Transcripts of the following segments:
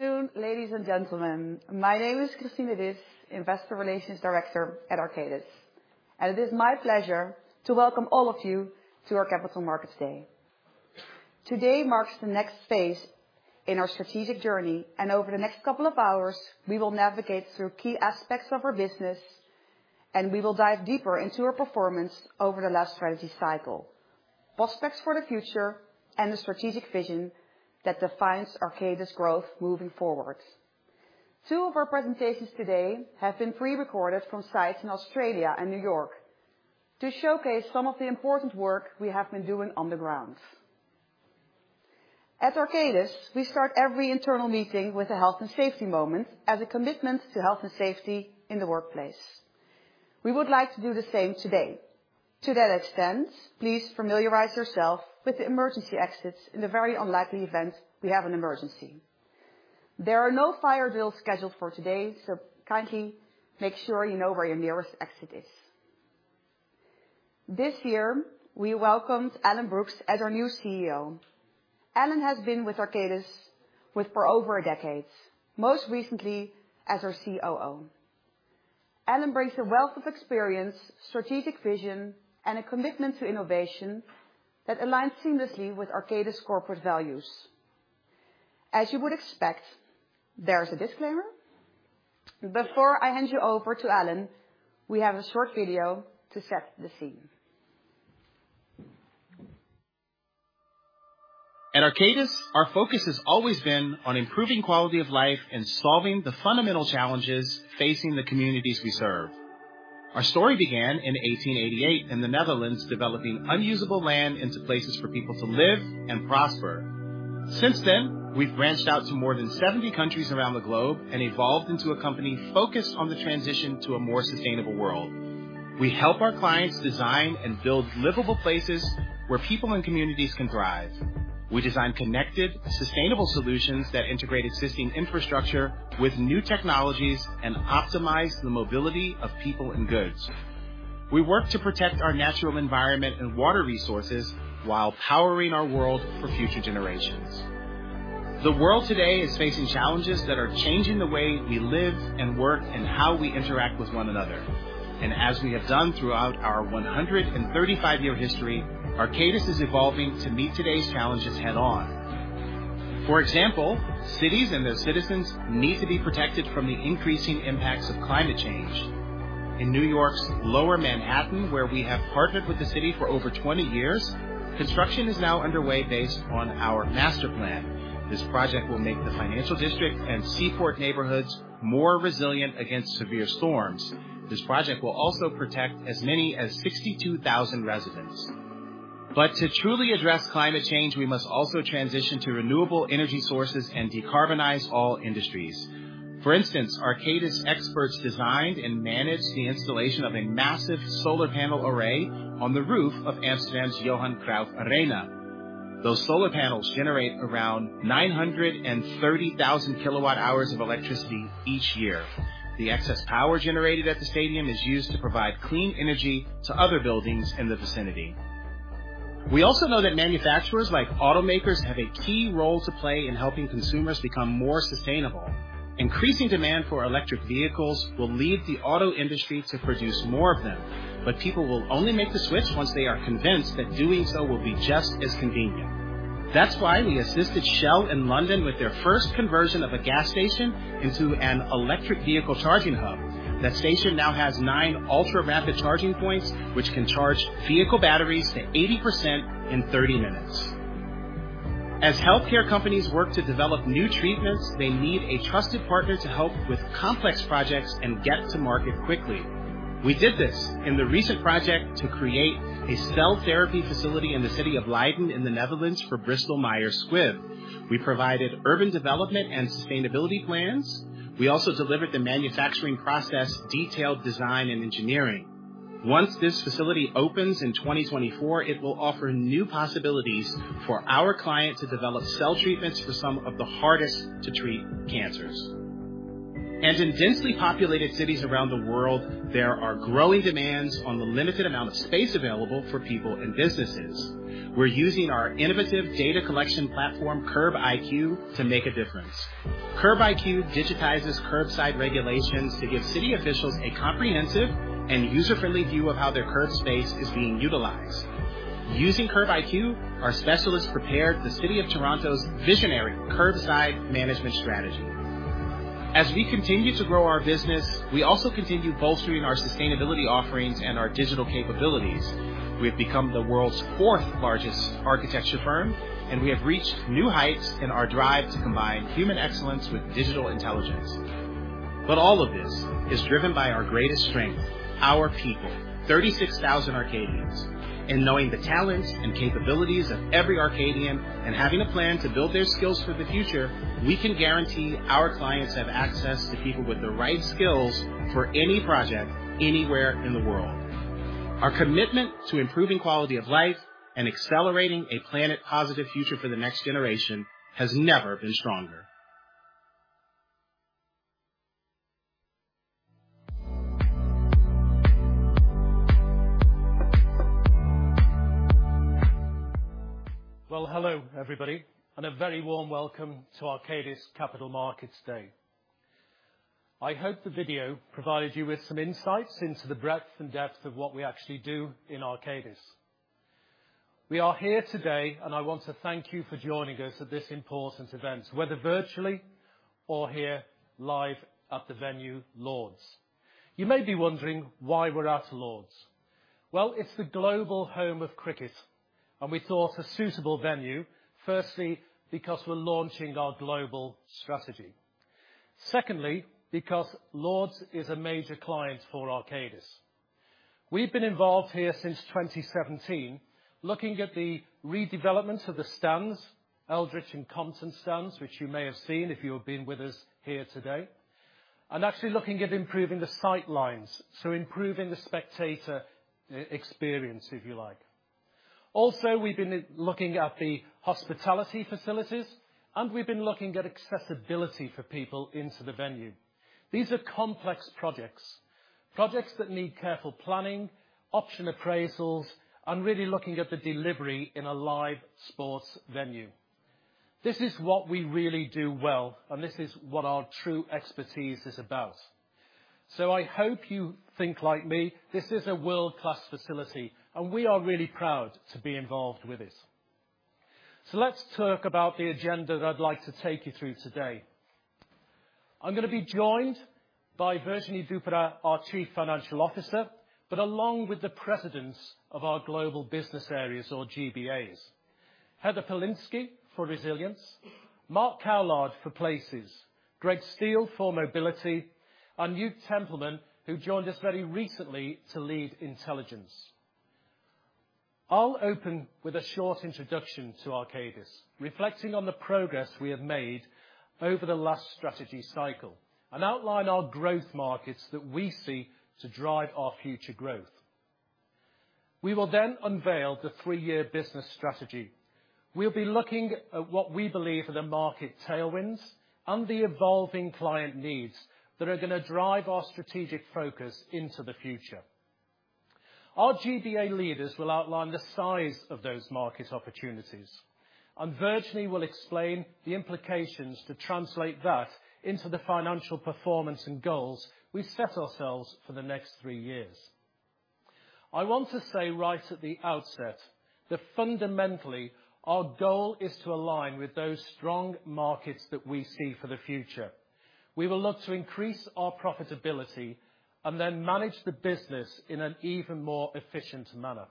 Ladies and gentlemen, my name is Christine Disch, Investor Relations Director at Arcadis, and it is my pleasure to welcome all of you to our Capital Markets Day. Today marks the next phase in our strategic journey, and over the next couple of hours, we will navigate through key aspects of our business, and we will dive deeper into our performance over the last strategy cycle, prospects for the future, and the strategic vision that defines Arcadis' growth moving forward. Two of our presentations today have been prerecorded from sites in Australia and New York to showcase some of the important work we have been doing on the ground. At Arcadis, we start every internal meeting with a health and safety moment as a commitment to health and safety in the workplace. We would like to do the same today. To that extent, please familiarize yourself with the emergency exits in the very unlikely event we have an emergency. There are no fire drills scheduled for today, so kindly make sure you know where your nearest exit is. This year, we welcomed Alan Brookes as our new CEO. Alan has been with Arcadis for over a decade, most recently as our COO. Alan brings a wealth of experience, strategic vision, and a commitment to innovation that aligns seamlessly with Arcadis' corporate values. As you would expect, there is a disclaimer. Before I hand you over to Alan, we have a short video to set the scene. At Arcadis, our focus has always been on improving quality of life and solving the fundamental challenges facing the communities we serve. Our story began in 1888 in the Netherlands, developing unusable land into places for people to live and prosper. Since then, we've branched out to more than 70 countries around the globe and evolved into a company focused on the transition to a more sustainable world. We help our clients design and build livable places where people and communities can thrive. We design connected, sustainable solutions that integrate existing infrastructure with new technologies and optimize the mobility of people and goods. We work to protect our natural environment and water resources while powering our world for future generations. The world today is facing challenges that are changing the way we live and work and how we interact with one another. And as we have done throughout our 135-year history, Arcadis is evolving to meet today's challenges head-on. For example, cities and their citizens need to be protected from the increasing impacts of climate change. In New York's Lower Manhattan, where we have partnered with the city for over 20 years, construction is now underway based on our master plan. This project will make the Financial District and Seaport neighborhoods more resilient against severe storms. This project will also protect as many as 62,000 residents. But to truly address climate change, we must also transition to renewable energy sources and decarbonize all industries. For instance, Arcadis experts designed and managed the installation of a massive solar panel array on the roof of Amsterdam's Johan Cruyff Arena. Those solar panels generate around 930,000 kWh of electricity each year. The excess power generated at the stadium is used to provide clean energy to other buildings in the vicinity. We also know that manufacturers, like automakers, have a key role to play in helping consumers become more sustainable. Increasing demand for electric vehicles will lead the auto industry to produce more of them, but people will only make the switch once they are convinced that doing so will be just as convenient. That's why we assisted Shell in London with their first conversion of a gas station into an electric vehicle charging hub. That station now has nine ultra-rapid charging points, which can charge vehicle batteries to 80% in 30 minutes. As healthcare companies work to develop new treatments, they need a trusted partner to help with complex projects and get to market quickly. We did this in the recent project to create a cell therapy facility in the city of Leiden, in the Netherlands, for Bristol Myers Squibb. We provided urban development and sustainability plans. We also delivered the manufacturing process, detailed design, and engineering. Once this facility opens in 2024, it will offer new possibilities for our client to develop cell treatments for some of the hardest-to-treat cancers. In densely populated cities around the world, there are growing demands on the limited amount of space available for people and businesses. We're using our innovative data collection platform, CurbIQ, to make a difference. CurbIQ digitizes curbside regulations to give city officials a comprehensive and user-friendly view of how their curb space is being utilized. Using CurbIQ, our specialists prepared the City of Toronto's visionary curbside management strategy. As we continue to grow our business, we also continue bolstering our sustainability offerings and our digital capabilities. We've become the world's fourth-largest architecture firm, and we have reached new heights in our drive to combine human excellence with digital intelligence. But all of this is driven by our greatest strength, our people, 36,000 Arcadians. In knowing the talents and capabilities of every Arcadian and having a plan to build their skills for the future, we can guarantee our clients have access to people with the right skills for any project, anywhere in the world. Our commitment to improving quality of life and accelerating a planet-positive future for the next generation has never been stronger. Well, hello, everybody, and a very warm welcome to Arcadis Capital Markets Day. I hope the video provided you with some insights into the breadth and depth of what we actually do in Arcadis. We are here today, and I want to thank you for joining us at this important event, whether virtually or here live at the venue, Lord's. You may be wondering why we're at Lord's. Well, it's the global home of cricket, and we thought a suitable venue, firstly, because we're launching our global strategy. Secondly, because Lord's is a major client for Arcadis. We've been involved here since 2017, looking at the redevelopment of the stands, Edrich and Compton Stands, which you may have seen if you have been with us here today, and actually looking at improving the sight lines, so improving the spectator experience, if you like. Also, we've been looking at the hospitality facilities, and we've been looking at accessibility for people into the venue. These are complex projects, projects that need careful planning, option appraisals, and really looking at the delivery in a live sports venue. This is what we really do well, and this is what our true expertise is about. So I hope you think like me, this is a world-class facility, and we are really proud to be involved with it. So let's talk about the agenda that I'd like to take you through today. I'm gonna be joined by Virginie Duperat-Vergne, our Chief Financial Officer, but along with the presidents of our Global Business Areas or GBAs. Heather Polinsky for Resilience, Mark Cowlard for Places, Greg Steele for Mobility, and Juud Tempelman, who joined us very recently to lead Intelligence. I'll open with a short introduction to Arcadis, reflecting on the progress we have made over the last strategy cycle, and outline our growth markets that we see to drive our future growth. We will then unveil the three-year business strategy. We'll be looking at what we believe are the market tailwinds and the evolving client needs that are gonna drive our strategic focus into the future. Our GBA leaders will outline the size of those market opportunities, and Virginie will explain the implications to translate that into the financial performance and goals we've set ourselves for the next three years. I want to say right at the outset, that fundamentally, our goal is to align with those strong markets that we see for the future. We will look to increase our profitability and then manage the business in an even more efficient manner.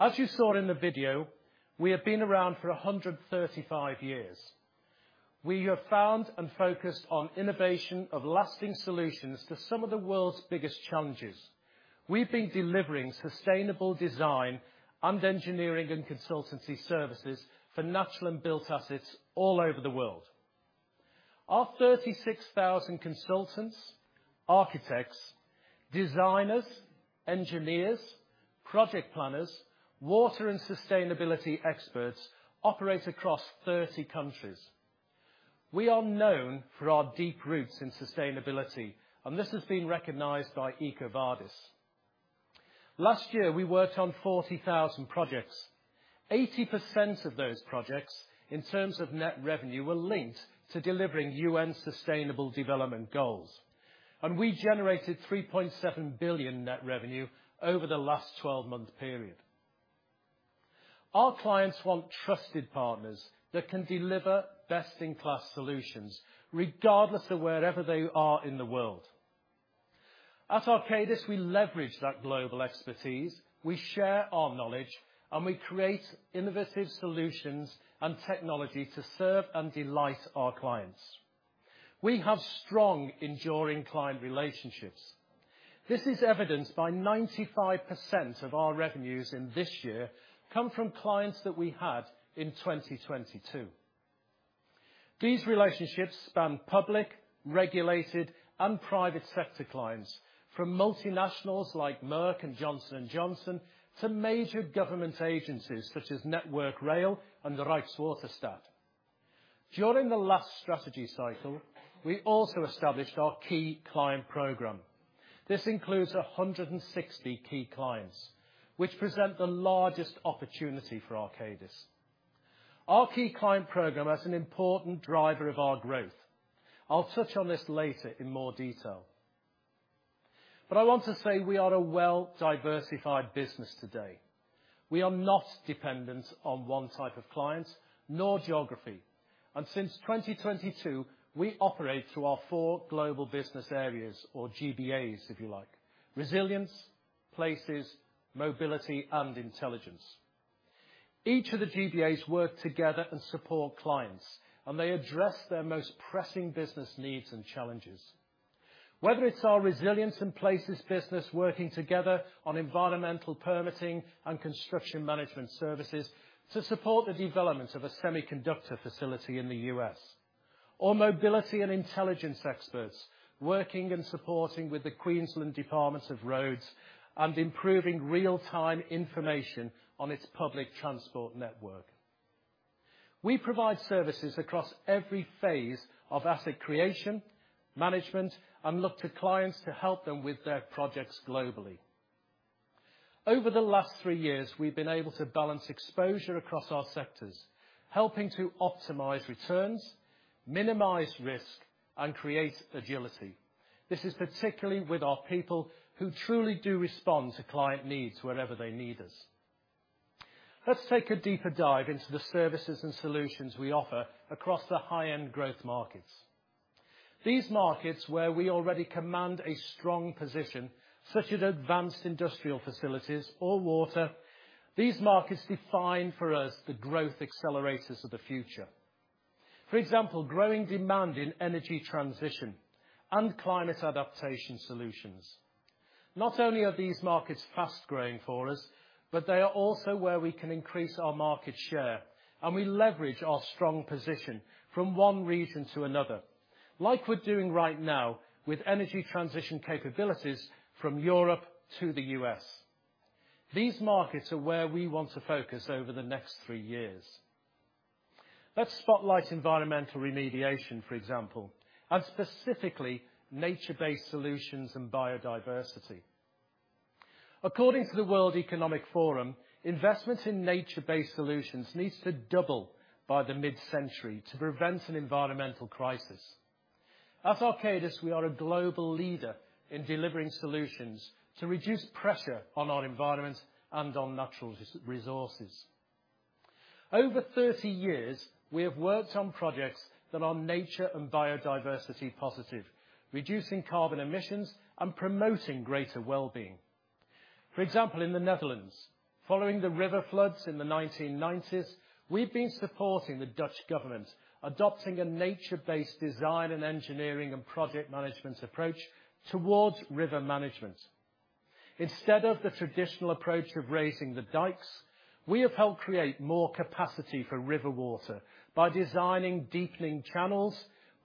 As you saw in the video, we have been around for 135 years. We have found and focused on innovation of lasting solutions to some of the world's biggest challenges. We've been delivering sustainable design and engineering and consultancy services for natural and built assets all over the world. Our 36,000 consultants, architects, designers, engineers, project planners, water and sustainability experts operate across 30 countries. We are known for our deep roots in sustainability, and this has been recognized by EcoVadis. Last year, we worked on 40,000 projects. 80% of those projects, in terms of net revenue, were linked to delivering UN Sustainable Development Goals, and we generated 3.7 billion net revenue over the last twelve-month period. Our clients want trusted partners that can deliver best-in-class solutions, regardless of wherever they are in the world. At Arcadis, we leverage that global expertise, we share our knowledge, and we create innovative solutions and technology to serve and delight our clients. We have strong, enduring client relationships. This is evidenced by 95% of our revenues in this year come from clients that we had in 2022. These relationships span public, regulated, and private sector clients, from multinationals like Merck and Johnson & Johnson to major government agencies such as Network Rail and the Rijkswaterstaat. During the last strategy cycle, we also established our Key Client Program. This includes 160 key clients, which present the largest opportunity for Arcadis. Our Key Client Program is an important driver of our growth. I'll touch on this later in more detail. I want to say we are a well-diversified business today. We are not dependent on one type of client nor geography. Since 2022, we operate through our four global business areas or GBAs, if you like: Resilience, Places, Mobility, and Intelligence. Each of the GBAs work together and support clients, and they address their most pressing business needs and challenges. Whether it's our Resilience and Places business working together on environmental permitting and construction management services to support the development of a semiconductor facility in the U.S., or Mobility and Intelligence experts working and supporting with the Queensland Department of Roads and improving real-time information on its public transport network. We provide services across every phase of asset creation, management, and look to clients to help them with their projects globally. Over the last three years, we've been able to balance exposure across our sectors, helping to optimize returns, minimize risk, and create agility. This is particularly with our people, who truly do respond to client needs wherever they need us. Let's take a deeper dive into the services and solutions we offer across the high-end growth markets. These markets, where we already command a strong position, such as advanced industrial facilities or water, these markets define for us the growth accelerators of the future. For example, growing demand in energy transition and climate adaptation solutions. Not only are these markets fast-growing for us, but they are also where we can increase our market share, and we leverage our strong position from one region to another, like we're doing right now with energy transition capabilities from Europe to the U.S. These markets are where we want to focus over the next three years. Let's spotlight environmental remediation, for example, and specifically nature-based solutions and biodiversity. According to the World Economic Forum, investment in nature-based solutions needs to double by the mid-century to prevent an environmental crisis. At Arcadis, we are a global leader in delivering solutions to reduce pressure on our environment and on natural resources. Over 30 years, we have worked on projects that are nature and biodiversity positive, reducing carbon emissions and promoting greater well-being. For example, in the Netherlands, following the river floods in the 1990s, we've been supporting the Dutch government, adopting a nature-based design and engineering and project management approach towards river management. Instead of the traditional approach of raising the dikes, we have helped create more capacity for river water by designing deepening channels,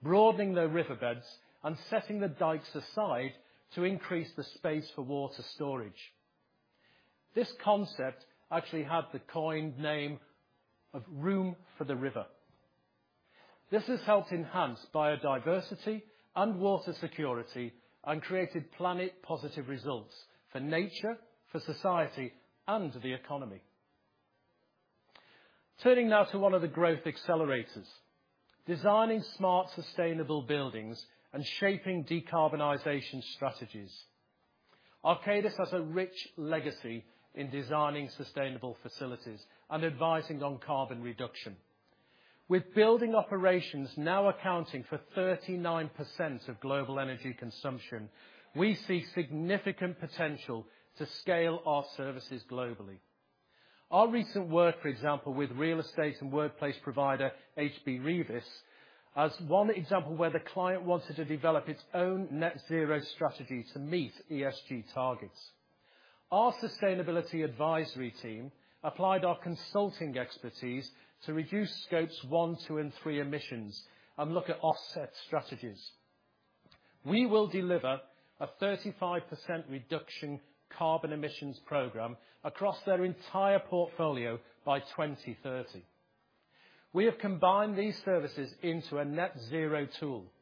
broadening the riverbeds, and setting the dikes aside to increase the space for water storage. This concept actually had the coined name of Room for the River. This has helped enhance biodiversity and water security and created planet positive results for nature, for society, and the economy. Turning now to one of the growth accelerators, designing smart, sustainable buildings and shaping decarbonization strategies. Arcadis has a rich legacy in designing sustainable facilities and advising on carbon reduction. With building operations now accounting for 39% of global energy consumption, we see significant potential to scale our services globally. Our recent work, for example, with real estate and workplace provider HB Reavis, as one example, where the client wanted to develop its own net zero strategy to meet ESG targets. Our sustainability advisory team applied our consulting expertise to reduce scopes 1, 2, and 3 emissions and look at offset strategies. We will deliver a 35% reduction carbon emissions program across their entire portfolio by 2030. We have combined these services into a net zero tool.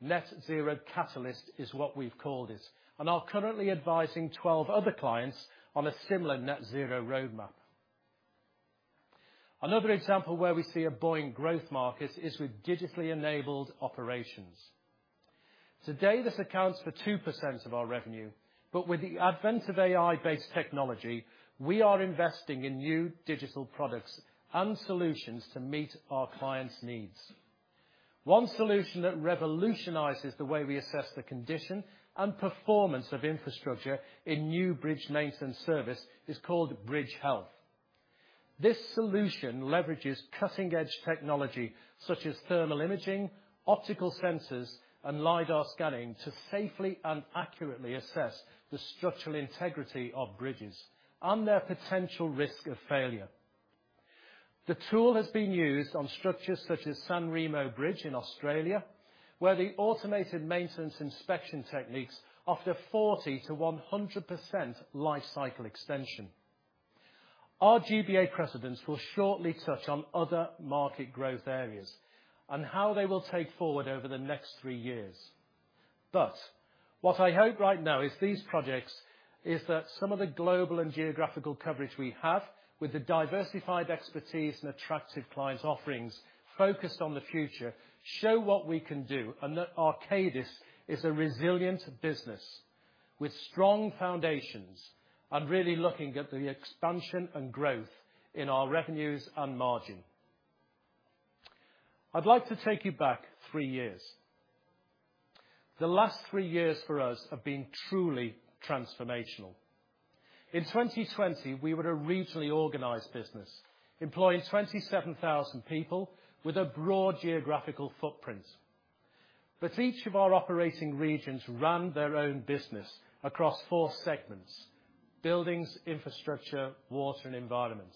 Net Zero Catalyst is what we've called it, and are currently advising 12 other clients on a similar net zero roadmap. Another example where we see a buoyant growth market is with digitally enabled operations. Today, this accounts for 2% of our revenue, but with the advent of AI-based technology, we are investing in new digital products and solutions to meet our clients' needs. One solution that revolutionizes the way we assess the condition and performance of infrastructure in new bridge maintenance service is called BridgeHealth. This solution leverages cutting-edge technology such as thermal imaging, optical sensors, and LIDAR scanning to safely and accurately assess the structural integrity of bridges and their potential risk of failure. The tool has been used on structures such as San Remo Bridge in Australia, where the automated maintenance inspection techniques offer 40%-100% life cycle extension. Our GBA Presidents will shortly touch on other market growth areas and how they will take forward over the next three years. But what I hope right now is these projects, is that some of the global and geographical coverage we have, with the diversified expertise and attractive client offerings focused on the future, show what we can do, and that Arcadis is a resilient business with strong foundations and really looking at the expansion and growth in our revenues and margin. I'd like to take you back three years. The last three years for us have been truly transformational. In 2020, we were a regionally organized business, employing 27,000 people with a broad geographical footprint. But each of our operating regions ran their own business across four segments: buildings, infrastructure, water, and environment.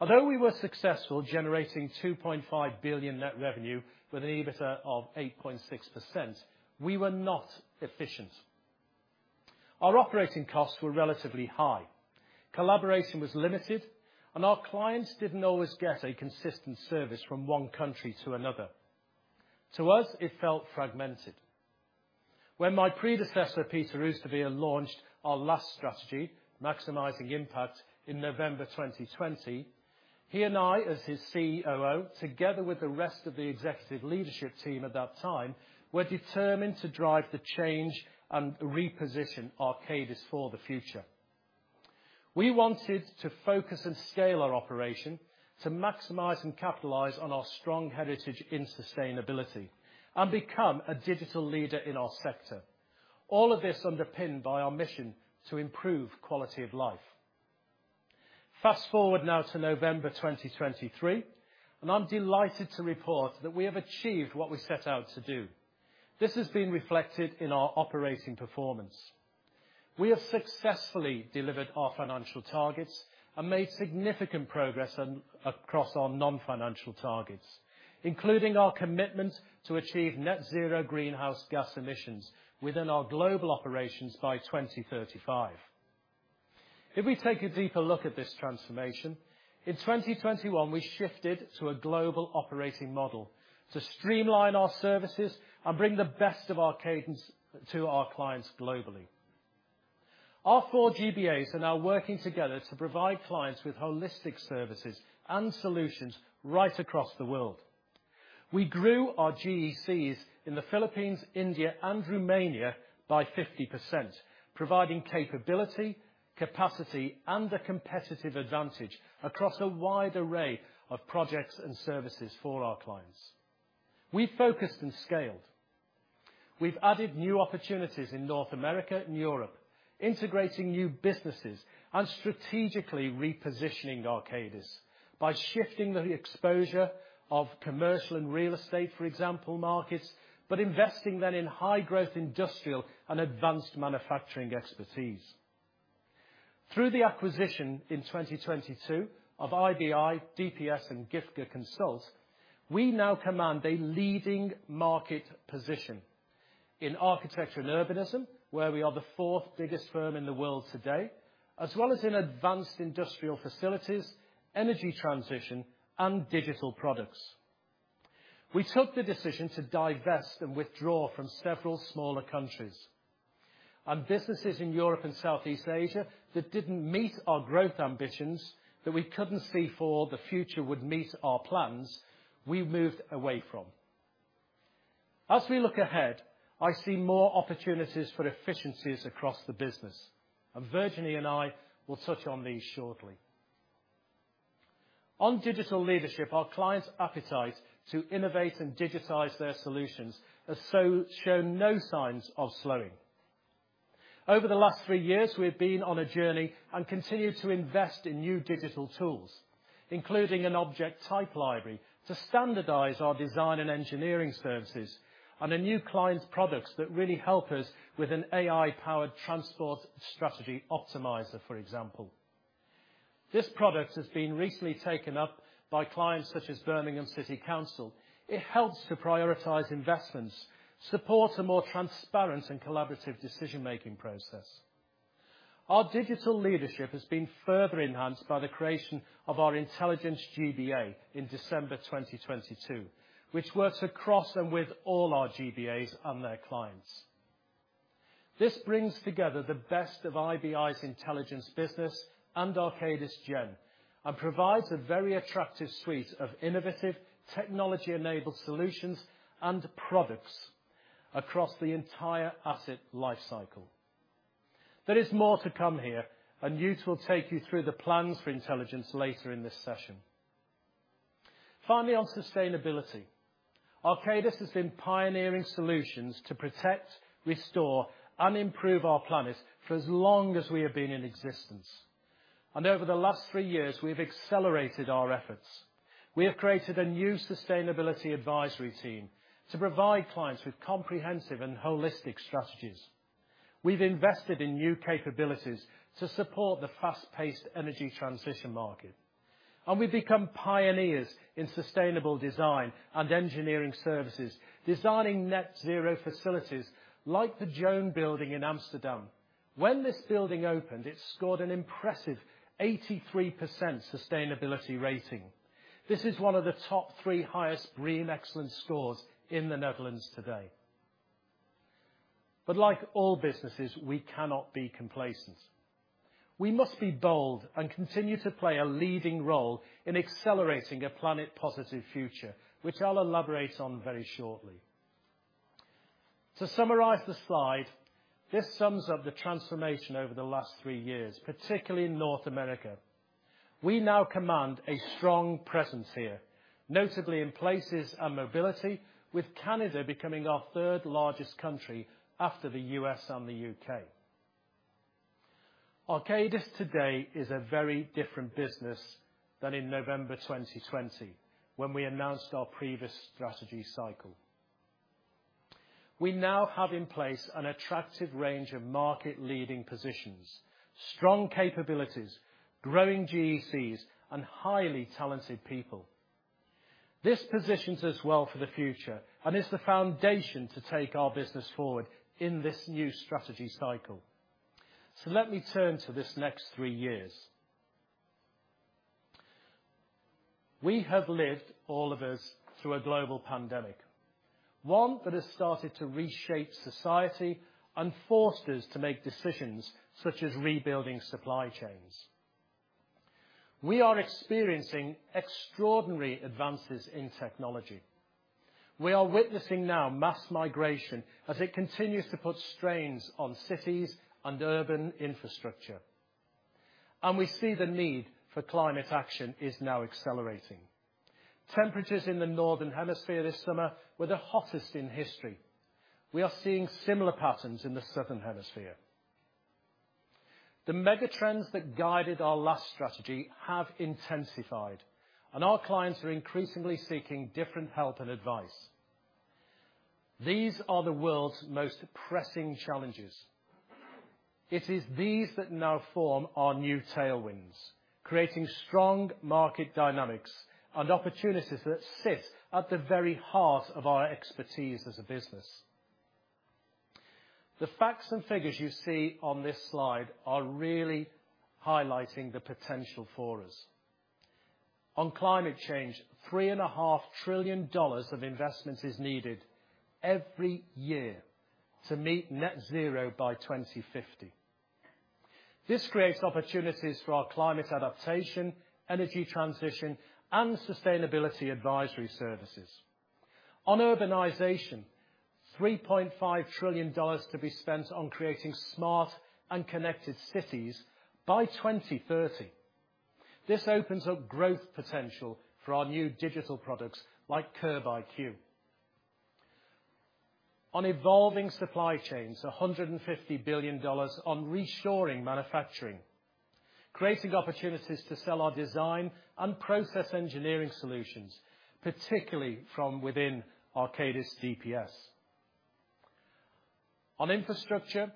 Although we were successful generating 2.5 billion net revenue with an EBITDA of 8.6%, we were not efficient. Our operating costs were relatively high, collaboration was limited, and our clients didn't always get a consistent service from one country to another. To us, it felt fragmented. When my predecessor, Peter Oosterveer, launched our last strategy, Maximizing Impact, in November 2020, he and I, as his COO, together with the rest of the executive leadership team at that time, were determined to drive the change and reposition Arcadis for the future. We wanted to focus and scale our operation to maximize and capitalize on our strong heritage in sustainability, and become a digital leader in our sector. All of this underpinned by our mission to improve quality of life. Fast forward now to November 2023, and I'm delighted to report that we have achieved what we set out to do. This has been reflected in our operating performance. We have successfully delivered our financial targets and made significant progress on, across our non-financial targets, including our commitment to achieve net zero greenhouse gas emissions within our global operations by 2035. If we take a deeper look at this transformation, in 2021, we shifted to a global operating model to streamline our services and bring the best of Arcadis to our clients globally. Our four GBAs are now working together to provide clients with holistic services and solutions right across the world. We grew our GECs in the Philippines, India, and Romania by 50%, providing capability, capacity, and a competitive advantage across a wide array of projects and services for our clients. We focused and scaled. We've added new opportunities in North America and Europe, integrating new businesses and strategically repositioning Arcadis by shifting the exposure of commercial and real estate, for example, markets, but investing then in high growth industrial and advanced manufacturing expertise. Through the acquisition in 2022 of IBI, DPS, and Giftge Consult, we now command a leading market position in architecture and urbanism, where we are the fourth biggest firm in the world today, as well as in advanced industrial facilities, energy transition, and digital products. We took the decision to divest and withdraw from several smaller countries, and businesses in Europe and Southeast Asia that didn't meet our growth ambitions, that we couldn't see for the future would meet our plans, we moved away from. As we look ahead, I see more opportunities for efficiencies across the business, and Virginie and I will touch on these shortly. On digital leadership, our clients' appetite to innovate and digitize their solutions has so shown no signs of slowing. Over the last three years, we have been on a journey and continued to invest in new digital tools, including an Object Type Library, to standardize our design and engineering services, and a new client's products that really help us with an AI-powered transport strategy optimizer, for example. This product has been recently taken up by clients such as Birmingham City Council. It helps to prioritize investments, support a more transparent and collaborative decision-making process. Our digital leadership has been further enhanced by the creation of our Intelligence GBA in December 2022, which works across and with all our GBAs and their clients. This brings together the best of IBI's intelligence business and Arcadis Gen, and provides a very attractive suite of innovative, technology-enabled solutions and products across the entire asset lifecycle. There is more to come here, and Juud will take you through the plans for intelligence later in this session. Finally, on sustainability, Arcadis has been pioneering solutions to protect, restore, and improve our planet for as long as we have been in existence, and over the last three years, we've accelerated our efforts. We have created a new sustainability advisory team to provide clients with comprehensive and holistic strategies. We've invested in new capabilities to support the fast-paced energy transition market, and we've become pioneers in sustainable design and engineering services, designing net zero facilities like the Joan Building in Amsterdam. When this building opened, it scored an impressive 83% sustainability rating. This is one of the top three highest BREEAM excellence scores in the Netherlands today. But like all businesses, we cannot be complacent. We must be bold and continue to play a leading role in accelerating a planet-positive future, which I'll elaborate on very shortly. To summarize the slide, this sums up the transformation over the last three years, particularly in North America. We now command a strong presence here, notably in Places and mobility, with Canada becoming our third largest country after the U.S. and the U.K. Arcadis today is a very different business than in November 2020, when we announced our previous strategy cycle. We now have in place an attractive range of market-leading positions, strong capabilities, growing GECs, and highly talented people. This positions us well for the future, and is the foundation to take our business forward in this new strategy cycle. Let me turn to this next three years. We have lived, all of us, through a global pandemic, one that has started to reshape society and forced us to make decisions such as rebuilding supply chains. We are experiencing extraordinary advances in technology. We are witnessing now mass migration as it continues to put strains on cities and urban infrastructure, and we see the need for climate action is now accelerating. Temperatures in the northern hemisphere this summer were the hottest in history. We are seeing similar patterns in the southern hemisphere. The mega trends that guided our last strategy have intensified, and our clients are increasingly seeking different help and advice. These are the world's most pressing challenges. It is these that now form our new tailwinds, creating strong market dynamics and opportunities that sit at the very heart of our expertise as a business. The facts and figures you see on this slide are really highlighting the potential for us. On climate change, $3.5 trillion of investments is needed every year to meet net zero by 2050. This creates opportunities for our climate adaptation, energy transition, and sustainability advisory services. On urbanization, $3.5 trillion to be spent on creating smart and connected cities by 2030. This opens up growth potential for our new digital products, like CurbIQ. On evolving supply chains, $150 billion on reshoring manufacturing, creating opportunities to sell our design and process engineering solutions, particularly from within Arcadis DPS. On infrastructure,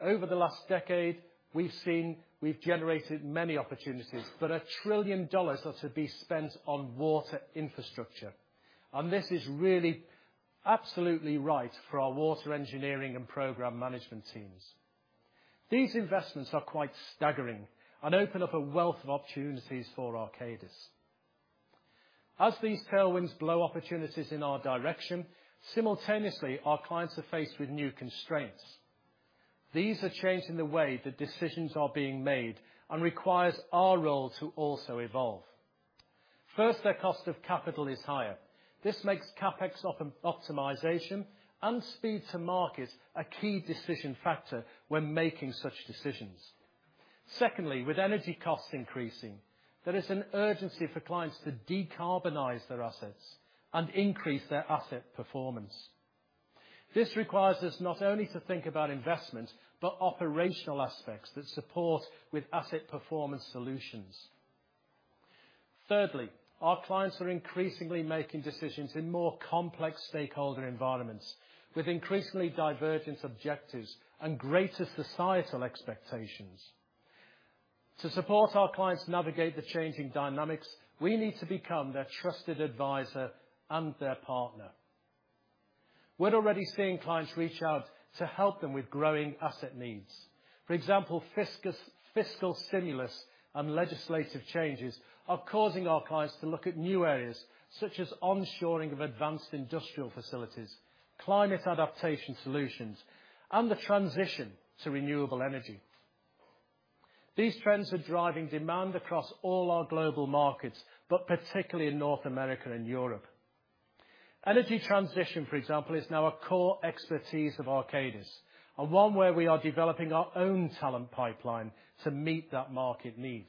over the last decade, we've seen we've generated many opportunities, but $1 trillion are to be spent on water infrastructure, and this is really absolutely right for our water engineering and program management teams. These investments are quite staggering and open up a wealth of opportunities for Arcadis. As these tailwinds blow opportunities in our direction, simultaneously, our clients are faced with new constraints. These are changing the way that decisions are being made and requires our role to also evolve. First, their cost of capital is higher. This makes CapEx optimization and speed to market a key decision factor when making such decisions. Secondly, with energy costs increasing, there is an urgency for clients to decarbonize their assets and increase their asset performance. This requires us not only to think about investment, but operational aspects that support with asset performance solutions. Thirdly, our clients are increasingly making decisions in more complex stakeholder environments, with increasingly divergent objectives and greater societal expectations. To support our clients navigate the changing dynamics, we need to become their trusted advisor and their partner. We're already seeing clients reach out to help them with growing asset needs. For example, fiscal stimulus and legislative changes are causing our clients to look at new areas, such as onshoring of advanced industrial facilities, climate adaptation solutions, and the transition to renewable energy. These trends are driving demand across all our global markets, but particularly in North America and Europe. Energy transition, for example, is now a core expertise of Arcadis, and one where we are developing our own talent pipeline to meet that market need.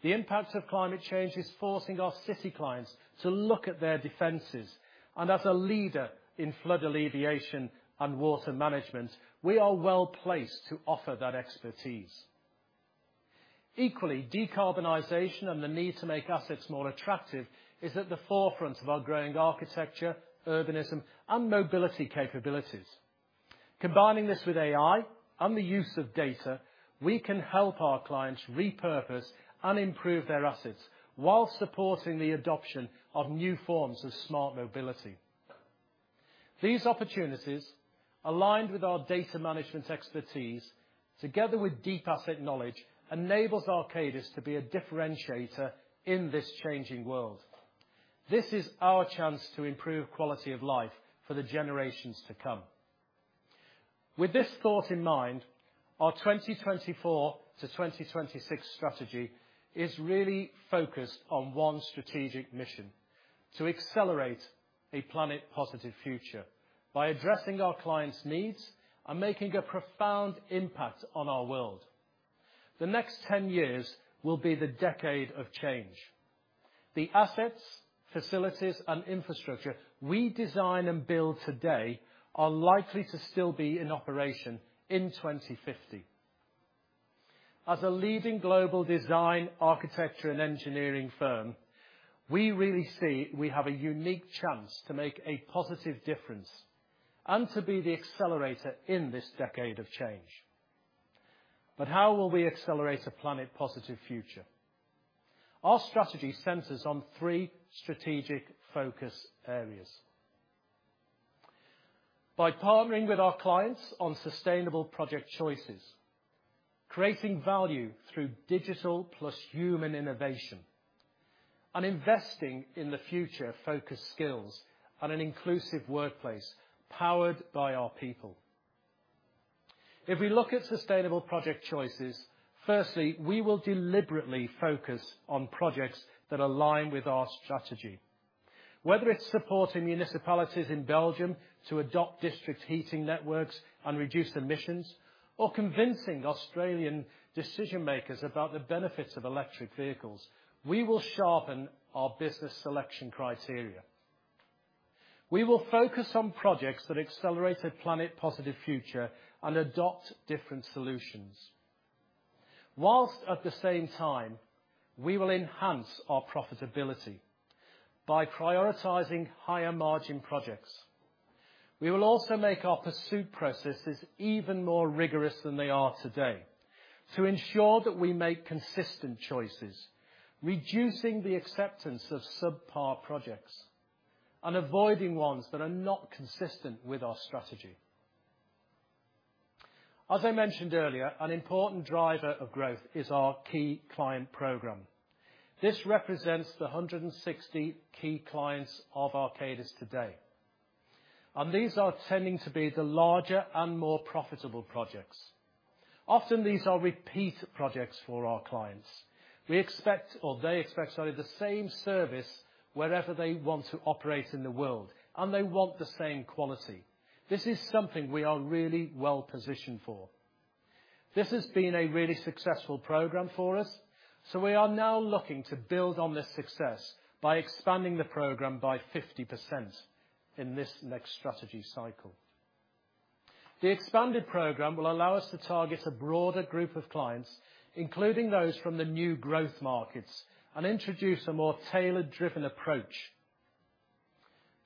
The impact of climate change is forcing our city clients to look at their defenses, and as a leader in flood alleviation and water management, we are well-placed to offer that expertise. Equally, decarbonization and the need to make assets more attractive is at the forefront of our growing architecture, urbanism, and mobility capabilities. Combining this with AI and the use of data, we can help our clients repurpose and improve their assets while supporting the adoption of new forms of smart mobility. These opportunities, aligned with our data management expertise, together with deep asset knowledge, enables Arcadis to be a differentiator in this changing world. This is our chance to improve quality of life for the generations to come. With this thought in mind, our 2024 to 2026 strategy is really focused on one strategic mission: to accelerate a planet-positive future by addressing our clients' needs and making a profound impact on our world. The next 10 years will be the decade of change. The assets, facilities, and infrastructure we design and build today are likely to still be in operation in 2050. As a leading global design, architecture, and engineering firm, we really see we have a unique chance to make a positive difference and to be the accelerator in this decade of change. But how will we accelerate a planet positive future? Our strategy centers on three strategic focus areas: by partnering with our clients on Sustainable project choices, creating value through digital plus human innovation, and investing in the future-focused skills and an inclusive workplace Powered by our People. If we look at Sustainable project choices, firstly, we will deliberately focus on projects that align with our strategy. Whether it's supporting municipalities in Belgium to adopt district heating networks and reduce emissions, or convincing Australian decision makers about the benefits of electric vehicles, we will sharpen our business selection criteria. We will focus on projects that accelerate a planet positive future and adopt different solutions, while at the same time, we will enhance our profitability by prioritizing higher margin projects. We will also make our pursuit processes even more rigorous than they are today to ensure that we make consistent choices, reducing the acceptance of subpar projects and avoiding ones that are not consistent with our strategy. As I mentioned earlier, an important driver of growth is our Key Client program. This represents the 160 key clients of Arcadis today, and these are tending to be the larger and more profitable projects. Often, these are repeat projects for our clients. We expect, or they expect, sorry, the same service wherever they want to operate in the world, and they want the same quality. This is something we are really well positioned for. This has been a really successful program for us, so we are now looking to build on this success by expanding the program by 50% in this next strategy cycle. The expanded program will allow us to target a broader group of clients, including those from the new growth markets, and introduce a more tailored, driven approach.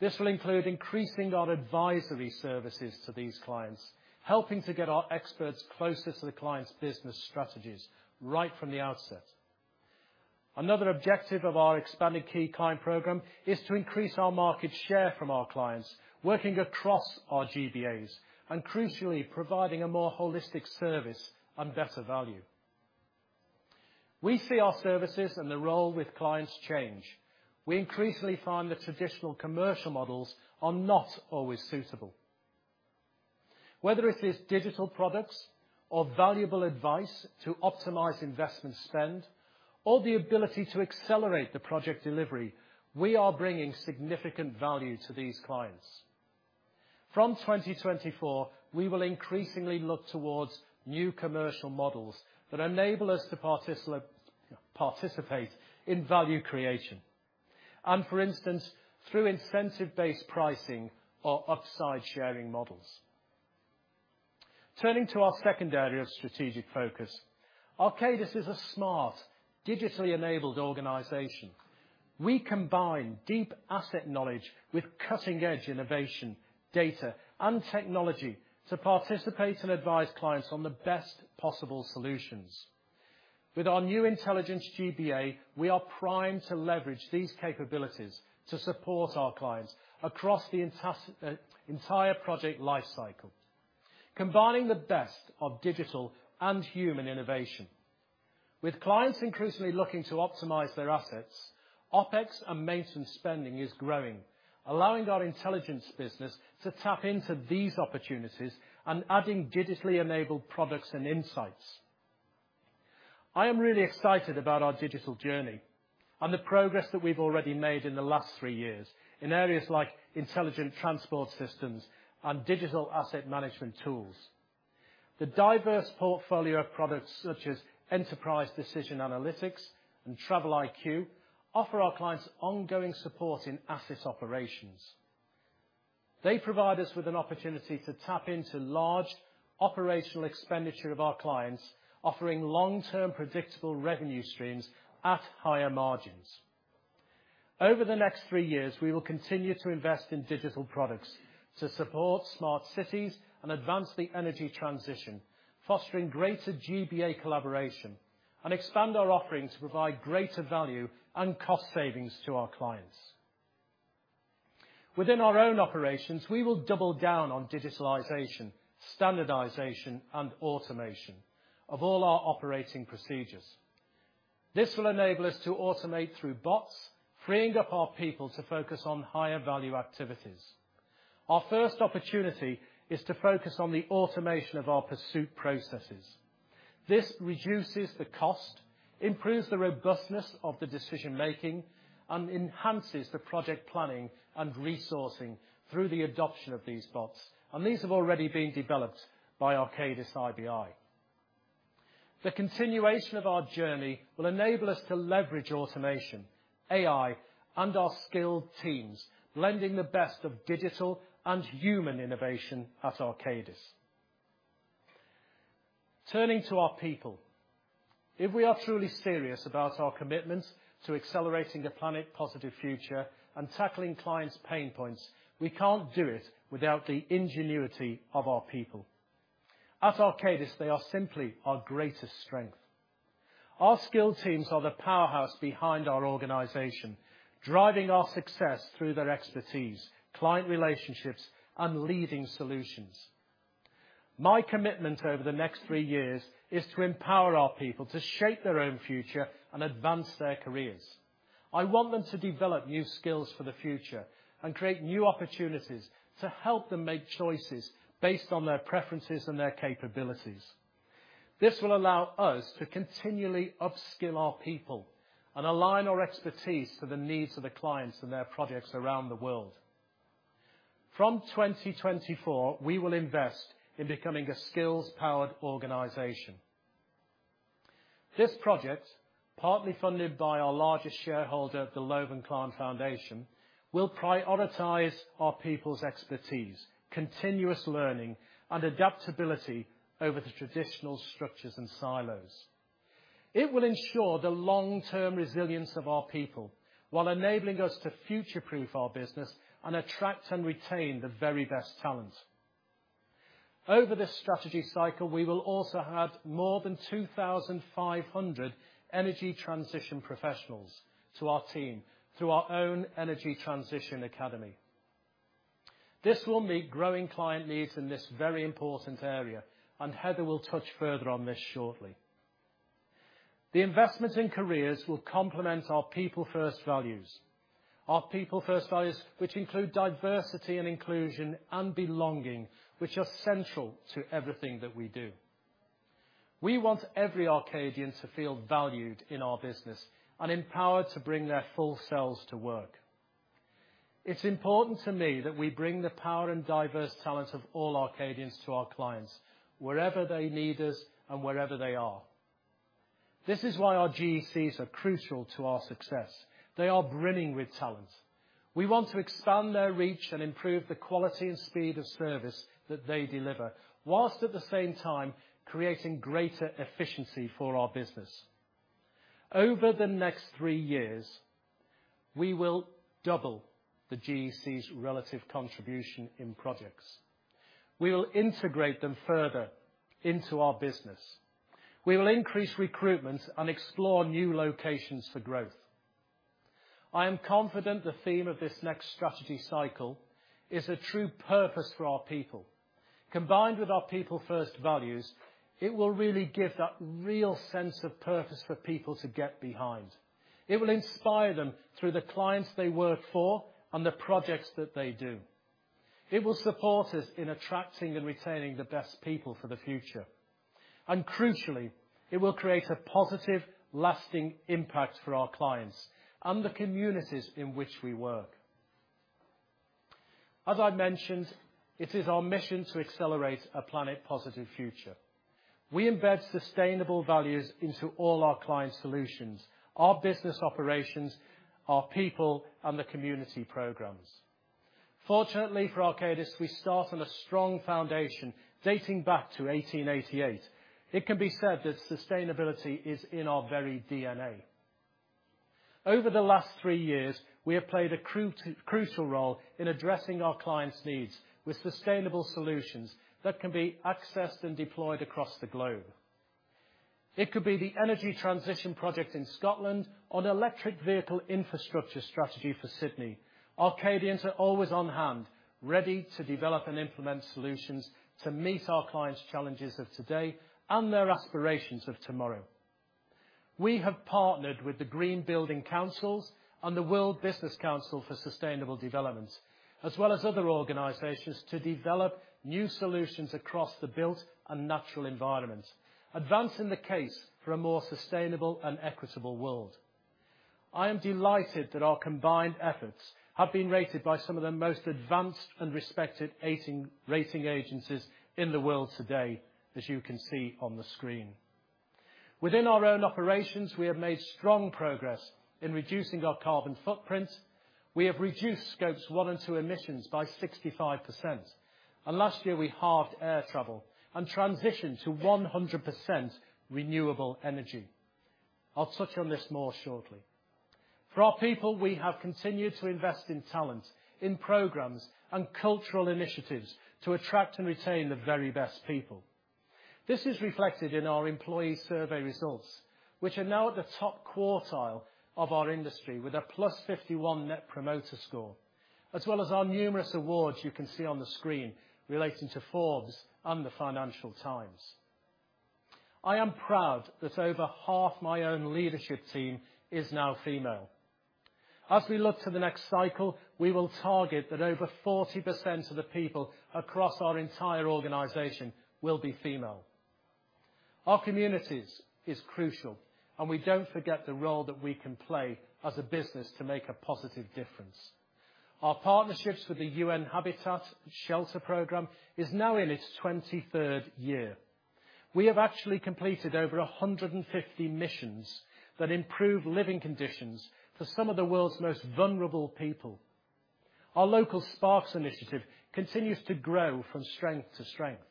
This will include increasing our advisory services to these clients, helping to get our experts closer to the client's business strategies right from the outset. Another objective of our expanded key client program is to increase our market share from our clients, working across our GBAs, and crucially, providing a more holistic service and better value. We see our services and the role with clients change. We increasingly find that traditional commercial models are not always suitable. Whether it is digital products or valuable advice to optimize investment spend, or the ability to accelerate the project delivery, we are bringing significant value to these clients. From 2024, we will increasingly look towards new commercial models that enable us to participate in value creation, and for instance, through incentive-based pricing or upside sharing models. Turning to our second area of strategic focus, Arcadis is a smart, digitally enabled organization. We combine deep asset knowledge with cutting-edge innovation, data, and technology to participate and advise clients on the best possible solutions. With our new intelligence GBA, we are primed to leverage these capabilities to support our clients across the entire project lifecycle, combining the best of digital and human innovation. With clients increasingly looking to optimize their assets, OpEx and maintenance spending is growing, allowing our intelligence business to tap into these opportunities and adding digitally enabled products and insights. I am really excited about our digital journey and the progress that we've already made in the last three years in areas like intelligent transport systems and digital asset management tools. The diverse portfolio of products, such as Enterprise Decision Analytics and TravelIQ, offer our clients ongoing support in asset operations. They provide us with an opportunity to tap into large operational expenditure of our clients, offering long-term, predictable revenue streams at higher margins. Over the next three years, we will continue to invest in digital products to support smart cities and advance the energy transition, fostering greater GBA collaboration, and expand our offerings to provide greater value and cost savings to our clients. Within our own operations, we will double down on digitalization, standardization, and automation of all our operating procedures. This will enable us to automate through bots, freeing up our people to focus on higher value activities. Our first opportunity is to focus on the automation of our pursuit processes. This reduces the cost, improves the robustness of the decision-making, and enhances the project planning and resourcing through the adoption of these bots, and these have already been developed by Arcadis IBI. The continuation of our journey will enable us to leverage automation, AI, and our skilled teams, blending the best of digital and human innovation at Arcadis. Turning to our people. If we are truly serious about our commitment to accelerating the planet positive future and tackling clients' pain points, we can't do it without the ingenuity of our people. At Arcadis, they are simply our greatest strength. Our skilled teams are the powerhouse behind our organization, driving our success through their expertise, client relationships, and leading solutions. My commitment over the next three years is to empower our people to shape their own future and advance their careers. I want them to develop new skills for the future and create new opportunities to help them make choices based on their preferences and their capabilities. This will allow us to continually upskill our people and align our expertise to the needs of the clients and their projects around the world. From 2024, we will invest in becoming a skills-powered organization. This project, partly funded by our largest shareholder, the Lovinklaan Foundation, will prioritize our people's expertise, continuous learning, and adaptability over the traditional structures and silos. It will ensure the long-term resilience of our people, while enabling us to future-proof our business and attract and retain the very best talent. Over this strategy cycle, we will also add more than 2,500 energy transition professionals to our team through our own Energy Tansition Academy. This will meet growing client needs in this very important area, and Heather will touch further on this shortly. The investment in careers will complement our people-first values. Our people-first values, which include diversity and inclusion and belonging, which are central to everything that we do. We want every Arcadian to feel valued in our business and empowered to bring their full selves to work. It's important to me that we bring the power and diverse talent of all Arcadians to our clients, wherever they need us and wherever they are. This is why our GECs are crucial to our success. They are brimming with talent. We want to expand their reach and improve the quality and speed of service that they deliver, while at the same time, creating greater efficiency for our business. Over the next three years, we will double the GEC's relative contribution in projects. We will integrate them further into our business. We will increase recruitment and explore new locations for growth. I am confident the theme of this next strategy cycle is a true purpose for our people. Combined with our people-first values, it will really give that real sense of purpose for people to get behind. It will inspire them through the clients they work for and the projects that they do. It will support us in attracting and retaining the best people for the future. Crucially, it will create a positive, lasting impact for our clients and the communities in which we work. As I mentioned, it is our mission to accelerate a planet-positive future. We embed sustainable values into all our client solutions, our business operations, our people, and the community programs. Fortunately, for Arcadis, we start on a strong foundation dating back to 1888. It can be said that sustainability is in our very DNA. Over the last three years, we have played a crucial role in addressing our clients' needs with sustainable solutions that can be accessed and deployed across the globe. It could be the Energy Transition project in Scotland or an electric vehicle infrastructure strategy for Sydney. Arcadians are always on hand, ready to develop and implement solutions to meet our clients' challenges of today and their aspirations of tomorrow. We have partnered with the Green Building Councils and the World Business Council for sustainable development, as well as other organizations, to develop new solutions across the built and natural environments, advancing the case for a more sustainable and equitable world. I am delighted that our combined efforts have been rated by some of the most advanced and respected rating agencies in the world today, as you can see on the screen. Within our own operations, we have made strong progress in reducing our carbon footprint. We have reduced scopes one and two emissions by 65%, and last year, we halved air travel and transitioned to 100% renewable energy. I'll touch on this more shortly. For our people, we have continued to invest in talent, in programs and cultural initiatives to attract and retain the very best people. This is reflected in our employee survey results, which are now at the top quartile of our industry, with a +51 Net Promoter Score, as well as our numerous awards you can see on the screen relating to Forbes and the Financial Times. I am proud that over half my own leadership team is now female. As we look to the next cycle, we will target that over 40% of the people across our entire organization will be female. Our communities is crucial, and we don't forget the role that we can play as a business to make a positive difference. Our partnerships with the UN Habitat Shelter program is now in its 23rd year. We have actually completed over 150 missions that improve living conditions for some of the world's most vulnerable people. Our local Sparks initiative continues to grow from strength to strength.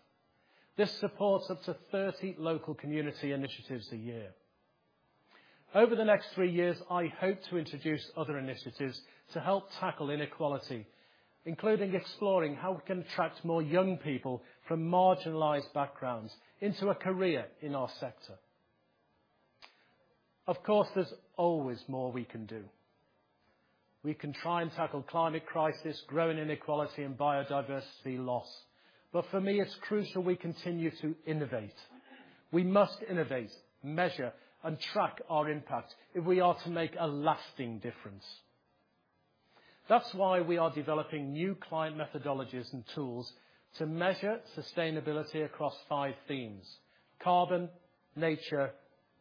This supports up to 30 local community initiatives a year. Over the next three years, I hope to introduce other initiatives to help tackle inequality, including exploring how we can attract more young people from marginalized backgrounds into a career in our sector. Of course, there's always more we can do. We can try and tackle climate crisis, growing inequality, and biodiversity loss, but for me, it's crucial we continue to innovate. We must innovate, measure, and track our impact if we are to make a lasting difference. That's why we are developing new client methodologies and tools to measure sustainability across 5 themes: carbon, nature,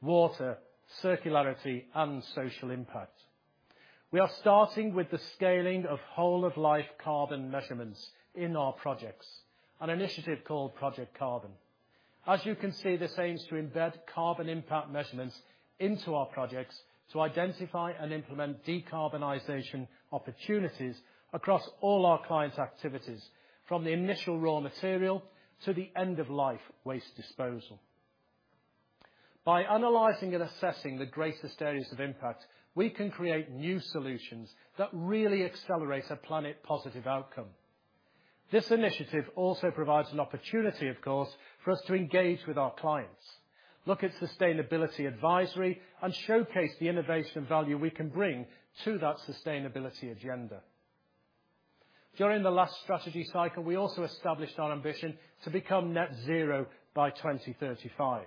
water, circularity, and social impact. We are starting with the scaling of whole of life carbon measurements in our projects, an initiative called Project Carbon. As you can see, this aims to embed carbon impact measurements into our projects to identify and implement decarbonization opportunities across all our clients' activities, from the initial raw material to the end-of-life waste disposal. By analyzing and assessing the greatest areas of impact, we can create new solutions that really accelerate a planet-positive outcome. This initiative also provides an opportunity, of course, for us to engage with our clients, look at sustainability advisory, and showcase the innovation value we can bring to that sustainability agenda. During the last strategy cycle, we also established our ambition to become Net Zero by 2035.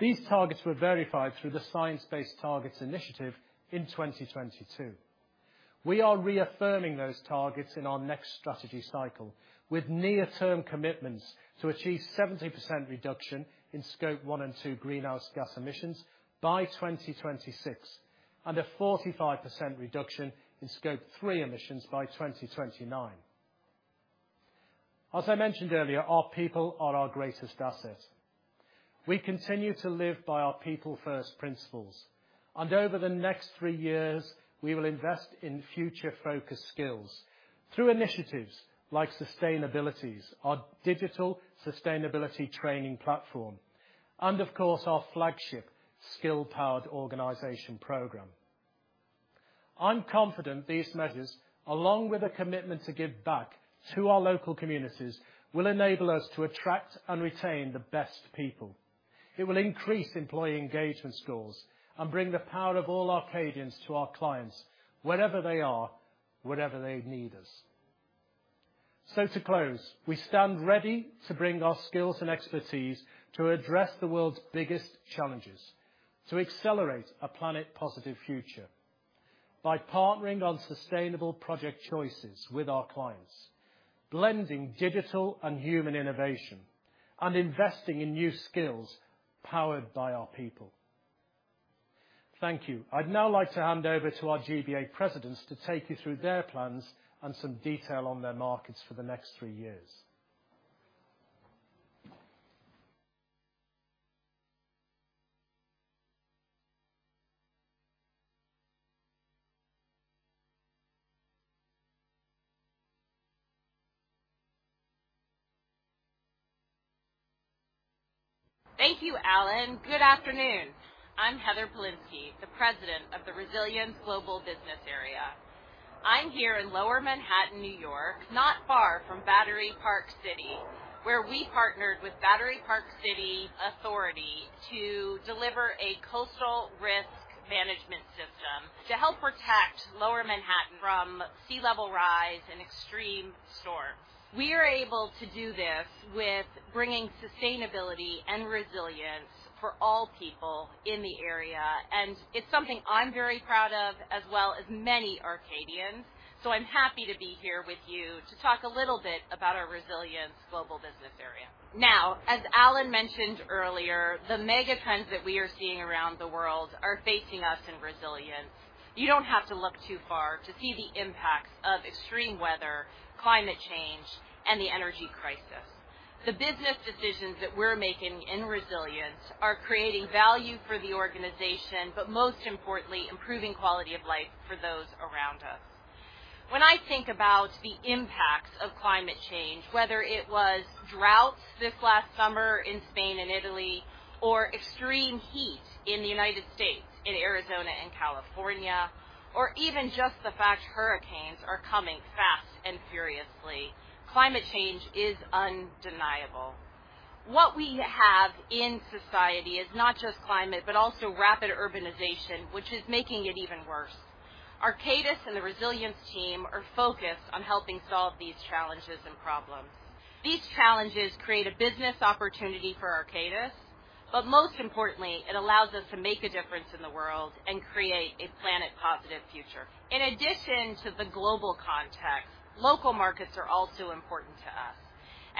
These targets were verified through the Science-Based Targets initiative in 2022. We are reaffirming those targets in our next strategy cycle, with near-term commitments to achieve 70% reduction in Scope 1 and 2 greenhouse gas emissions by 2026, and a 45% reduction in Scope 3 emissions by 2029. As I mentioned earlier, our people are our greatest asset. We continue to live by our people-first principles, and over the next three years, we will invest in future-focused skills through initiatives like SustainAbilities, our digital sustainability training platform, and of course, our flagship skill-powered organization program. I'm confident these measures, along with a commitment to give back to our local communities, will enable us to attract and retain the best people. It will increase employee engagement scores and bring the power of all Arcadians to our clients wherever they are, wherever they need us. To close, we stand ready to bring our skills and expertise to address the world's biggest challenges, to accelerate a planet-positive future by partnering on sustainable project choices with our clients, blending digital and human innovation and investing in new skills Powered by our People. Thank you. I'd now like to hand over to our GBA presidents to take you through their plans and some detail on their markets for the next three years. Thank you, Alan. Good afternoon. I'm Heather Polinsky, the President of the Resilience Global Business Area. I'm here in Lower Manhattan, New York, not far from Battery Park City, where we partnered with Battery Park City Authority to deliver a coastal risk management system to help protect Lower Manhattan from sea level rise and extreme storms. We are able to do this with bringing sustainability and resilience for all people in the area, and it's something I'm very proud of, as well as many Arcadians. So I'm happy to be here with you to talk a little bit about our Resilience Global Business area. Now, as Alan mentioned earlier, the mega trends that we are seeing around the world are facing us in Resilience. You don't have to look too far to see the impacts of extreme weather, climate change, and the energy crisis. The business decisions that we're making in Resilience are creating value for the organization, but most importantly, improving quality of life for those around us. When I think about the impacts of climate change, whether it was droughts this last summer in Spain and Italy, or extreme heat in the United States, in Arizona and California, or even just the fact hurricanes are coming fast and furiously, climate change is undeniable. What we have in society is not just climate, but also rapid urbanization, which is making it even worse. Arcadis and the Resilience team are focused on helping solve these challenges and problems. These challenges create a business opportunity for Arcadis, but most importantly, it allows us to make a difference in the world and create a planet-positive future. In addition to the global context, local markets are also important to us.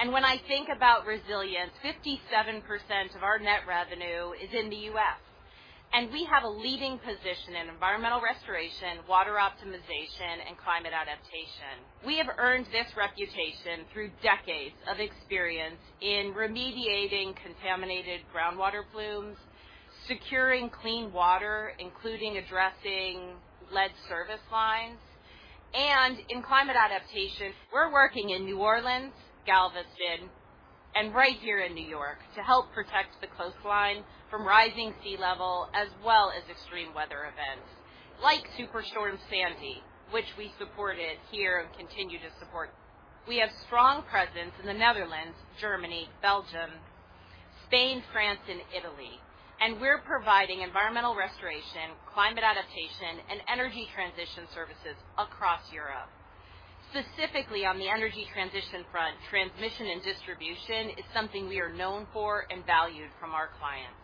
When I think about Resilience, 57% of our net revenue is in the U.S., and we have a leading position in environmental restoration, water optimization, and climate adaptation. We have earned this reputation through decades of experience in remediating contaminated groundwater plumes, securing clean water, including addressing lead service lines, and in climate adaptation, we're working in New Orleans, Galveston, and right here in New York to help protect the coastline from rising sea level, as well as extreme weather events like Superstorm Sandy, which we supported here and continue to support. We have strong presence in the Netherlands, Germany, Belgium, Spain, France, and Italy, and we're providing environmental restoration, climate adaptation, and energy transition services across Europe. Specifically, on the energy transition front, transmission and distribution is something we are known for and valued from our clients.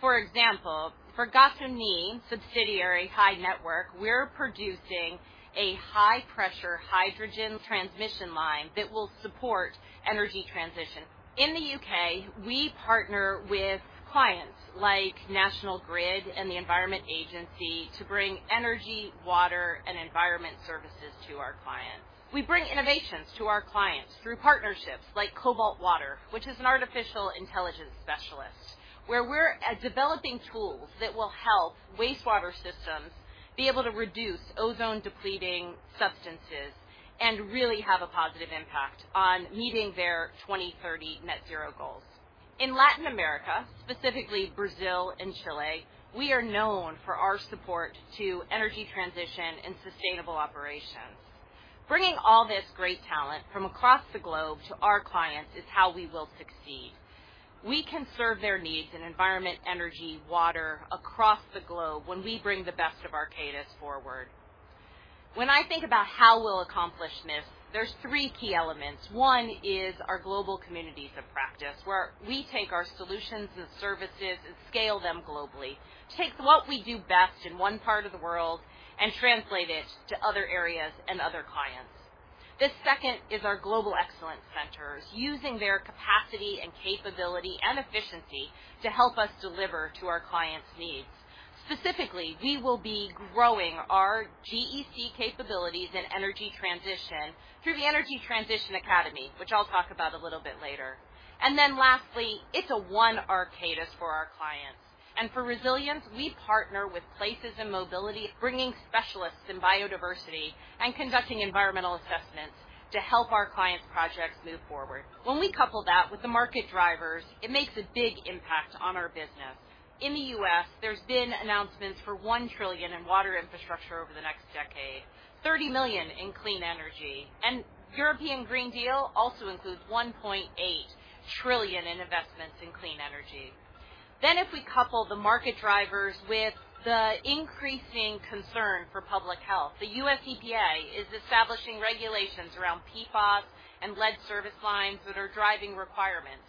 For example, for Gasunie subsidiary, HyNetwork, we're producing a high-pressure hydrogen transmission line that will support energy transition. In the U.K., we partner with clients like National Grid and the Environment Agency to bring energy, water, and environment services to our clients. We bring innovations to our clients through partnerships like Cobalt Water, which is an artificial intelligence specialist, where we're at developing tools that will help wastewater systems be able to reduce ozone-depleting substances and really have a positive impact on meeting their 2030 Net Zero goals. In Latin America, specifically Brazil and Chile, we are known for our support to energy transition and sustainable operations. Bringing all this great talent from across the globe to our clients is how we will succeed. We can serve their needs in environment, energy, water across the globe when we bring the best of Arcadis forward. When I think about how we'll accomplish this, there's three key elements. One is our global communities of practice, where we take our solutions and services and scale them globally. Take what we do best in one part of the world and translate it to other areas and other clients. The second is our global excellence centers, using their capacity and capability and efficiency to help us deliver to our clients' needs. Specifically, we will be growing our GEC capabilities in energy transition through the Energy Transition Academy, which I'll talk about a little bit later. And then lastly, it's a one Arcadis for our clients. And for resilience, we partner with Places and mobility, bringing specialists in biodiversity and conducting environmental assessments to help our clients' projects move forward. When we couple that with the market drivers, it makes a big impact on our business. In the U.S., there's been announcements for $1 trillion in water infrastructure over the next decade, $30 million in clean energy, and European Green Deal also includes 1.8 trillion in investments in clean energy. Then, if we couple the market drivers with the increasing concern for public health, the U.S. EPA is establishing regulations around PFAS and lead service lines that are driving requirements.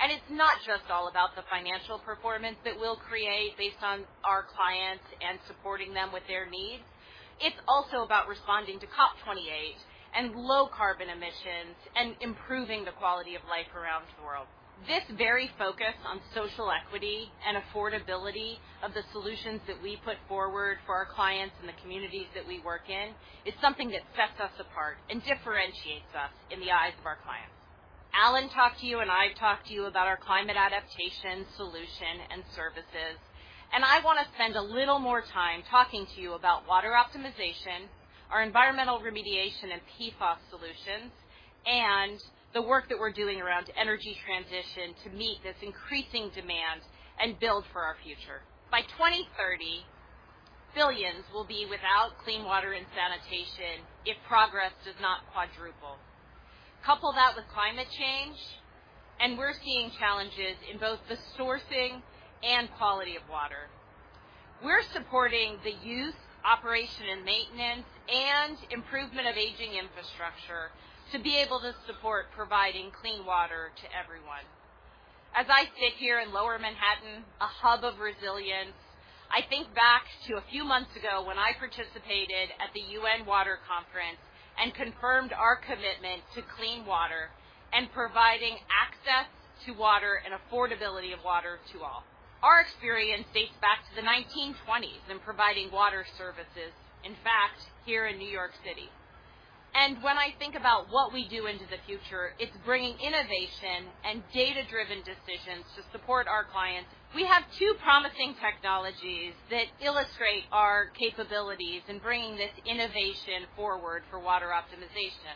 And it's not just all about the financial performance that we'll create based on our clients and supporting them with their needs. It's also about responding to COP 28 and low carbon emissions and improving the quality of life around the world. This very focus on social equity and affordability of the solutions that we put forward for our clients and the communities that we work in, is something that sets us apart and differentiates us in the eyes of our clients. Alan talked to you, and I've talked to you about our climate adaptation solution and services, and I want to spend a little more time talking to you about water optimization, our environmental remediation and PFAS solutions, and the work that we're doing around energy transition to meet this increasing demand and build for our future. By 2030, billions will be without clean water and sanitation if progress does not quadruple. Couple that with climate change, and we're seeing challenges in both the sourcing and quality of water. We're supporting the use, operation, and maintenance and improvement of aging infrastructure to be able to support providing clean water to everyone. As I sit here in Lower Manhattan, a hub of resilience, I think back to a few months ago when I participated at the UN Water Conference and confirmed our commitment to clean water and providing access to water and affordability of water to all. Our experience dates back to the 1920s in providing water services, in fact, here in New York City. When I think about what we do into the future, it's bringing innovation and data-driven decisions to support our clients. We have two promising technologies that illustrate our capabilities in bringing this innovation forward for water optimization.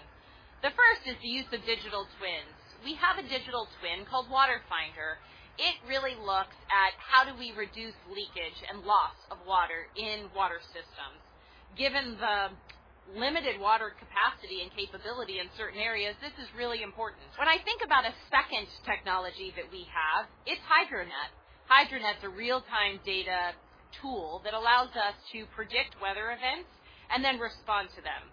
The first is the use of digital twins. We have a digital twin called WaterFinder. It really looks at how do we reduce leakage and loss of water in water systems. Given the limited water capacity and capability in certain areas, this is really important. When I think about a second technology that we have, it's HydroNet. HydroNet is a real-time data tool that allows us to predict weather events and then respond to them.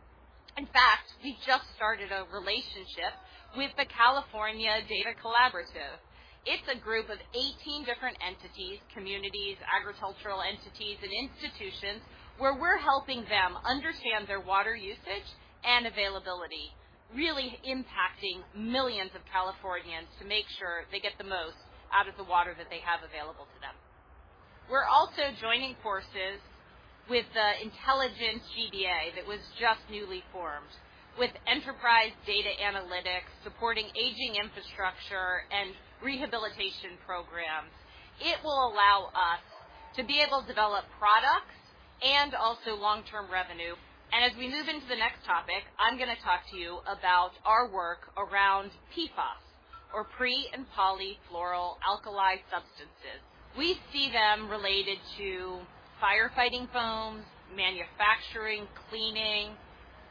In fact, we just started a relationship with the California Data Collaborative. It's a group of 18 different entities, communities, agricultural entities, and institutions where we're helping them understand their water usage and availability, really impacting millions of Californians to make sure they get the most out of the water that they have available to them. We're also joining forces with the Intelligence GBA that was just newly formed, with Enterprise Data Analytics, supporting aging infrastructure and rehabilitation programs. It will allow us to be able to develop products and also long-term revenue. As we move into the next topic, I'm gonna talk to you about our work around PFAS, or per- and polyfluoroalkyl substances. We see them related to firefighting foams, manufacturing, cleaning,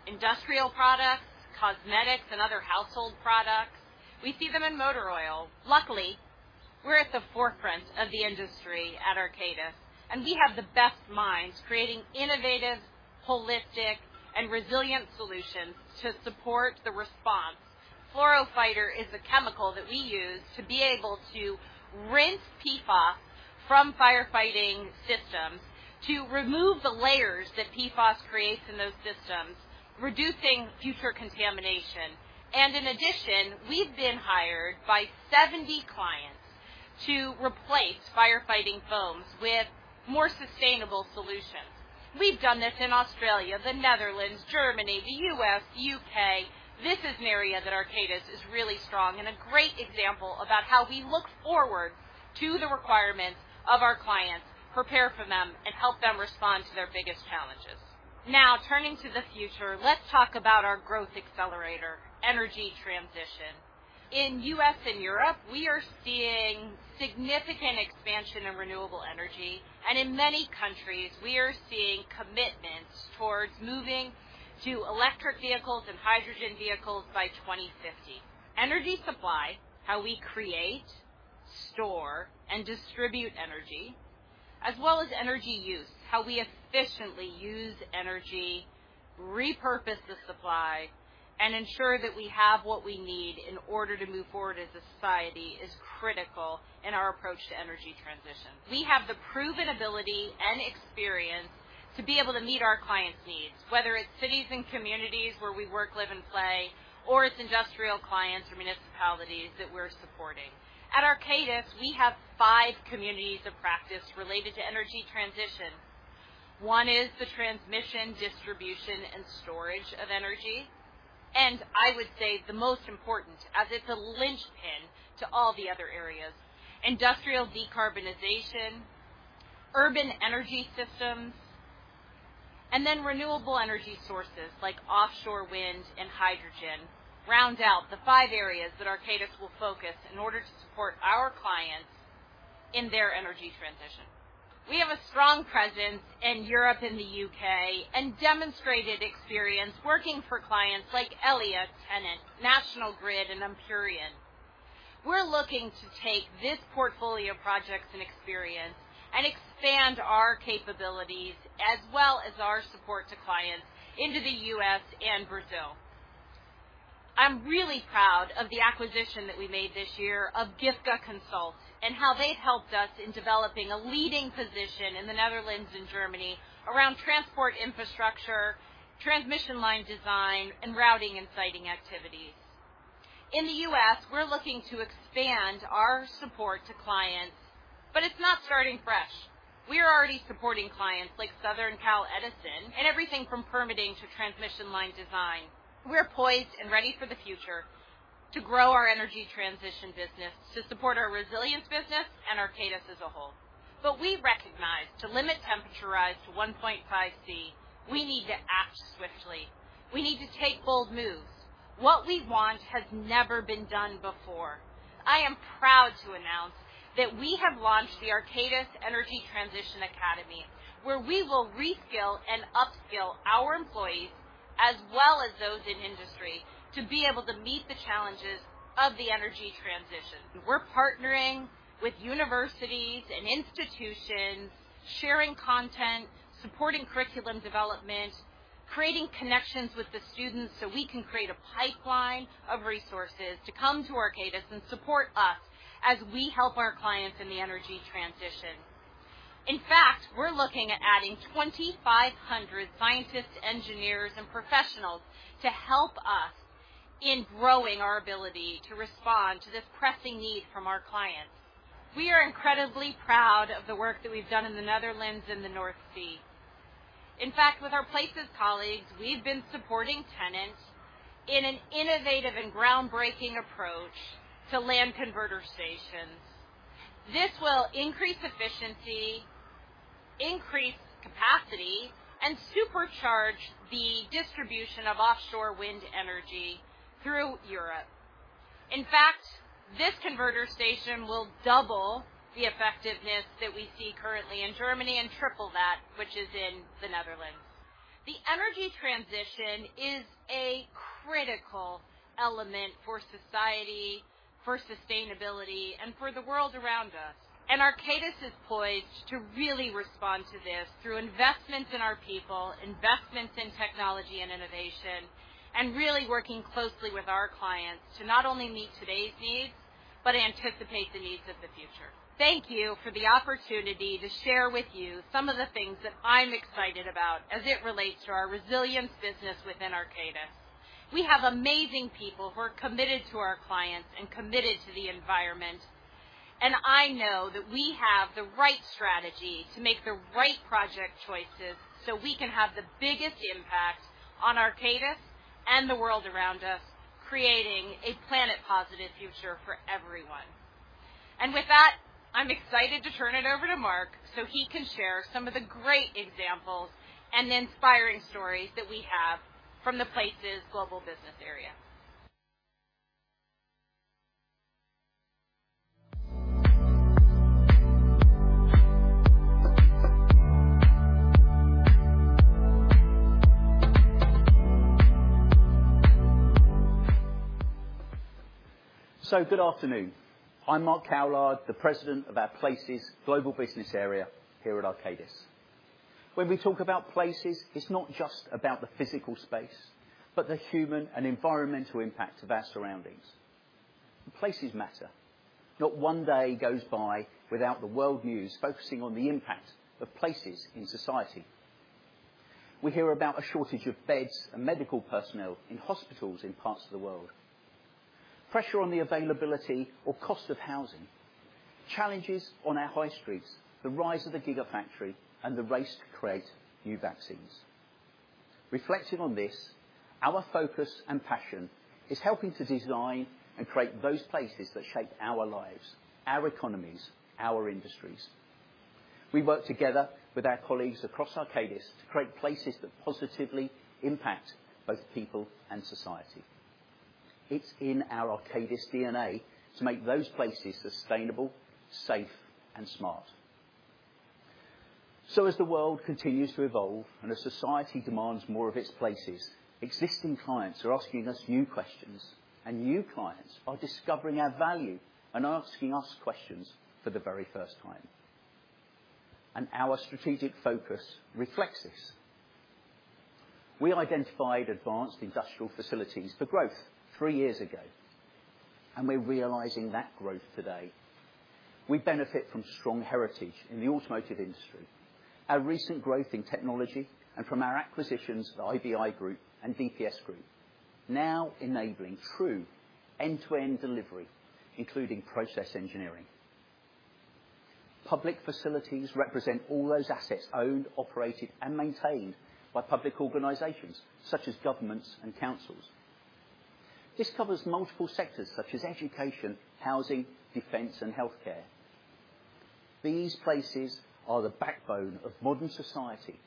industrial products, cosmetics, and other household products. We see them in motor oil. Luckily, we're at the forefront of the industry at Arcadis, and we have the best minds creating innovative, holistic, and resilient solutions to support the response. FluoroFighter is a chemical that we use to be able to rinse PFAS from firefighting systems to remove the layers that PFAS creates in those systems, reducing future contamination. And in addition, we've been hired by 70 clients to replace firefighting foams with more sustainable solutions. We've done this in Australia, the Netherlands, Germany, the U.S., U.K. This is an area that Arcadis is really strong and a great example about how we look forward to the requirements of our clients, prepare for them, and help them respond to their biggest challenges. Now, turning to the future, let's talk about our growth accelerator, energy transition. In U.S. and Europe, we are seeing significant expansion of renewable energy, and in many countries, we are seeing commitments towards moving to electric vehicles and hydrogen vehicles by 2050. Energy supply, how we create, store, and distribute energy, as well as energy use, how we efficiently use energy, repurpose the supply, and ensure that we have what we need in order to move forward as a society, is critical in our approach to energy transition. We have the proven ability and experience to be able to meet our clients' needs, whether it's cities and communities where we work, live, and play, or it's industrial clients or municipalities that we're supporting. At Arcadis, we have five communities of practice related to energy transition. One is the transmission, distribution, and storage of energy, and I would say the most important, as it's a linchpin to all the other areas, industrial decarbonization, urban energy systems, and then renewable energy sources like offshore wind and hydrogen round out the five areas that Arcadis will focus in order to support our clients in their energy transition. We have a strong presence in Europe and the U.K. and demonstrated experience working for clients like Elliot, TenneT, National Grid, and Amprion. We're looking to take this portfolio of projects and experience and expand our capabilities as well as our support to clients into the U.S. and Brazil. I'm really proud of the acquisition that we made this year of Giftge Consult and how they've helped us in developing a leading position in the Netherlands and Germany around transport infrastructure, transmission line design, and routing and siting activities. In the U.S., we're looking to expand our support to clients, but it's not starting fresh. We are already supporting clients like Southern California Edison in everything from permitting to transmission line design. We're poised and ready for the future to grow our energy transition business, to support our resilience business and Arcadis as a whole. But we recognize, to limit temperature rise to 1.5 degrees Celsius, we need to act swiftly. We need to take bold moves. What we want has never been done before. I am proud to announce that we have launched the Arcadis Energy Transition Academy, where we will reskill and upskill our employees, as well as those in industry, to be able to meet the challenges of the energy transition. We're partnering with universities and institutions, sharing content, supporting curriculum development, creating connections with the students so we can create a pipeline of resources to come to Arcadis and support us as we help our clients in the energy transition. In fact, we're looking at adding 2,500 scientists, engineers, and professionals to help us in growing our ability to respond to this pressing need from our clients. We are incredibly proud of the work that we've done in the Netherlands and the North Sea. In fact, with our Places colleagues, we've been supporting tenants in an innovative and groundbreaking approach to land converter stations. This will increase efficiency, increase capacity, and supercharge the distribution of offshore wind energy through Europe. In fact, this converter station will double the effectiveness that we see currently in Germany and triple that which is in the Netherlands. The energy transition is a critical element for society, for sustainability, and for the world around us. Arcadis is poised to really respond to this through investments in our people, investments in technology and innovation, and really working closely with our clients to not only meet today's needs, but anticipate the needs of the future. Thank you for the opportunity to share with you some of the things that I'm excited about as it relates to our resilience business within Arcadis. We have amazing people who are committed to our clients and committed to the environment, and I know that we have the right strategy to make the right project choices so we can have the biggest impact on Arcadis and the world around us. creating a planet positive future for everyone. With that, I'm excited to turn it over to Mark, so he can share some of the great examples and the inspiring stories that we have from the Places Global Business Area. Good afternoon. I'm Mark Cowlard, the President of our Places Global Business Area here at Arcadis. When we talk about Places, it's not just about the physical space, but the human and environmental impact of our surroundings. Places matter. Not one day goes by without the world news focusing on the impact of Places in society. We hear about a shortage of beds and medical personnel in hospitals in parts of the world, pressure on the availability or cost of housing, challenges on our high streets, the rise of the gigafactory, and the race to create new vaccines. Reflecting on this, our focus and passion is helping to design and create those Places that shape our lives, our economies, our industries. We work together with our colleagues across Arcadis to create Places that positively impact both people and society. It's in our Arcadis DNA to make those Places sustainable, safe, and smart. So as the world continues to evolve and as society demands more of its Places, existing clients are asking us new questions, and new clients are discovering our value and asking us questions for the very first time. Our strategic focus reflects this. We identified advanced industrial facilities for growth three years ago, and we're realizing that growth today. We benefit from strong heritage in the automotive industry, our recent growth in technology, and from our acquisitions, the IBI Group and DPS Group, now enabling true end-to-end delivery, including process engineering. Public facilities represent all those assets owned, operated, and maintained by public organizations, such as governments and councils. This covers multiple sectors such as education, housing, defense, and healthcare. These Places are the backbone of modern society,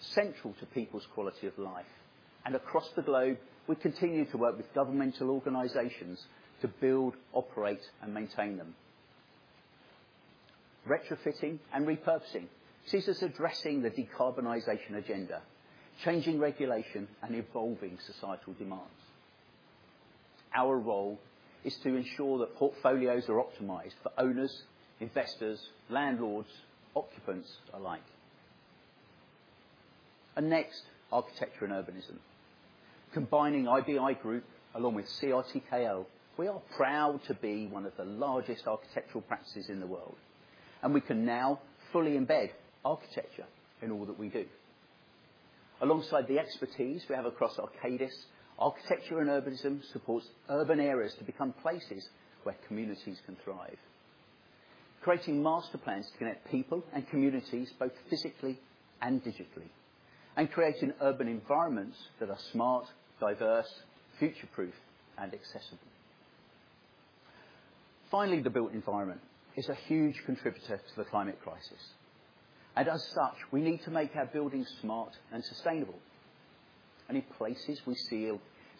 central to people's quality of life, and across the globe, we continue to work with governmental organizations to build, operate, and maintain them. Retrofitting and repurposing sees us addressing the decarbonization agenda, changing regulation and evolving societal demands. Our role is to ensure that portfolios are optimized for owners, investors, landlords, occupants alike. And next, architecture and urbanism. Combining IBI Group along with CRTKL, we are proud to be one of the largest architectural practices in the world, and we can now fully embed architecture in all that we do. Alongside the expertise we have across Arcadis, architecture and urbanism supports urban areas to become Places where communities can thrive, creating master plans to connect people and communities, both physically and digitally, and creating urban environments that are smart, diverse, future-proof, and accessible. Finally, the built environment is a huge contributor to the climate crisis, and as such, we need to make our buildings smart and sustainable. In Places we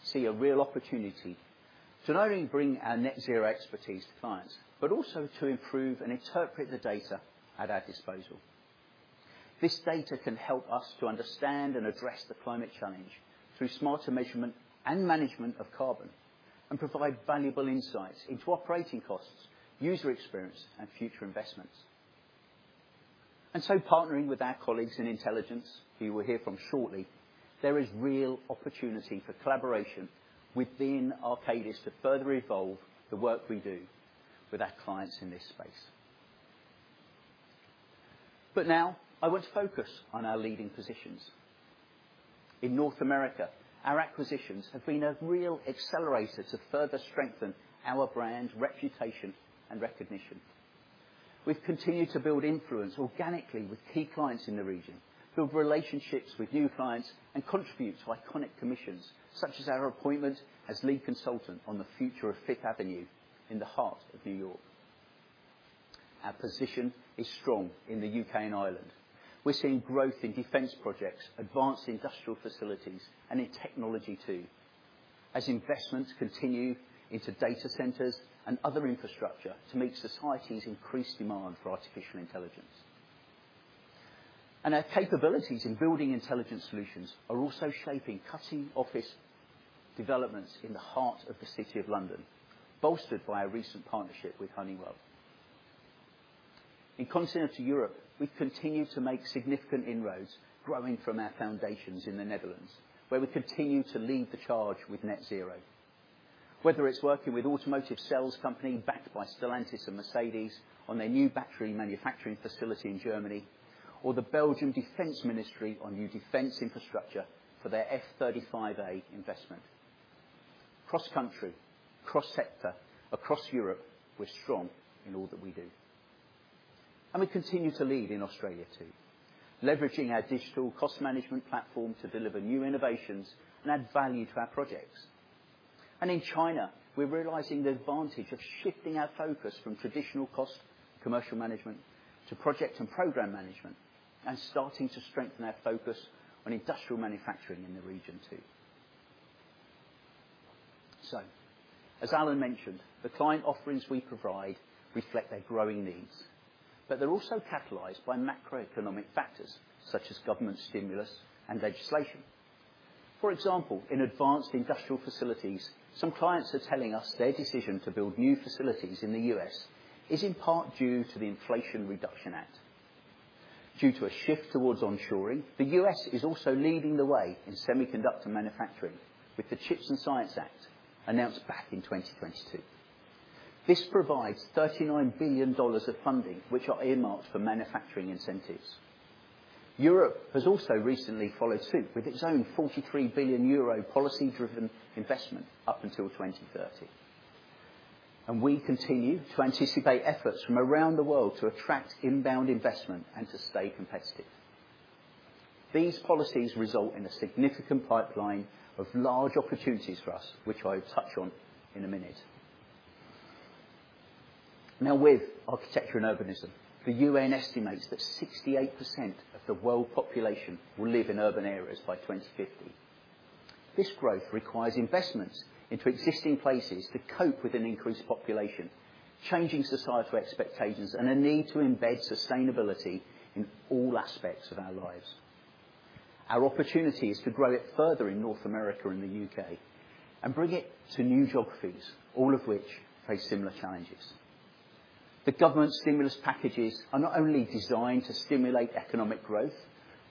see a real opportunity to not only bring our Net Zero expertise to clients, but also to improve and interpret the data at our disposal. This data can help us to understand and address the climate challenge through smarter measurement and management of carbon, and provide valuable insights into operating costs, user experience, and future investments. And so partnering with our colleagues in Intelligence, who you will hear from shortly, there is real opportunity for collaboration within Arcadis to further evolve the work we do with our clients in this space. But now I want to focus on our leading positions. In North America, our acquisitions have been a real accelerator to further strengthen our brand, reputation, and recognition. We've continued to build influence organically with key clients in the region, build relationships with new clients, and contribute to iconic commissions, such as our appointment as lead consultant on the future of Fifth Avenue in the heart of New York. Our position is strong in the U.K. and Ireland. We're seeing growth in defense projects, advanced industrial facilities, and in technology, too, as investments continue into data centers and other infrastructure to meet society's increased demand for artificial intelligence. And our capabilities in building intelligent solutions are also shaping cutting-edge developments in the heart of the City of London, bolstered by our recent partnership with Honeywell. In Continental Europe, we continue to make significant inroads, growing from our foundations in the Netherlands, where we continue to lead the charge with Net Zero. Whether it's working with automotive sales company backed by Stellantis and Mercedes on their new battery manufacturing facility in Germany, or the Belgian Defense Ministry on new defense infrastructure for their F-35A investment. Cross-country, cross-sector, across Europe, we're strong in all that we do.. We continue to lead in Australia, too, leveraging our digital cost management platform to deliver new innovations and add value to our projects. In China, we're realizing the advantage of shifting our focus from traditional cost commercial management to project and program management, and starting to strengthen our focus on industrial manufacturing in the region, too. So, as Alan mentioned, the client offerings we provide reflect their growing needs, but they're also catalyzed by macroeconomic factors, such as government stimulus and legislation. For example, in advanced industrial facilities, some clients are telling us their decision to build new facilities in the U.S. is in part due to the Inflation Reduction Act. Due to a shift towards onshoring, the U.S. is also leading the way in semiconductor manufacturing, with the CHIPS and Science Act announced back in 2022. This provides $39 billion of funding, which are earmarked for manufacturing incentives. Europe has also recently followed suit with its own 43 billion euro policy-driven investment up until 2030. We continue to anticipate efforts from around the world to attract inbound investment and to stay competitive. These policies result in a significant pipeline of large opportunities for us, which I'll touch on in a minute. Now, with architecture and urbanism, the U.N. estimates that 68% of the world population will live in urban areas by 2050. This growth requires investments into existing Places to cope with an increased population, changing societal expectations, and a need to embed sustainability in all aspects of our lives. Our opportunity is to grow it further in North America and the U.K. and bring it to new geographies, all of which face similar challenges. The government stimulus packages are not only designed to stimulate economic growth,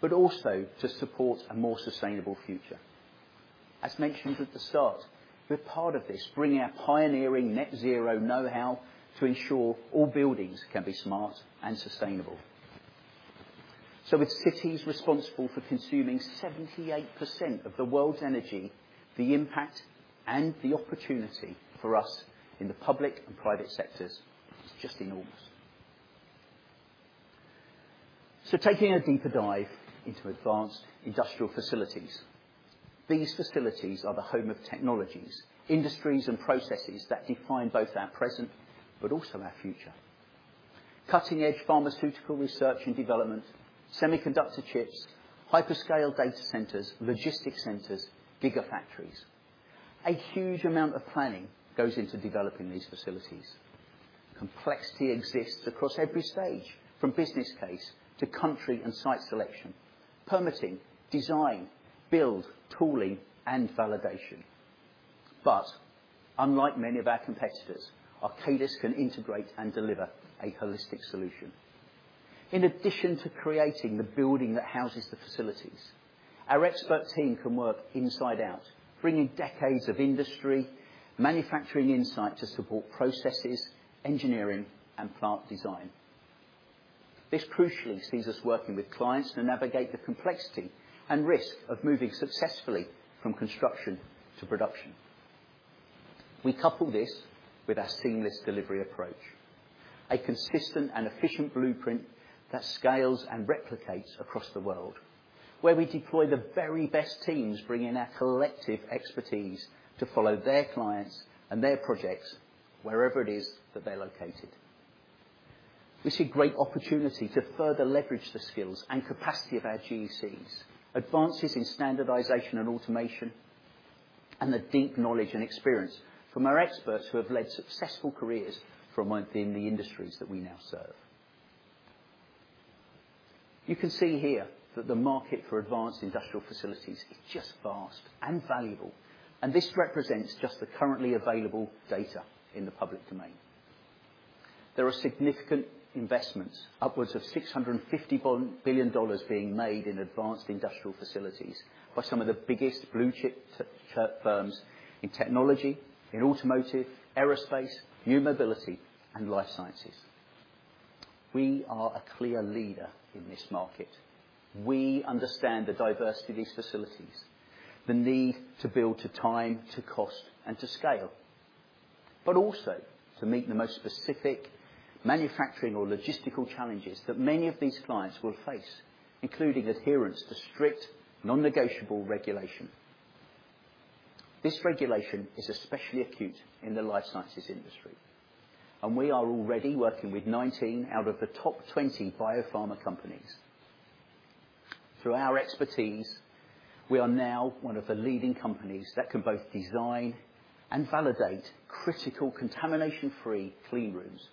but also to support a more sustainable future. As mentioned at the start, we're part of this, bringing our pioneering net zero know-how to ensure all buildings can be smart and sustainable. So with cities responsible for consuming 78% of the world's energy, the impact and the opportunity for us in the public and private sectors is just enormous. So taking a deeper dive into advanced industrial facilities. These facilities are the home of technologies, industries, and processes that define both our present but also our future. Cutting-edge pharmaceutical research and development, semiconductor chips, hyperscale data centers, logistics centers, giga factories. A huge amount of planning goes into developing these facilities. Complexity exists across every stage, from business case to country and site selection, permitting, design, build, tooling, and validation. But unlike many of our competitors, Arcadis can integrate and deliver a holistic solution. In addition to creating the building that houses the facilities, our expert team can work inside out, bringing decades of industry, manufacturing insight to support processes, engineering, and plant design. This crucially sees us working with clients to navigate the complexity and risk of moving successfully from construction to production. We couple this with our seamless delivery approach, a consistent and efficient blueprint that scales and replicates across the world, where we deploy the very best teams, bringing our collective expertise to follow their clients and their projects wherever it is that they're located. We see great opportunity to further leverage the skills and capacity of our GECs, advances in standardization and automation, and the deep knowledge and experience from our experts who have led successful careers from within the industries that we now serve. You can see here that the market for advanced industrial facilities is just vast and valuable, and this represents just the currently available data in the public domain. There are significant investments, upwards of $650 billion being made in advanced industrial facilities by some of the biggest blue chip firms in technology, in automotive, aerospace, new mobility, and life sciences. We are a clear leader in this market. We understand the diversity of these facilities, the need to build to time, to cost, and to scale, but also to meet the most specific manufacturing or logistical challenges that many of these clients will face, including adherence to strict, non-negotiable regulation. This regulation is especially acute in the life sciences industry, and we are already working with 19 out of the top 20 biopharma companies. Through our expertise, we are now one of the leading companies that can both design and validate critical contamination-free clean rooms.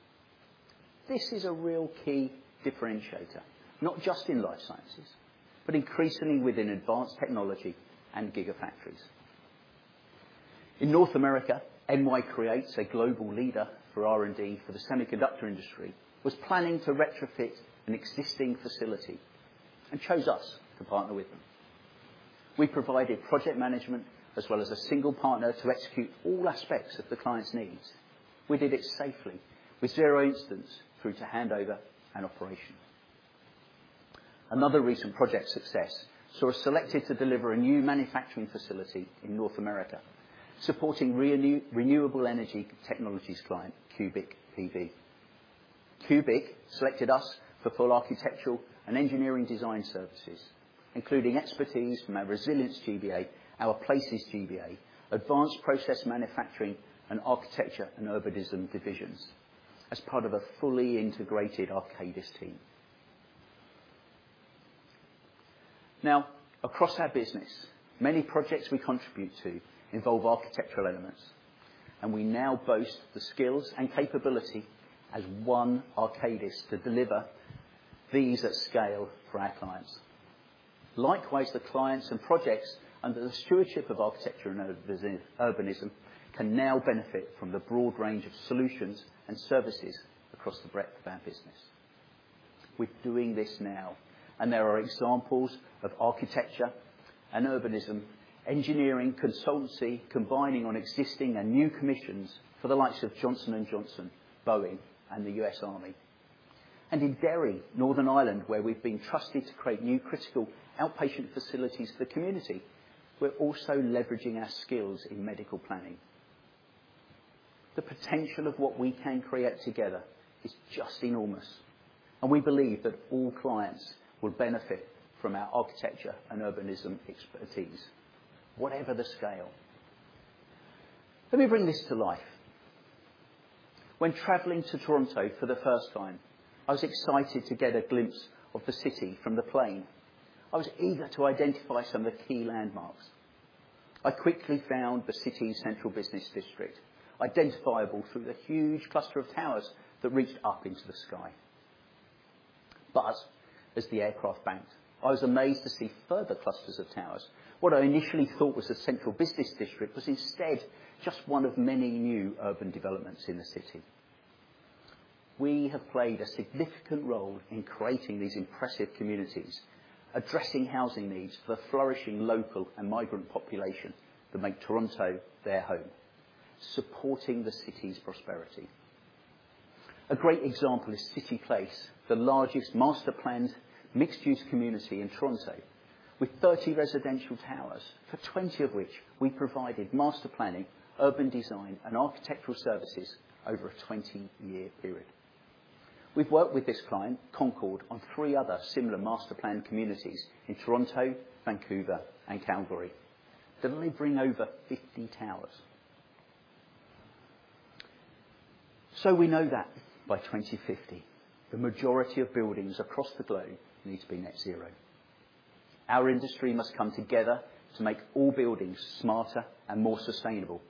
This is a real key differentiator, not just in life sciences, but increasingly within advanced technology and gigafactories. In North America, NY Creates, a global leader for R&D for the semiconductor industry, was planning to retrofit an existing facility and chose us to partner with them. We provided project management as well as a single partner to execute all aspects of the client's needs. We did it safely, with 0 incidents, through to handover and operation. Another recent project success saw us selected to deliver a new manufacturing facility in North America, supporting renewable energy technologies client, CubicPV. Cubic selected us for full architectural and engineering design services, including expertise from our Resilience GBA, our Places GBA, Advanced Process Manufacturing, and Architecture and Urbanism divisions, as part of a fully integrated Arcadis team. Now, across our business, many projects we contribute to involve architectural elements, and we now boast the skills and capability as one Arcadis to deliver these at scale for our clients. Likewise, the clients and projects under the stewardship of Architecture and Urbanism can now benefit from the broad range of solutions and services across the breadth of our business. We're doing this now, and there are examples of architecture and urbanism, engineering, consultancy, combining on existing and new commissions for the likes of Johnson & Johnson, Boeing, and the U.S. Army. In Derry, Northern Ireland, where we've been trusted to create new critical outpatient facilities for the community, we're also leveraging our skills in medical planning. The potential of what we can create together is just enormous, and we believe that all clients will benefit from our architecture and urbanism expertise, whatever the scale. Let me bring this to life. When traveling to Toronto for the first time, I was excited to get a glimpse of the city from the plane. I was eager to identify some of the key landmarks. I quickly found the city's central business district, identifiable through the huge cluster of towers that reached up into the sky. But as the aircraft banked, I was amazed to see further clusters of towers. What I initially thought was a central business district was instead just one of many new urban developments in the city. We have played a significant role in creating these impressive communities, addressing housing needs for the flourishing local and migrant population that make Toronto their home, supporting the city's prosperity. A great example is CityPlace, the largest master-planned, mixed-use community in Toronto, with 30 residential towers, for 20 of which we provided master planning, urban design, and architectural services over a 20-year period. We've worked with this client, Concord, on 3 other similar master-planned communities in Toronto, Vancouver, and Calgary, delivering over 50 towers. So we know that by 2050, the majority of buildings across the globe need to be net zero. Our industry must come together to make all buildings smarter and more sustainable,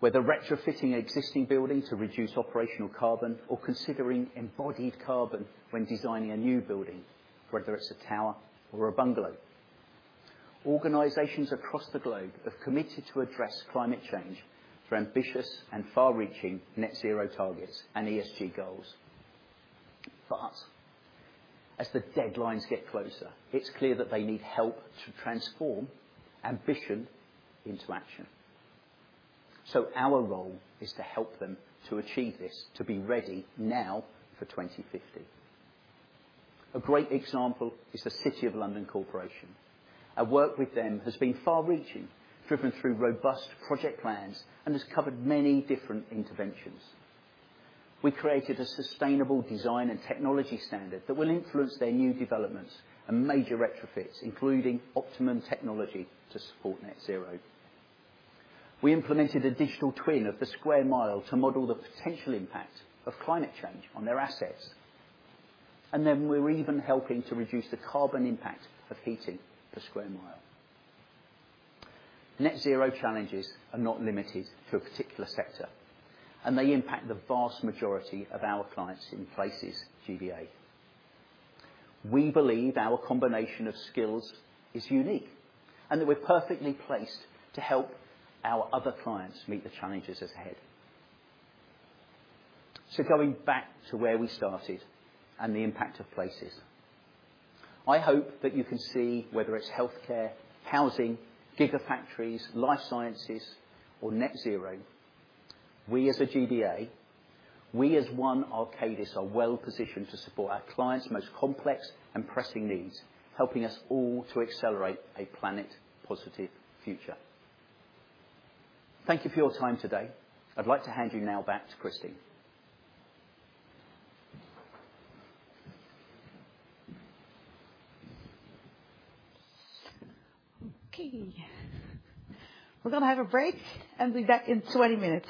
whether retrofitting existing buildings to reduce operational carbon or considering embodied carbon when designing a new building, whether it's a tower or a bungalow. Organizations across the globe have committed to address climate change through ambitious and far-reaching net zero targets and ESG goals. But as the deadlines get closer, it's clear that they need help to transform ambition into action. Our role is to help them to achieve this, to be ready now for 2050. A great example is the City of London Corporation. Our work with them has been far-reaching, driven through robust project plans, and has covered many different interventions. We created a sustainable design and technology standard that will influence their new developments and major retrofits, including optimum technology to support net zero. We implemented a Digital Twin of the Square Mile to model the potential impact of climate change on their assets, and then we're even helping to reduce the carbon impact of heating the Square Mile. Net zero challenges are not limited to a particular sector, and they impact the vast majority of our clients in Places GBA. We believe our combination of skills is unique and that we're perfectly placed to help our other clients meet the challenges ahead. So going back to where we started and the impact of Places, I hope that you can see whether it's healthcare, housing, gigafactories, life sciences, or net zero, we as a GBA, we as one Arcadis, are well positioned to support our clients' most complex and pressing needs, helping us all to accelerate a planet-positive future. Thank you for your time today. I'd like to hand you now back to Christine. Okay. We're going to have a break and be back in 20 minutes.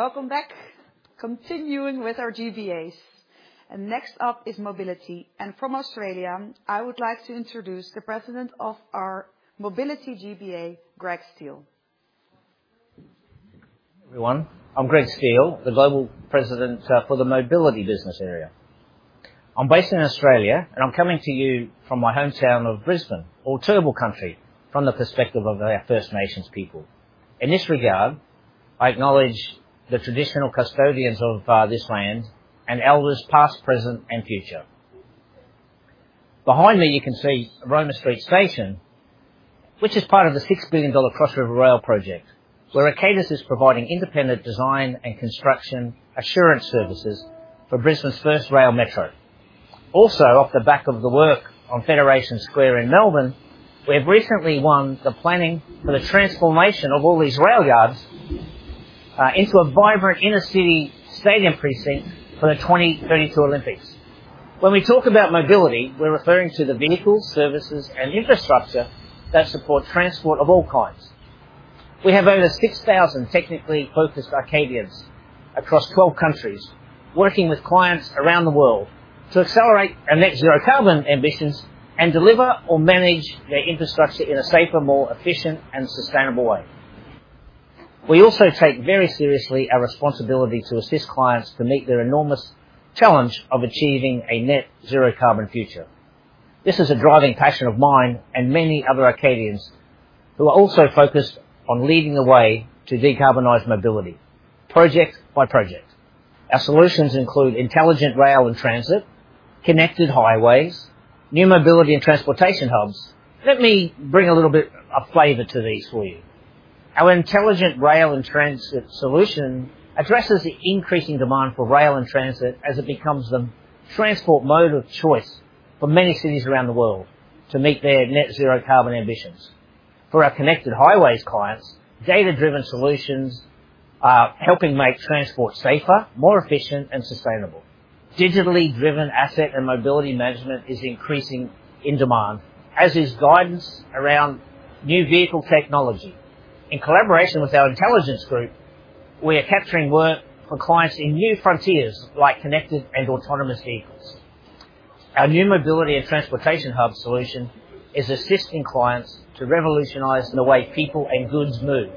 Welcome back! Continuing with our GBAs. Next up is Mobility. From Australia, I would like to introduce the President of our Mobility GBA, Greg Steele.. Everyone, I'm Greg Steele, the global president for the Mobility business area. I'm based in Australia, and I'm coming to you from my hometown of Brisbane or Turrbal Country, from the perspective of our First Nations people. In this regard, I acknowledge the traditional custodians of this land and elders, past, present, and future. Behind me, you can see Roma Street Station, which is part of the 6 billion dollar Cross River Rail project, where Arcadis is providing independent design and construction assurance services for Brisbane's first rail metro. Also, off the back of the work on Federation Square in Melbourne, we have recently won the planning for the transformation of all these rail yards into a vibrant inner-city stadium precinct for the 2032 Olympics. When we talk about mobility, we're referring to the vehicles, services, and infrastructure that support transport of all kinds.. We have over 6,000 technically focused Arcadians across 12 countries, working with clients around the world to accelerate our Net Zero carbon ambitions and deliver or manage their infrastructure in a safer, more efficient and sustainable way. We also take very seriously our responsibility to assist clients to meet their enormous challenge of achieving a Net Zero carbon future. This is a driving passion of mine and many other Arcadians, who are also focused on leading the way to decarbonize mobility, project by project. Our solutions include intelligent rail and transit, connected highways, new mobility and transportation hubs. Let me bring a little bit of flavor to these for you. Our intelligent rail and transit solution addresses the increasing demand for rail and transit as it becomes the transport mode of choice for many cities around the world to meet their Net Zero carbon ambitions. For our connected highways clients, data-driven solutions are helping make transport safer, more efficient, and sustainable. Digitally driven asset and mobility management is increasing in demand, as is guidance around new vehicle technology. In collaboration with our intelligence group, we are capturing work for clients in new frontiers, like connected and autonomous vehicles. Our new mobility and transportation hub solution is assisting clients to revolutionize the way people and goods move.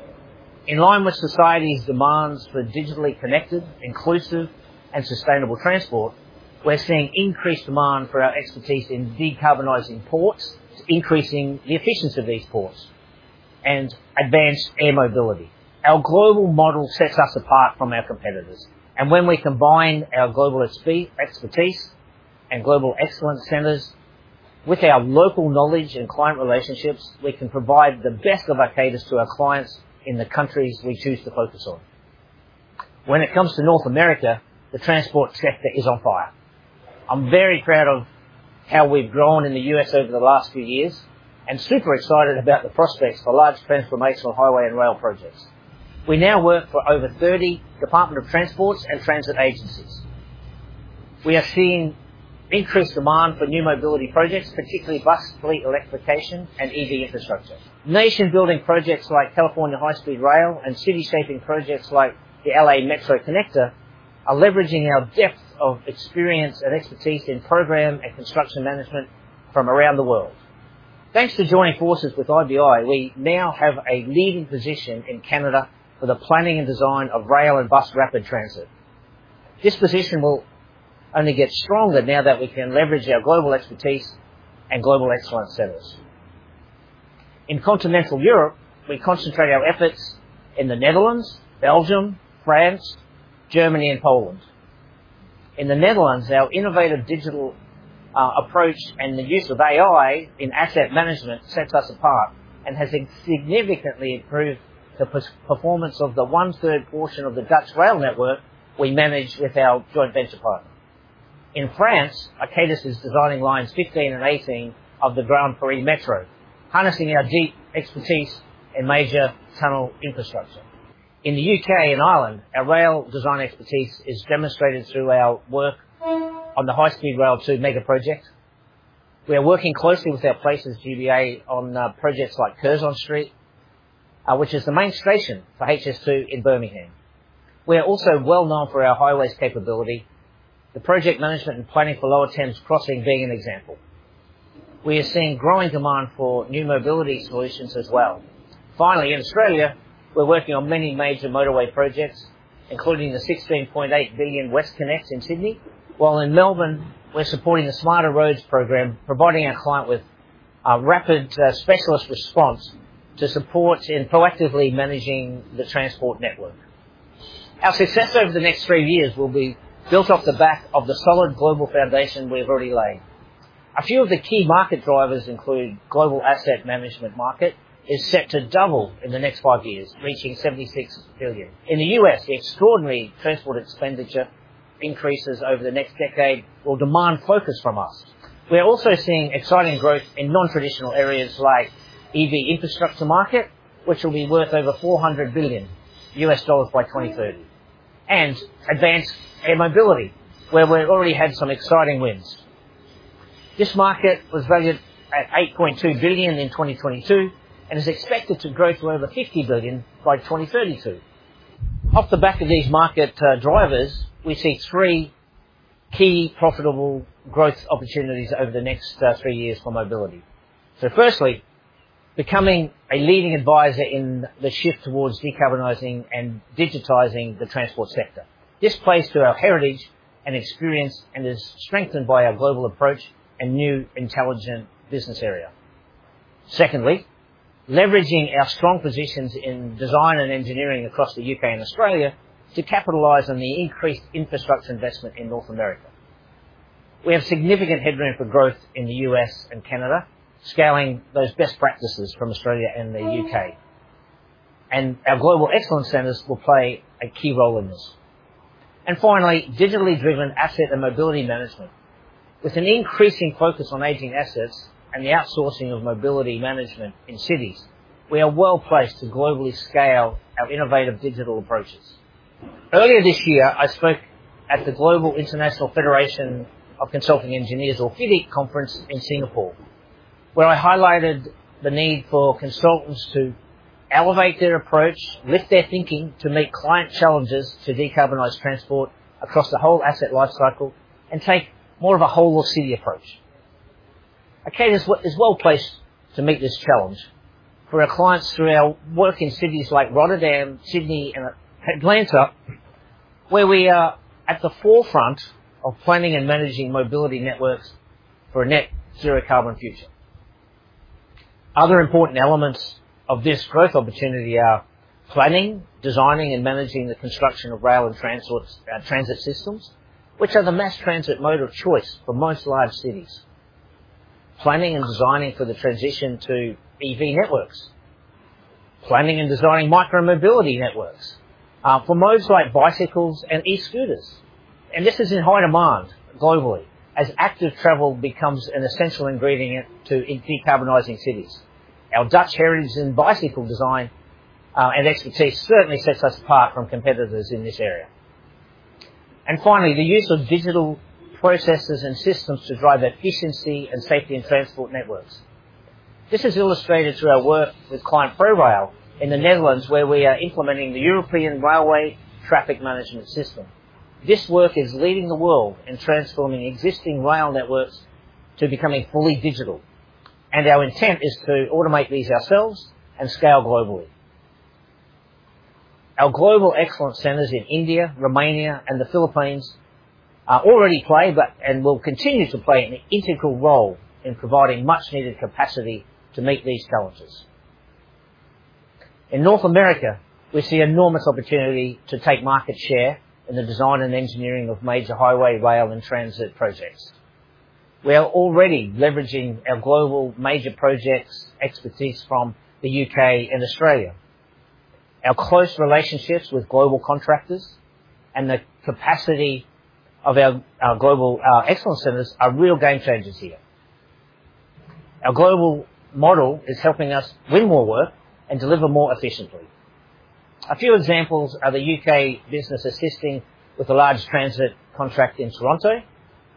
In line with society's demands for digitally connected, inclusive, and sustainable transport, we're seeing increased demand for our expertise in decarbonizing ports, increasing the efficiency of these ports, and advanced air mobility. Our global model sets us apart from our competitors, and when we combine our global expertise and global excellence centers with our local knowledge and client relationships, we can provide the best of Arcadis to our clients in the countries we choose to focus on. When it comes to North America, the transport sector is on fire. I'm very proud of how we've grown in the U.S. over the last few years, and super excited about the prospects for large transformational highway and rail projects. We now work for over 30 departments of transportation and transit agencies. We are seeing increased demand for new mobility projects, particularly bus fleet electrification and EV infrastructure. Nation-building projects like California High-Speed Rail and city-shaping projects like the L.A. Metro Connector are leveraging our depth of experience and expertise in program and construction management from around the world. Thanks to joining forces with IBI, we now have a leading position in Canada for the planning and design of rail and bus rapid transit. This position will only get stronger now that we can leverage our global expertise and Global Excellence Centers. In continental Europe, we concentrate our efforts in the Netherlands, Belgium, France, Germany, and Poland. In the Netherlands, our innovative digital approach and the use of AI in asset management sets us apart and has significantly improved the performance of the one-third portion of the Dutch rail network we manage with our joint venture partner. In France, Arcadis is designing lines 15 and 18 of the Grand Paris Express Metro, harnessing our deep expertise in major tunnel infrastructure. In the U.K. and Ireland, our rail design expertise is demonstrated through our work on the High Speed 2 mega project. We are working closely with our Places, GBA, on projects like Curzon Street, which is the main station for HS2 in Birmingham. We are also well known for our highways capability, the project management and planning for Lower Thames Crossing being an example. We are seeing growing demand for new mobility solutions as well. Finally, in Australia, we're working on many major motorway projects, including the 16.8 billion WestConnex in Sydney, while in Melbourne, we're supporting the Smarter Roads program, providing our client with a rapid, specialist response to support in proactively managing the transport network. Our success over the next three years will be built off the back of the solid global foundation we've already laid. A few of the key market drivers include global asset management market is set to double in the next five years, reaching $76 billion. In the U.S., the extraordinary transport expenditure increases over the next decade will demand focus from us. We are also seeing exciting growth in non-traditional areas like EV infrastructure market, which will be worth over $400 billion by 2030, and advanced air mobility, where we've already had some exciting wins. This market was valued at $8.2 billion in 2022 and is expected to grow to over $50 billion by 2032. Off the back of these market drivers, we see 3 key profitable growth opportunities over the next three years for mobility. Firstly, becoming a leading advisor in the shift towards decarbonizing and digitizing the transport sector. This plays to our heritage and experience and is strengthened by our global approach and new intelligent business area. Secondly, leveraging our strong positions in design and engineering across the U.K. and Australia to capitalize on the increased infrastructure investment in North America. We have significant headroom for growth in the U.S. and Canada, scaling those best practices from Australia and the U.K., and our global excellence centers will play a key role in this. Finally, digitally driven asset and mobility management. With an increasing focus on aging assets and the outsourcing of mobility management in cities, we are well placed to globally scale our innovative digital approaches. Earlier this year, I spoke at the International Federation of Consulting Engineers, or FIDIC, conference in Singapore, where I highlighted the need for consultants to elevate their approach, lift their thinking to meet client challenges, to decarbonize transport across the whole asset life cycle, and take more of a whole city approach. Arcadis is well-placed to meet this challenge for our clients through our work in cities like Rotterdam, Sydney, and Atlanta, where we are at the forefront of planning and managing mobility networks for a net zero carbon future. Other important elements of this growth opportunity are planning, designing, and managing the construction of rail and transit systems, which are the mass transit mode of choice for most large cities. Planning and designing for the transition to EV networks, planning and designing micro mobility networks for modes like bicycles and e-scooters. And this is in high demand globally as active travel becomes an essential ingredient to in decarbonizing cities. Our Dutch heritage in bicycle design and expertise certainly sets us apart from competitors in this area. And finally, the use of digital processes and systems to drive efficiency and safety in transport networks. This is illustrated through our work with client ProRail in the Netherlands, where we are implementing the European Railway Traffic Management System. This work is leading the world in transforming existing rail networks to becoming fully digital, and our intent is to automate these ourselves and scale globally. Our Global Excellence Centers in India, Romania, and the Philippines already play and will continue to play an integral role in providing much-needed capacity to meet these challenges. In North America, we see enormous opportunity to take market share in the design and engineering of major highway, rail, and transit projects. We are already leveraging our global major projects expertise from the U.K. and Australia. Our close relationships with global contractors and the capacity of our global excellence centers are real game changers here. Our global model is helping us win more work and deliver more efficiently. A few examples are the U.K. business assisting with the largest transit contract in Toronto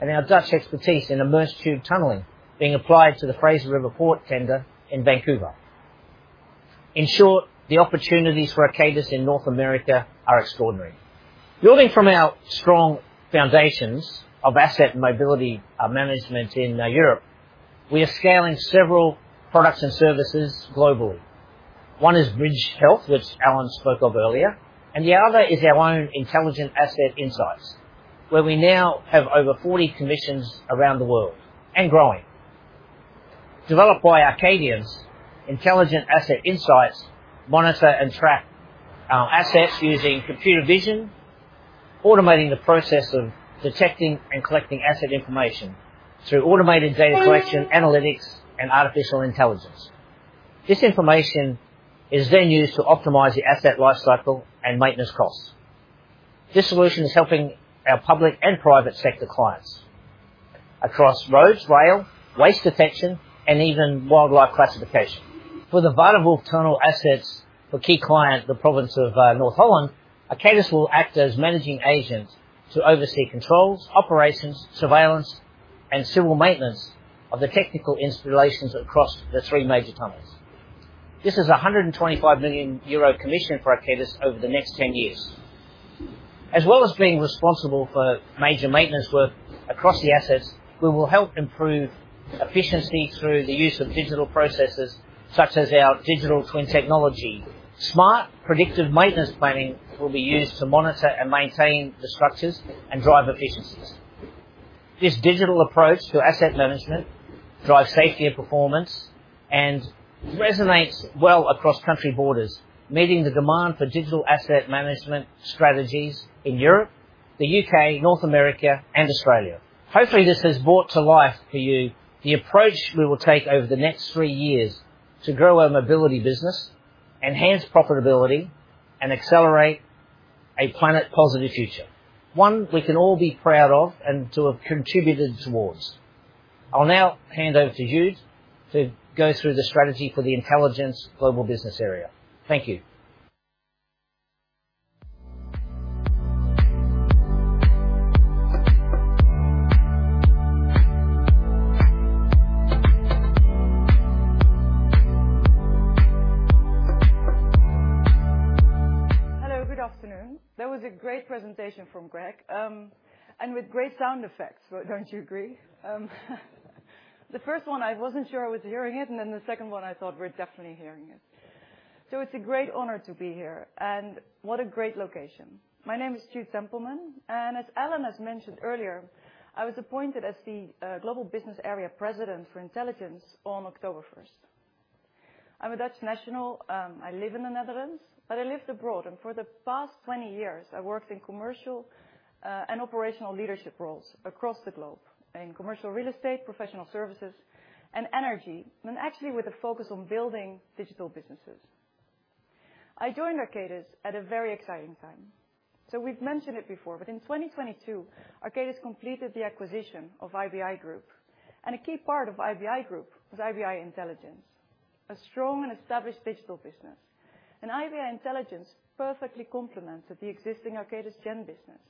and our Dutch expertise in immersed tube tunneling being applied to the Fraser River Port tender in Vancouver. In short, the opportunities for Arcadis in North America are extraordinary. Building from our strong foundations of asset and mobility management in Europe, we are scaling several products and services globally. One is BridgeHealth, which Alan spoke of earlier, and the other is our own Intelligent Asset Insights, where we now have over 40 commissions around the world, and growing. Developed by Arcadians, Intelligent Asset Insights monitor and track assets using computer vision, automating the process of detecting and collecting asset information through automated data collection, analytics, and artificial intelligence. This information is then used to optimize the asset life cycle and maintenance costs. This solution is helping our public and private sector clients across roads, rail, waste detection, and even wildlife classification. For the Velsertunnel assets for key client, the province of North Holland, Arcadis will act as managing agent to oversee controls, operations, surveillance, and civil maintenance of the technical installations across the three major tunnels. This is a 125 million euro commission for Arcadis over the next 10 years. As well as being responsible for major maintenance work across the assets, we will help improve efficiency through the use of digital processes, such as our digital twin technology. Smart predictive maintenance planning will be used to monitor and maintain the structures and drive efficiencies. This digital approach to asset management drives safety and performance and resonates well across country borders, meeting the demand for digital asset management strategies in Europe, the U.K., North America, and Australia. Hopefully, this has brought to life for you the approach we will take over the next three years to grow our mobility business, enhance profitability, and accelerate a planet-positive future, one we can all be proud of and to have contributed towards. I'll now hand over to Juud to go through the strategy for the Intelligence Global Business area. Thank you. Hello, good afternoon. That was a great presentation from Greg and with great sound effects. Don't you agree? The first one, I wasn't sure I was hearing it, and then the second one, I thought, "We're definitely hearing it." So it's a great honor to be here, and what a great location! My name is Juud Tempelman, and as Alan has mentioned earlier, I was appointed as the Global Business Area President for Intelligence on October first. I'm a Dutch national. I live in the Netherlands, but I lived abroad, and for the past 20 years, I worked in commercial and operational leadership roles across the globe in commercial real estate, professional services, and energy, and actually with a focus on building digital businesses. I joined Arcadis at a very exciting time. So we've mentioned it before, but in 2022, Arcadis completed the acquisition of IBI Group, and a key part of IBI Group was IBI Intelligence.. a strong and established digital business, and IBI Intelligence perfectly complements with the existing Arcadis Gen business.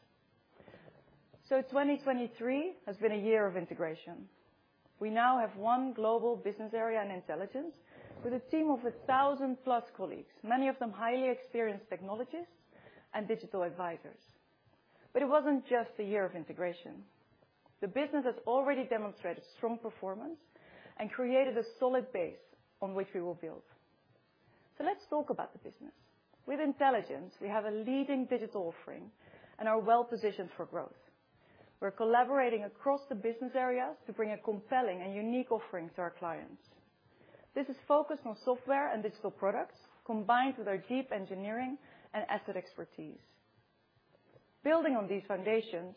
So 2023 has been a year of integration. We now have one global business area in Intelligence, with a team of 1,000+ colleagues, many of them highly experienced technologists and digital advisors. But it wasn't just a year of integration. The business has already demonstrated strong performance and created a solid base on which we will build. So let's talk about the business. With Intelligence, we have a leading digital offering and are well positioned for growth. We're collaborating across the business areas to bring a compelling and unique offering to our clients. This is focused on software and digital products, combined with our deep engineering and asset expertise. Building on these foundations,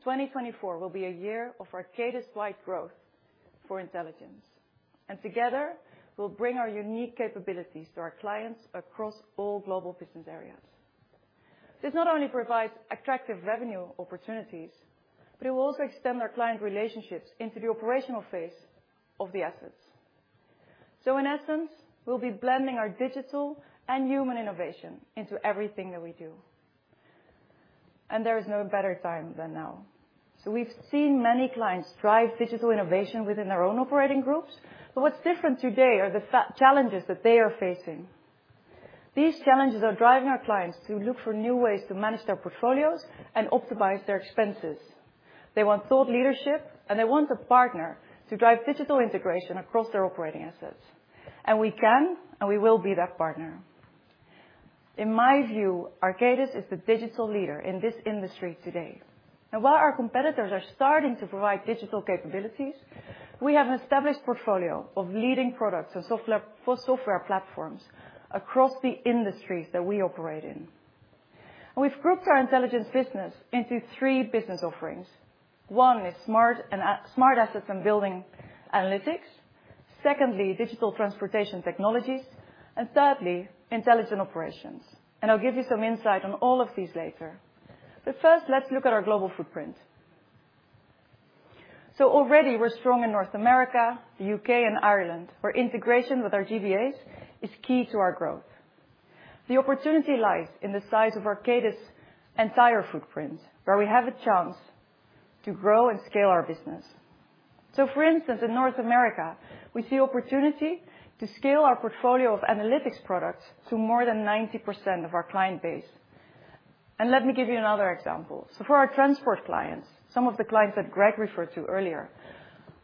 2024 will be a year of Arcadis-wide growth for Intelligence, and together, we'll bring our unique capabilities to our clients across all global business areas. This not only provides attractive revenue opportunities, but it will also extend our client relationships into the operational phase of the assets. So in essence, we'll be blending our digital and human innovation into everything that we do, and there is no better time than now. So we've seen many clients drive digital innovation within their own operating groups, but what's different today are the challenges that they are facing. These challenges are driving our clients to look for new ways to manage their portfolios and optimize their expenses. They want thought leadership, and they want a partner to drive digital integration across their operating assets. We can, and we will be that partner. In my view, Arcadis is the digital leader in this industry today. While our competitors are starting to provide digital capabilities, we have an established portfolio of leading products and software, for software platforms across the industries that we operate in. We've grouped our intelligence business into three business offerings. One is Smart Assets and Building Analytics. Secondly, Digital Transportation Technologies, and thirdly, Intelligent Operations. I'll give you some insight on all of these later. But first, let's look at our global footprint. Already, we're strong in North America, the U.K., and Ireland, where integration with our GBAs is key to our growth. The opportunity lies in the size of Arcadis' entire footprint, where we have a chance to grow and scale our business. So for instance, in North America, we see opportunity to scale our portfolio of analytics products to more than 90% of our client base. And let me give you another example. So for our transport clients, some of the clients that Greg referred to earlier,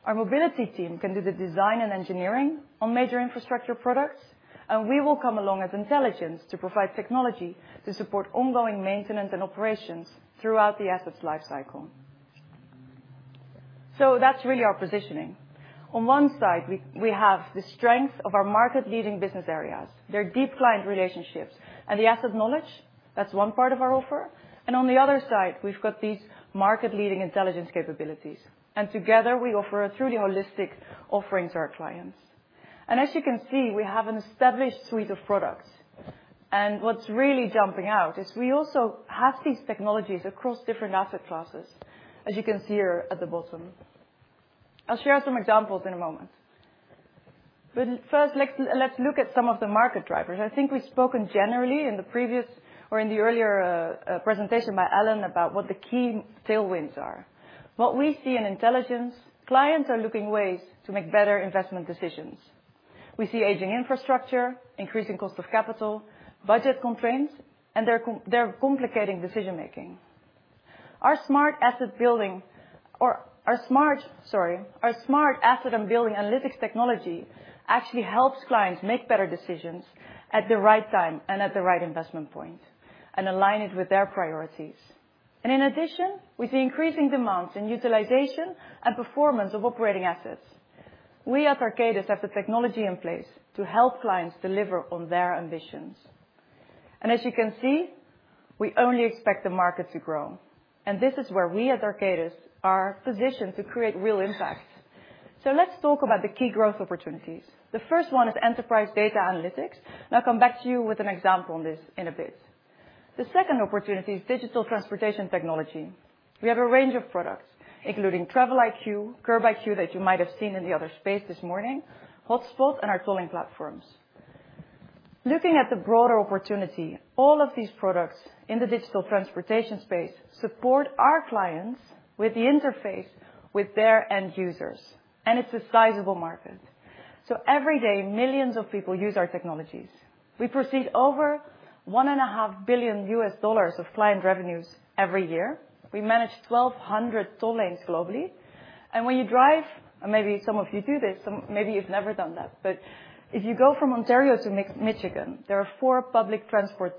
our mobility team can do the design and engineering on major infrastructure products, and we will come along as intelligence to provide technology to support ongoing maintenance and operations throughout the assets lifecycle. So that's really our positioning. On one side, we have the strength of our market-leading business areas, their deep client relationships, and the asset knowledge. That's one part of our offer. And on the other side, we've got these market-leading intelligence capabilities, and together, we offer a truly holistic offering to our clients. And as you can see, we have an established suite of products, and what's really jumping out is we also have these technologies across different asset classes, as you can see here at the bottom. I'll share some examples in a moment. But first, let's look at some of the market drivers. I think we've spoken generally in the previous or in the earlier presentation by Alan about what the key tailwinds are. What we see in Intelligence, clients are looking ways to make better investment decisions. We see aging infrastructure, increasing cost of capital, budget constraints, and they're complicating decision-making. Our smart asset building or our smart. Sorry, our smart asset and building analytics technology actually helps clients make better decisions at the right time and at the right investment point and align it with their priorities. In addition, we see increasing demands in utilization and performance of operating assets. We at Arcadis have the technology in place to help clients deliver on their ambitions. As you can see, we only expect the market to grow, and this is where we at Arcadis are positioned to create real impact. Let's talk about the key growth opportunities. The first one is enterprise data analytics, and I'll come back to you with an example on this in a bit. The second opportunity is Digital Transportation Technology. We have a range of products, including TravelIQ, CurbIQ, that you might have seen in the other space this morning, HotSpot, and our tolling platforms. Looking at the broader opportunity, all of these products in the digital transportation space support our clients with the interface with their end users, and it's a sizable market. So every day, millions of people use our technologies. We proccess over $1.5 billion of client revenues every year. We manage 1,200 toll lanes globally. And when you drive, and maybe some of you do this, some, maybe you've never done that, but if you go from Ontario to Michigan, there are four public transport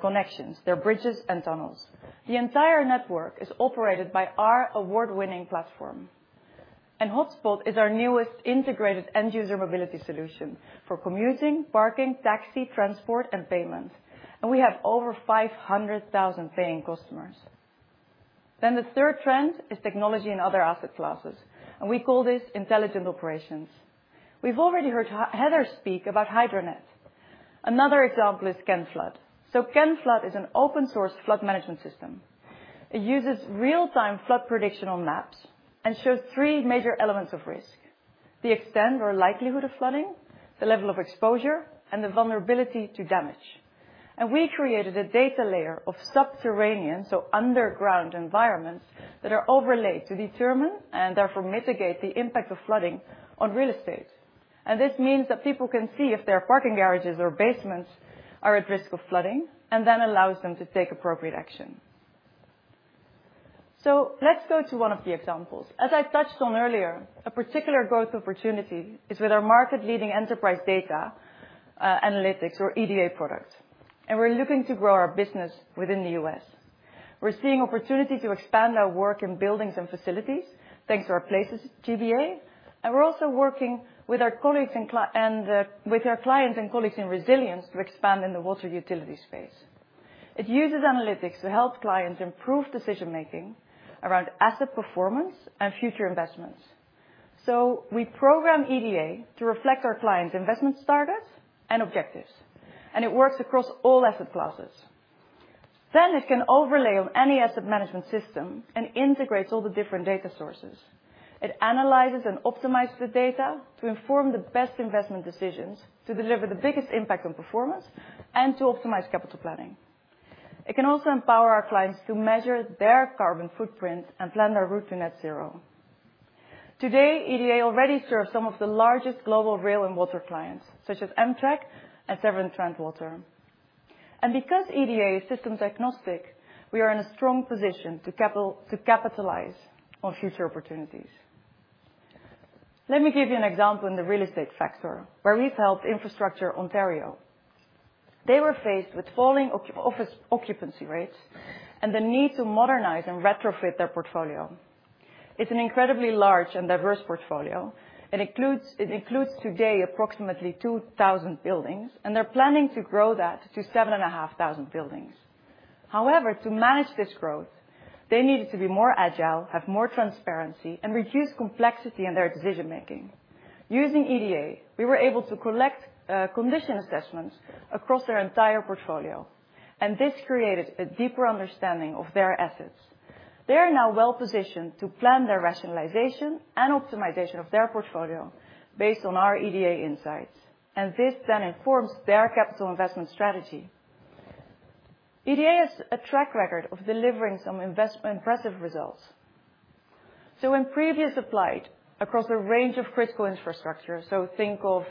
connections. There are bridges and tunnels. The entire network is operated by our award-winning platform. And HotSpot is our newest integrated end-user mobility solution for commuting, parking, taxi, transport, and payment, and we have over 500,000 paying customers. Then the third trend is technology and other asset classes, and we call this Intelligent Operations. We've already heard Heather speak about HydroNet.. Another example is CanFlood. So CanFlood is an open source flood management system. It uses real-time flood prediction maps and shows three major elements of risk: the extent or likelihood of flooding, the level of exposure, and the vulnerability to damage. And we created a data layer of subterranean, so underground environments, that are overlaid to determine, and therefore mitigate, the impact of flooding on real estate. And this means that people can see if their parking garages or basements are at risk of flooding, and then allows them to take appropriate action. So let's go to one of the examples. As I touched on earlier, a particular growth opportunity is with our market-leading enterprise data analytics or EDA products, and we're looking to grow our business within the U.S. We're seeing opportunity to expand our work in buildings and facilities, thanks to our Places GBA, and we're also working with our colleagues and with our clients and colleagues in Resilience to expand in the water utility space. It uses analytics to help clients improve decision-making around asset performance and future investments. So we program EDA to reflect our clients' investment status and objectives, and it works across all asset classes. Then it can overlay on any asset management system and integrates all the different data sources. It analyzes and optimizes the data to inform the best investment decisions, to deliver the biggest impact on performance, and to optimize capital planning. It can also empower our clients to measure their carbon footprint and plan their route to Net Zero. Today, EDA already serves some of the largest global rail and water clients, such as Amtrak and Severn Trent Water. And because EDA is systems agnostic, we are in a strong position to capitalize on future opportunities. Let me give you an example in the real estate sector, where we've helped Infrastructure Ontario. They were faced with falling office occupancy rates and the need to modernize and retrofit their portfolio. It's an incredibly large and diverse portfolio. It includes today approximately 2,000 buildings, and they're planning to grow that to 7,500 buildings. However, to manage this growth, they needed to be more agile, have more transparency, and reduce complexity in their decision making. Using EDA, we were able to collect condition assessments across their entire portfolio, and this created a deeper understanding of their assets. They are now well-positioned to plan their rationalization and optimization of their portfolio based on our EDA insights, and this then informs their capital investment strategy. EDA has a track record of delivering some impressive results. So when previously applied across a range of critical infrastructure, so think of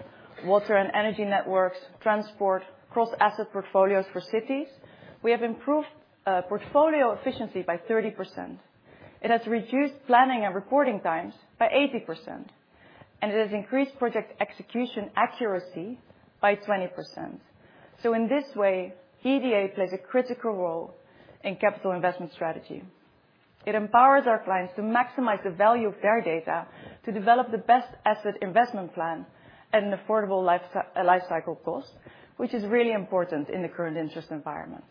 water and energy networks, transport, cross-asset portfolios for cities, we have improved portfolio efficiency by 30%. It has reduced planning and reporting times by 80%, and it has increased project execution accuracy by 20%. So in this way, EDA plays a critical role in capital investment strategy. It empowers our clients to maximize the value of their data, to develop the best asset investment plan at an affordable life cycle cost, which is really important in the current interest environment.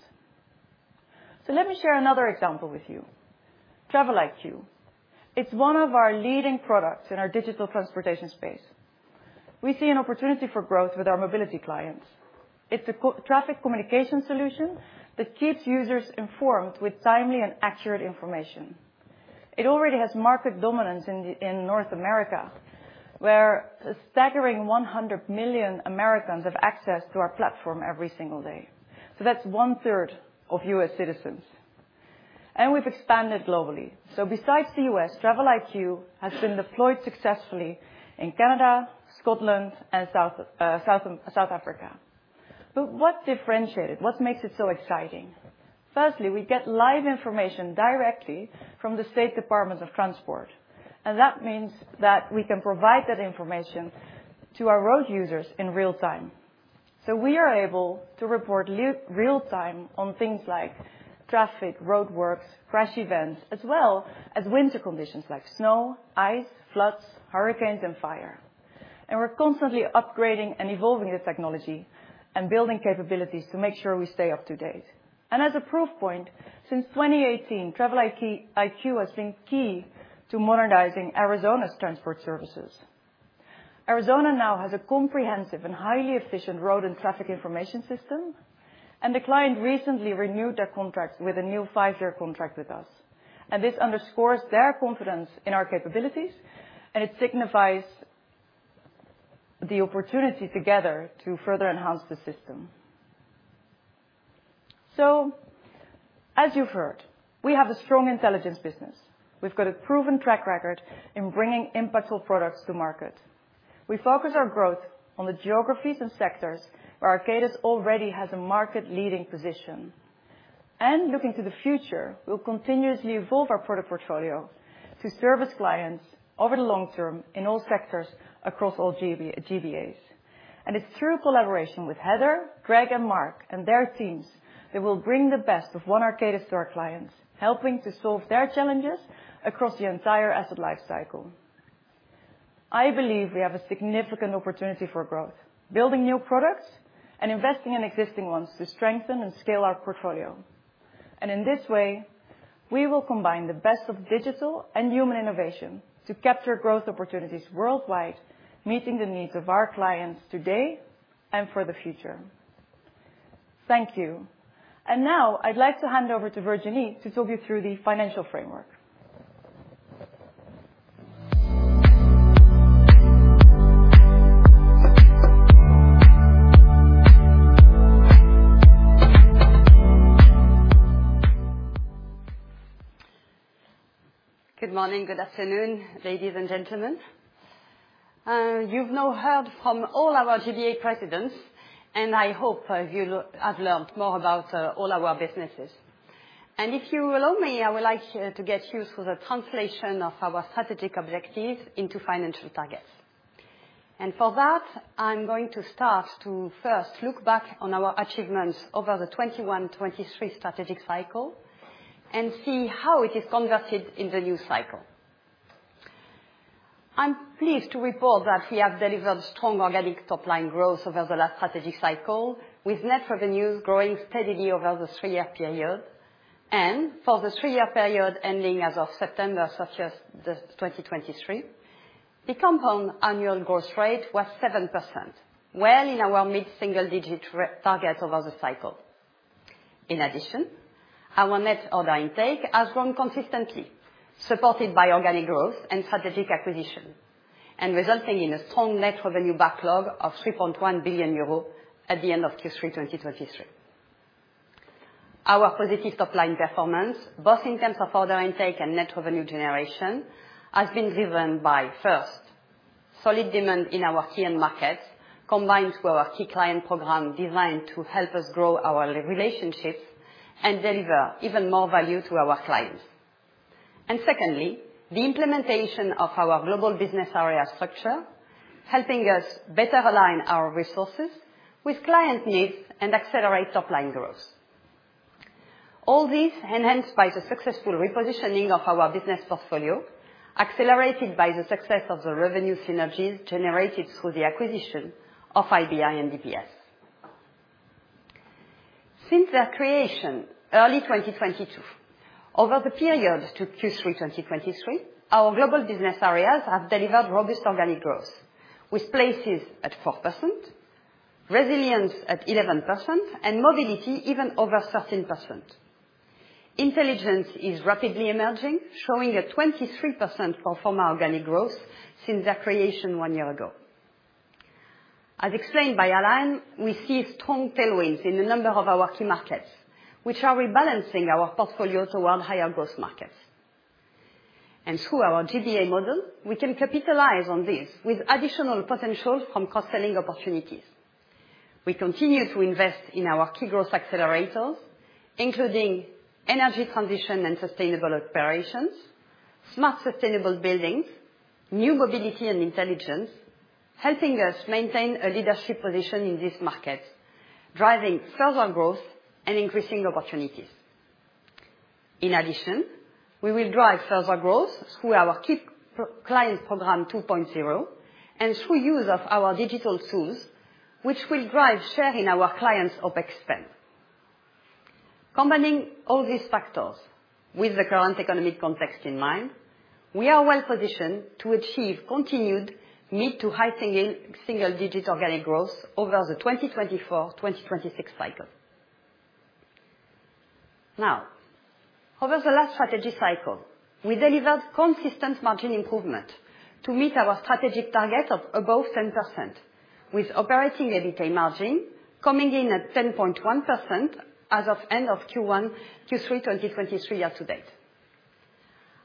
So let me share another example with you. TravelIQ. It's one of our leading products in our digital transportation space. We see an opportunity for growth with our mobility clients. It's a co-traffic communication solution that keeps users informed with timely and accurate information. It already has market dominance in North America, where a staggering 100 million Americans have access to our platform every single day. So that's one third of U.S. citizens, and we've expanded globally. So besides the U.S., TravelIQ has been deployed successfully in Canada, Scotland, and South Africa. But what differentiates it? What makes it so exciting? Firstly, we get live information directly from the state departments of transport, and that means that we can provide that information to our road users in real time. So we are able to report real time on things like traffic, roadworks, crash events, as well as winter conditions like snow, ice, floods, hurricanes, and fire. And we're constantly upgrading and evolving the technology and building capabilities to make sure we stay up-to-date. And as a proof point, since 2018, TravelIQ, has been key to modernizing Arizona's transport services. Arizona now has a comprehensive and highly efficient road and traffic information system, and the client recently renewed their contract with a new five-year contract with us. And this underscores their confidence in our capabilities, and it signifies the opportunity together to further enhance the system. So as you've heard, we have a strong intelligence business. We've got a proven track record in bringing impactful products to market. We focus our growth on the geographies and sectors where Arcadis already has a market-leading position. Looking to the future, we'll continuously evolve our product portfolio to service clients over the long term in all sectors across all GBAs. It's through collaboration with Heather, Greg, and Mark, and their teams that we'll bring the best of one Arcadis to our clients, helping to solve their challenges across the entire asset life cycle. I believe we have a significant opportunity for growth, building new products and investing in existing ones to strengthen and scale our portfolio. and in this way, we will combine the best of digital and human innovation to capture growth opportunities worldwide, meeting the needs of our clients today and for the future. Thank you. Now, I'd like to hand over to Virginie to talk you through the financial framework. Good morning, good afternoon, ladies and gentlemen. You've now heard from all our GBA presidents, and I hope you have learned more about all our businesses. And if you allow me, I would like to get you through the translation of our strategic objectives into financial targets. And for that, I'm going to start to first look back on our achievements over the 2021-2023 strategic cycle, and see how it is converted in the new cycle. I'm pleased to report that we have delivered strong organic top-line growth over the last strategic cycle, with net revenues growing steadily over the three-year period. And for the three-year period ending as of September, such as the 2023, the compound annual growth rate was 7%, well in our mid-single digit target over the cycle. In addition, our net order intake has grown consistently, supported by organic growth and strategic acquisition, and resulting in a strong net revenue backlog of 3.1 billion euros at the end of Q3-2023. Our positive top-line performance, both in terms of order intake and net revenue generation, has been driven by, first, solid demand in our key end markets, combined to our key client program designed to help us grow our relationships and deliver even more value to our clients. Secondly, the implementation of our global business area structure, helping us better align our resources with client needs and accelerate top-line growth. All this enhanced by the successful repositioning of our business portfolio, accelerated by the success of the revenue synergies generated through the acquisition of IBI and DPS. Since their creation, early 2022, over the period to Q3-2023, our global business areas have delivered robust organic growth, with Places at 4%, Resilience at 11%, and Mobility even over 13%. Intelligence is rapidly emerging, showing a 23% pro forma organic growth since their creation one year ago. As explained by Alan, we see strong tailwinds in a number of our key markets, which are rebalancing our portfolio toward higher growth markets. And through our GBA model, we can capitalize on this with additional potentials from cross-selling opportunities. We continue to invest in our key growth accelerators, including energy transition and sustainable operations, smart, sustainable buildings, new mobility and Intelligence, helping us maintain a leadership position in this market, driving further growth and increasing opportunities. In addition, we will drive further growth through our key priority client program 2.0, and through use of our digital tools, which will drive share in our clients' OpEx spend. Combining all these factors with the current economic context in mind, we are well positioned to achieve continued mid-to-high single-digit organic growth over the 2024-2026 cycle. Now, over the last strategy cycle, we delivered consistent margin improvement to meet our strategic target of above 10%, with operating EBITDA margin coming in at 10.1% as of end of Q1-Q3 2023 year to date.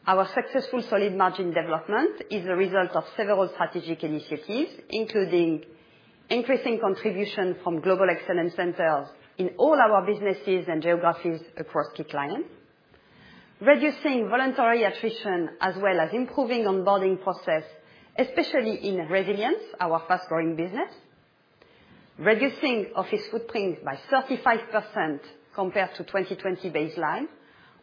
Our successful solid margin development is a result of several strategic initiatives, including increasing contribution from global excellence centers in all our businesses and geographies across key client. Reducing voluntary attrition, as well as improving onboarding process, especially in Resilience, our fast-growing business. Reducing office footprint by 35% compared to 2020 baseline,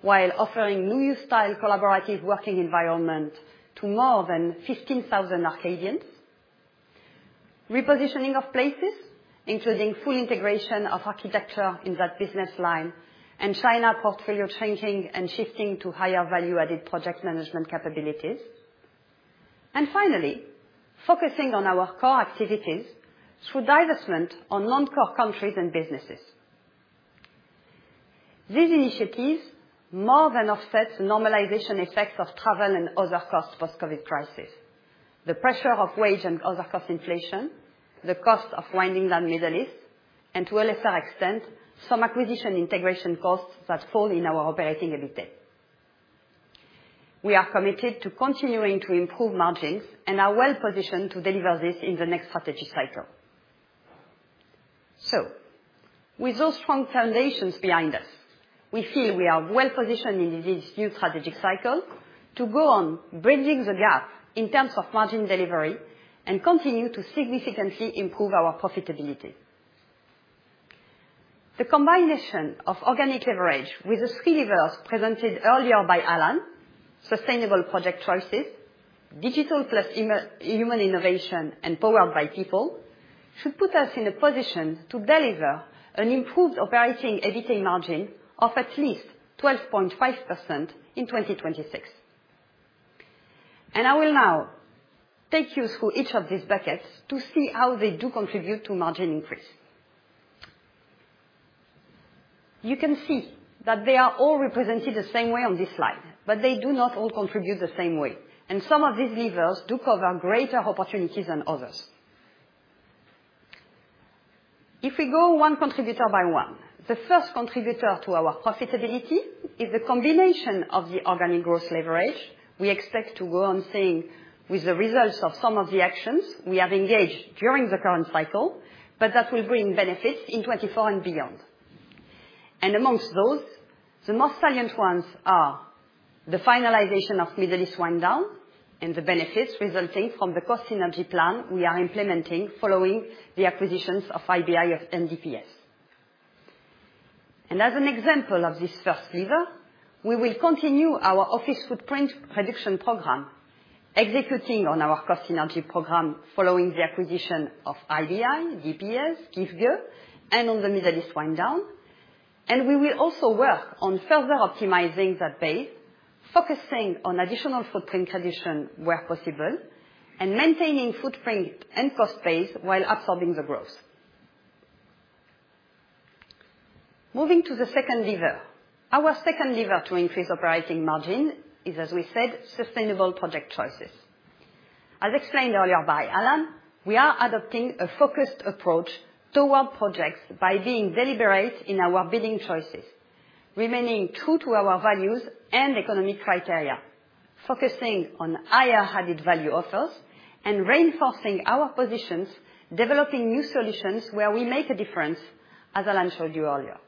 while offering new style collaborative working environment to more than 15,000 Arcadians. Repositioning of Places, including full integration of architecture in that business line, and China portfolio changing and shifting to higher value-added project management capabilities. Finally, focusing on our core activities through divestment on non-core countries and businesses. These initiatives more than offset the normalization effects of travel and other costs for COVID crisis, the pressure of wage and other cost inflation, the cost of winding down Middle East, and to a lesser extent, some acquisition integration costs that fall in our operating EBITDA. We are committed to continuing to improve margins and are well positioned to deliver this in the next strategy cycle. So with those strong foundations behind us, we feel we are well positioned in this new strategic cycle to go on bridging the gap in terms of margin delivery and continue to significantly improve our profitability. The combination of organic leverage with the three levers presented earlier by Alan, Sustainable Project choices, Digital Plus Human Innovation and Powered by People, should put us in a position to deliver an improved operating EBITDA margin of at least 12.5% in 2026. I will now take you through each of these buckets to see how they do contribute to margin increase. You can see that they are all represented the same way on this slide, but they do not all contribute the same way, and some of these levers do cover greater opportunities than others. If we go one by one, the first contributor to our profitability is the combination of the organic growth leverage we expect to go on seeing with the results of some of the actions we have engaged during the current cycle, but that will bring benefits in 2024 and beyond. Amongst those, the most salient ones are the finalization of Middle East wind down and the benefits resulting from the cost synergy plan we are implementing following the acquisitions of IBI and DPS. As an example of this first lever, we will continue our office footprint reduction program, executing on our cost synergy program following the acquisition of IBI, DPS, Giftge, and on the Middle East wind down. We will also work on further optimizing that base, focusing on additional footprint reduction where possible, and maintaining footprint and cost base while absorbing the growth. Moving to the second lever. Our second lever to increase operating margin is, as we said, sustainable project choices. As explained earlier by Alan, we are adopting a focused approach toward projects by being deliberate in our bidding choices, remaining true to our values and economic criteria, focusing on higher added-value offers, and reinforcing our positions, developing new solutions where we make a difference, as Alan showed you earlier.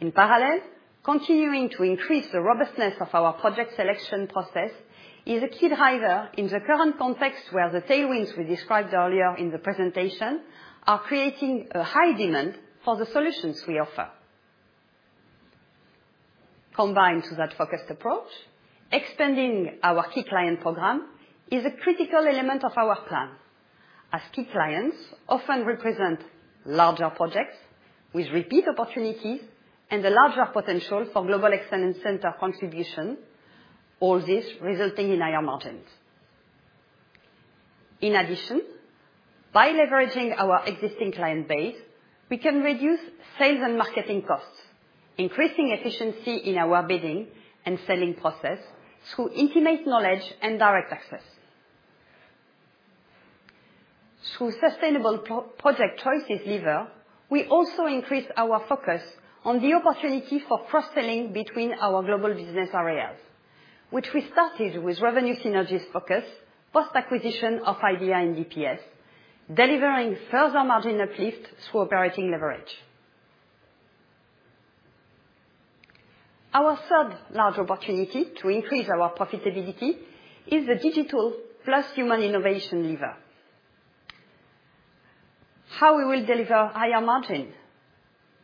In parallel, continuing to increase the robustness of our project selection process is a key driver in the current context, where the tailwinds we described earlier in the presentation are creating a high demand for the solutions we offer. Combined to that focused approach, expanding our key client program is a critical element of our plan, as key clients often represent larger projects with repeat opportunities and a larger potential for global extension center contribution, all this resulting in higher margins. In addition, by leveraging our existing client base, we can reduce sales and marketing costs, increasing efficiency in our bidding and selling process through intimate knowledge and direct access. Through sustainable pro-project choices lever, we also increase our focus on the opportunity for cross-selling between our global business areas, which we started with revenue synergies focus, post-acquisition of IBI and DPS, delivering further margin uplift through operating leverage. Our third large opportunity to increase our profitability is the Digital Pus Human Innovation lever. How we will deliver higher margin?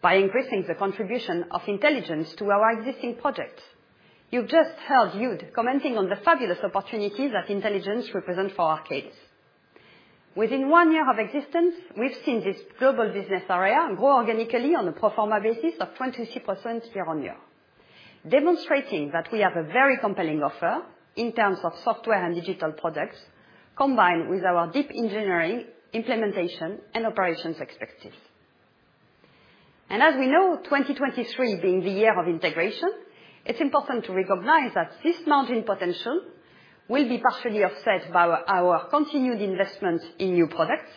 By increasing the contribution of intelligence to our existing projects. You've just heard Jud commenting on the fabulous opportunity that intelligence represent for Arcadis. Within one year of existence, we've seen this global business area grow organically on a pro forma basis of 23% year-on-year, demonstrating that we have a very compelling offer in terms of software and digital products, combined with our deep engineering, implementation, and operations expertise. As we know, 2023 being the year of integration, it's important to recognize that this margin potential will be partially offset by our continued investment in new products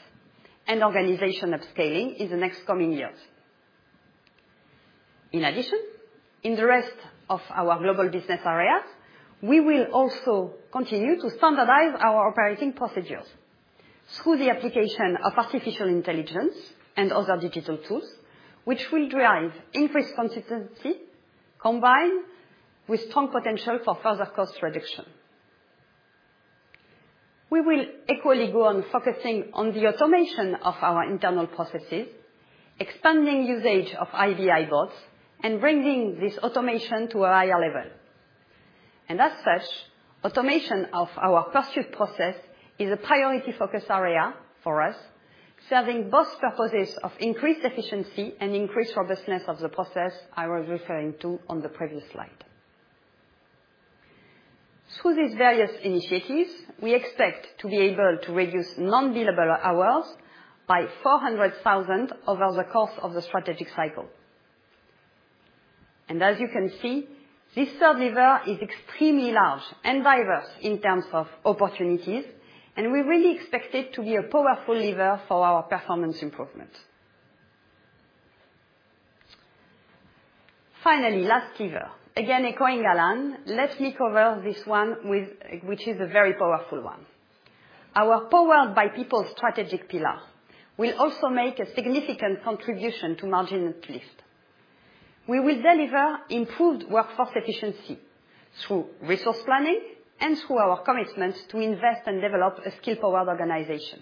and organization upscaling in the next coming years. In addition, in the rest of our global business areas, we will also continue to standardize our operating procedures through the application of artificial intelligence and other digital tools, which will drive increased consistency combined with strong potential for further cost reduction. We will equally go on focusing on the automation of our internal processes, expanding usage of IBI bots, and bringing this automation to a higher level. And as such, automation of our pursuit process is a priority focus area for us, serving both purposes of increased efficiency and increased robustness of the process I was referring to on the previous slide. Through these various initiatives, we expect to be able to reduce non-billable hours by 400,000 over the course of the strategic cycle. As you can see, this third lever is extremely large and diverse in terms of opportunities, and we really expect it to be a powerful lever for our performance improvement. Finally, last lever. Again, echoing Alan, let me cover this one, which is a very powerful one. Our Powered by People strategic pillar will also make a significant contribution to margin uplift. We will deliver improved workforce efficiency through resource planning and through our commitment to invest and develop a skill-powered organization.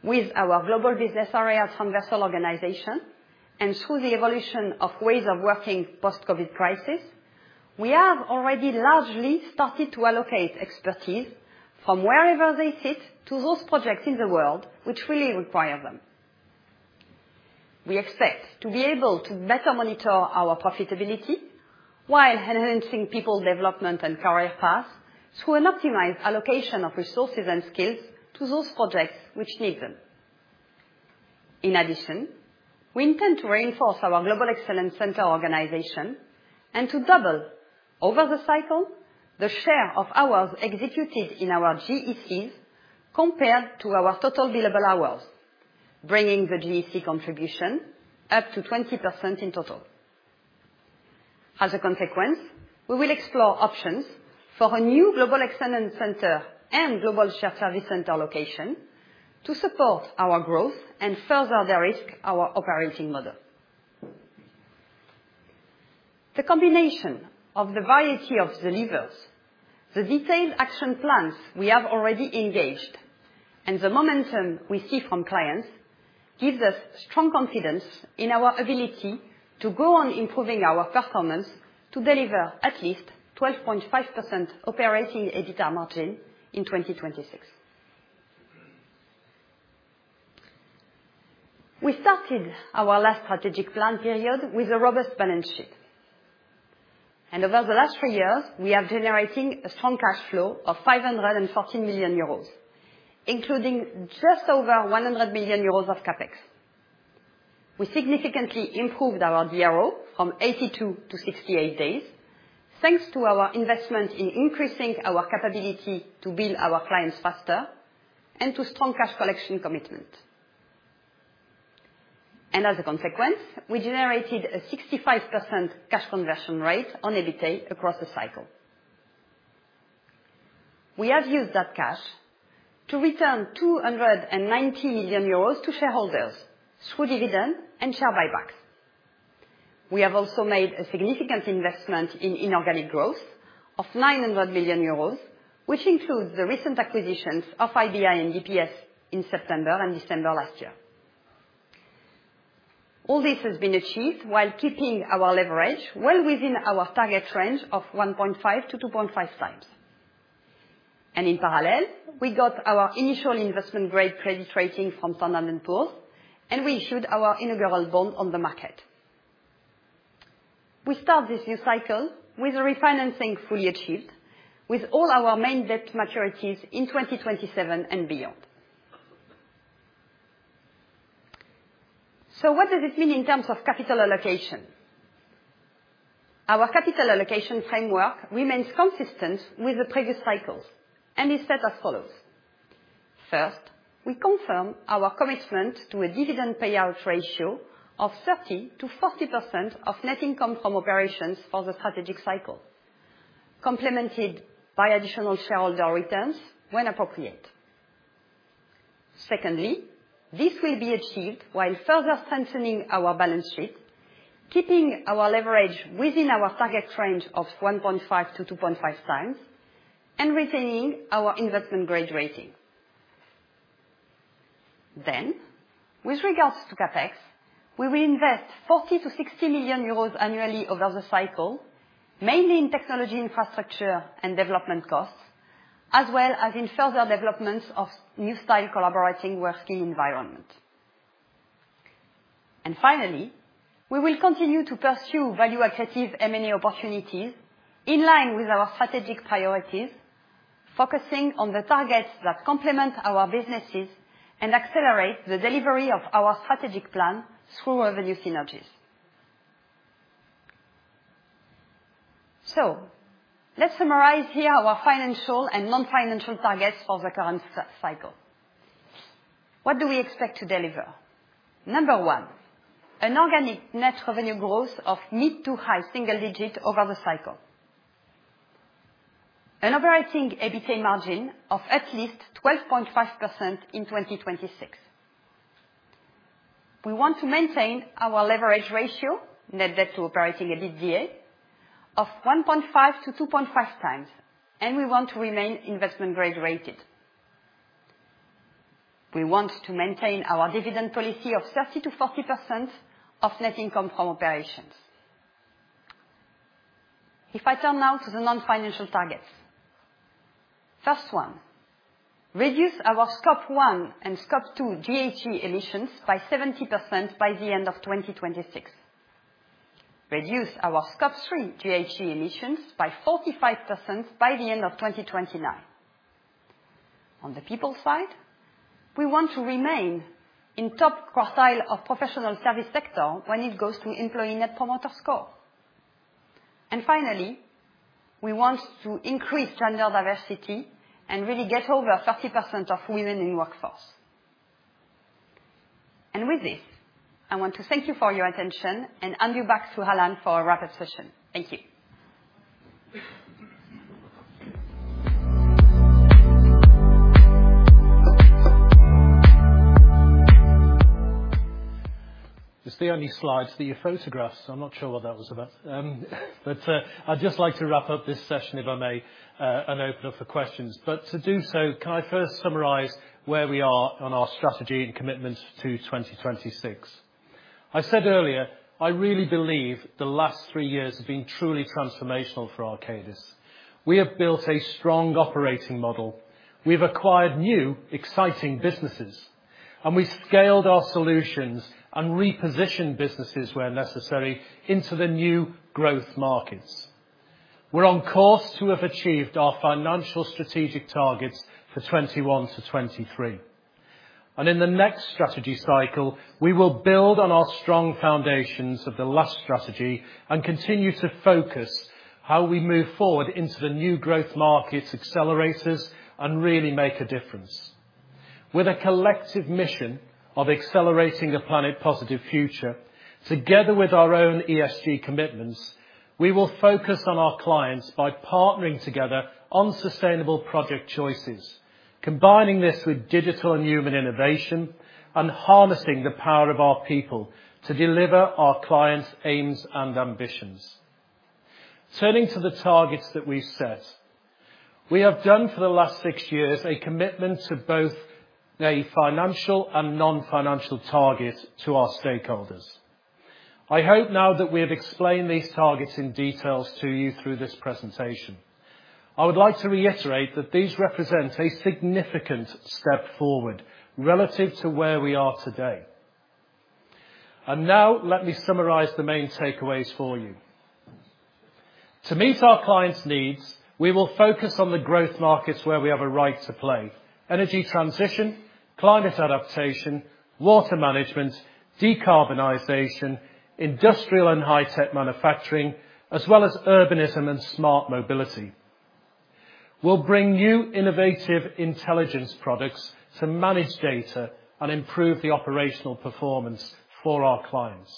with our global business areas from versatile organization, and through the evolution of ways of working post-COVID crisis, we have already largely started to allocate expertise from wherever they sit to those projects in the world which really require them. We expect to be able to better monitor our profitability while enhancing people development and career paths through an optimized allocation of resources and skills to those projects which need them. In addition, we intend to reinforce our Global Excellence Center organization and to double over the cycle the share of hours executed in our GECs compared to our total billable hours, bringing the GEC contribution up to 20% in total. As a consequence, we will explore options for a new Global Excellence Center and global shared service center location to support our growth and further de-risk our operating model. The combination of the variety of the levers, the detailed action plans we have already engaged, and the momentum we see from clients, gives us strong confidence in our ability to go on improving our performance to deliver at least 12.5% operating EBITDA margin in 2026. We started our last strategic plan period with a robust balance sheet, and over the last three years, we are generating a strong cash flow of 540 million euros, including just over 100 million euros of CapEx. We significantly improved our DSO from 82 to 68 days, thanks to our investment in increasing our capability to bill our clients faster and to strong cash collection commitment. And as a consequence, we generated a 65% cash conversion rate on EBITDA across the cycle. We have used that cash to return 290 million euros to shareholders through dividend and share buybacks. We have also made a significant investment in inorganic growth of 900 million euros, which includes the recent acquisitions of IBI and DPS in September and December last year. All this has been achieved while keeping our leverage well within our target range of 1.5-2.5 times. And in parallel, we got our initial investment-grade credit rating from Standard & Poor's, and we issued our inaugural bond on the market. We start this new cycle with the refinancing fully achieved, with all our main debt maturities in 2027 and beyond. So what does this mean in terms of capital allocation? Our capital allocation framework remains consistent with the previous cycles and is set as follows: First, we confirm our commitment to a dividend payout ratio of 30%-40% of net income from operations for the strategic cycle, complemented by additional shareholder returns when appropriate. Secondly, this will be achieved while further strengthening our balance sheet, keeping our leverage within our target range of 1.5-2.5 times, and retaining our investment grade rating. Then, with regards to CapEx, we will invest 40 million-60 million euros annually over the cycle, mainly in technology, infrastructure, and development costs, as well as in further development of new style collaborating working environment. And finally, we will continue to pursue value-accretive M&A opportunities in line with our strategic priorities, focusing on the targets that complement our businesses and accelerate the delivery of our strategic plan through revenue synergies. So let's summarize here our financial and non-financial targets for the current cycle. What do we expect to deliver? Number one, an organic net revenue growth of mid- to high-single-digit over the cycle. An operating EBITDA margin of at least 12.5% in 2026. We want to maintain our leverage ratio, net debt to operating EBITDA, of 1.5-2.5 times, and we want to remain investment grade rated. We want to maintain our dividend policy of 30%-40% of net income from operations. If I turn now to the non-financial targets. First one, reduce our Scope 1 and Scope 2 GHG emissions by 70% by the end of 2026. Reduce our Scope 3 GHG emissions by 45% by the end of 2029. On the people side, we want to remain in top quartile of professional service sector when it goes to employee Net Promoter Score. And finally, we want to increase gender diversity and really get over 30% of women in workforce. And with this, I want to thank you for your attention and hand you back to Alan for a wrap-up session. Thank you. . It's the only slides that you photographed, so I'm not sure what that was about. But, I'd just like to wrap up this session, if I may, and open up for questions. But to do so, can I first summarize where we are on our strategy and commitment to 2026? I said earlier, I really believe the last three years have been truly transformational for Arcadis. We have built a strong operating model, we've acquired new, exciting businesses, and we scaled our solutions and repositioned businesses where necessary into the new growth markets. We're on course to have achieved our financial strategic targets for 2021-2023. In the next strategy cycle, we will build on our strong foundations of the last strategy and continue to focus how we move forward into the new growth markets, accelerators, and really make a difference. With a collective mission of accelerating a planet positive future, together with our own ESG commitments, we will focus on our clients by partnering together on sustainable project choices, combining this with digital and human innovation, and harnessing the power of our people to deliver our clients' aims and ambitions. Turning to the targets that we've set, we have done for the last six years a commitment to both a financial and non-financial target to our stakeholders. I hope now that we have explained these targets in details to you through this presentation, I would like to reiterate that these represent a significant step forward relative to where we are today. And now, let me summarize the main takeaways for you. To meet our clients' needs, we will focus on the growth markets where we have a right to play: energy transition, climate adaptation, water management, decarbonization, industrial and high-tech manufacturing, as well as urbanism and smart mobility. We'll bring new innovative intelligence products to manage data and improve the operational performance for our clients.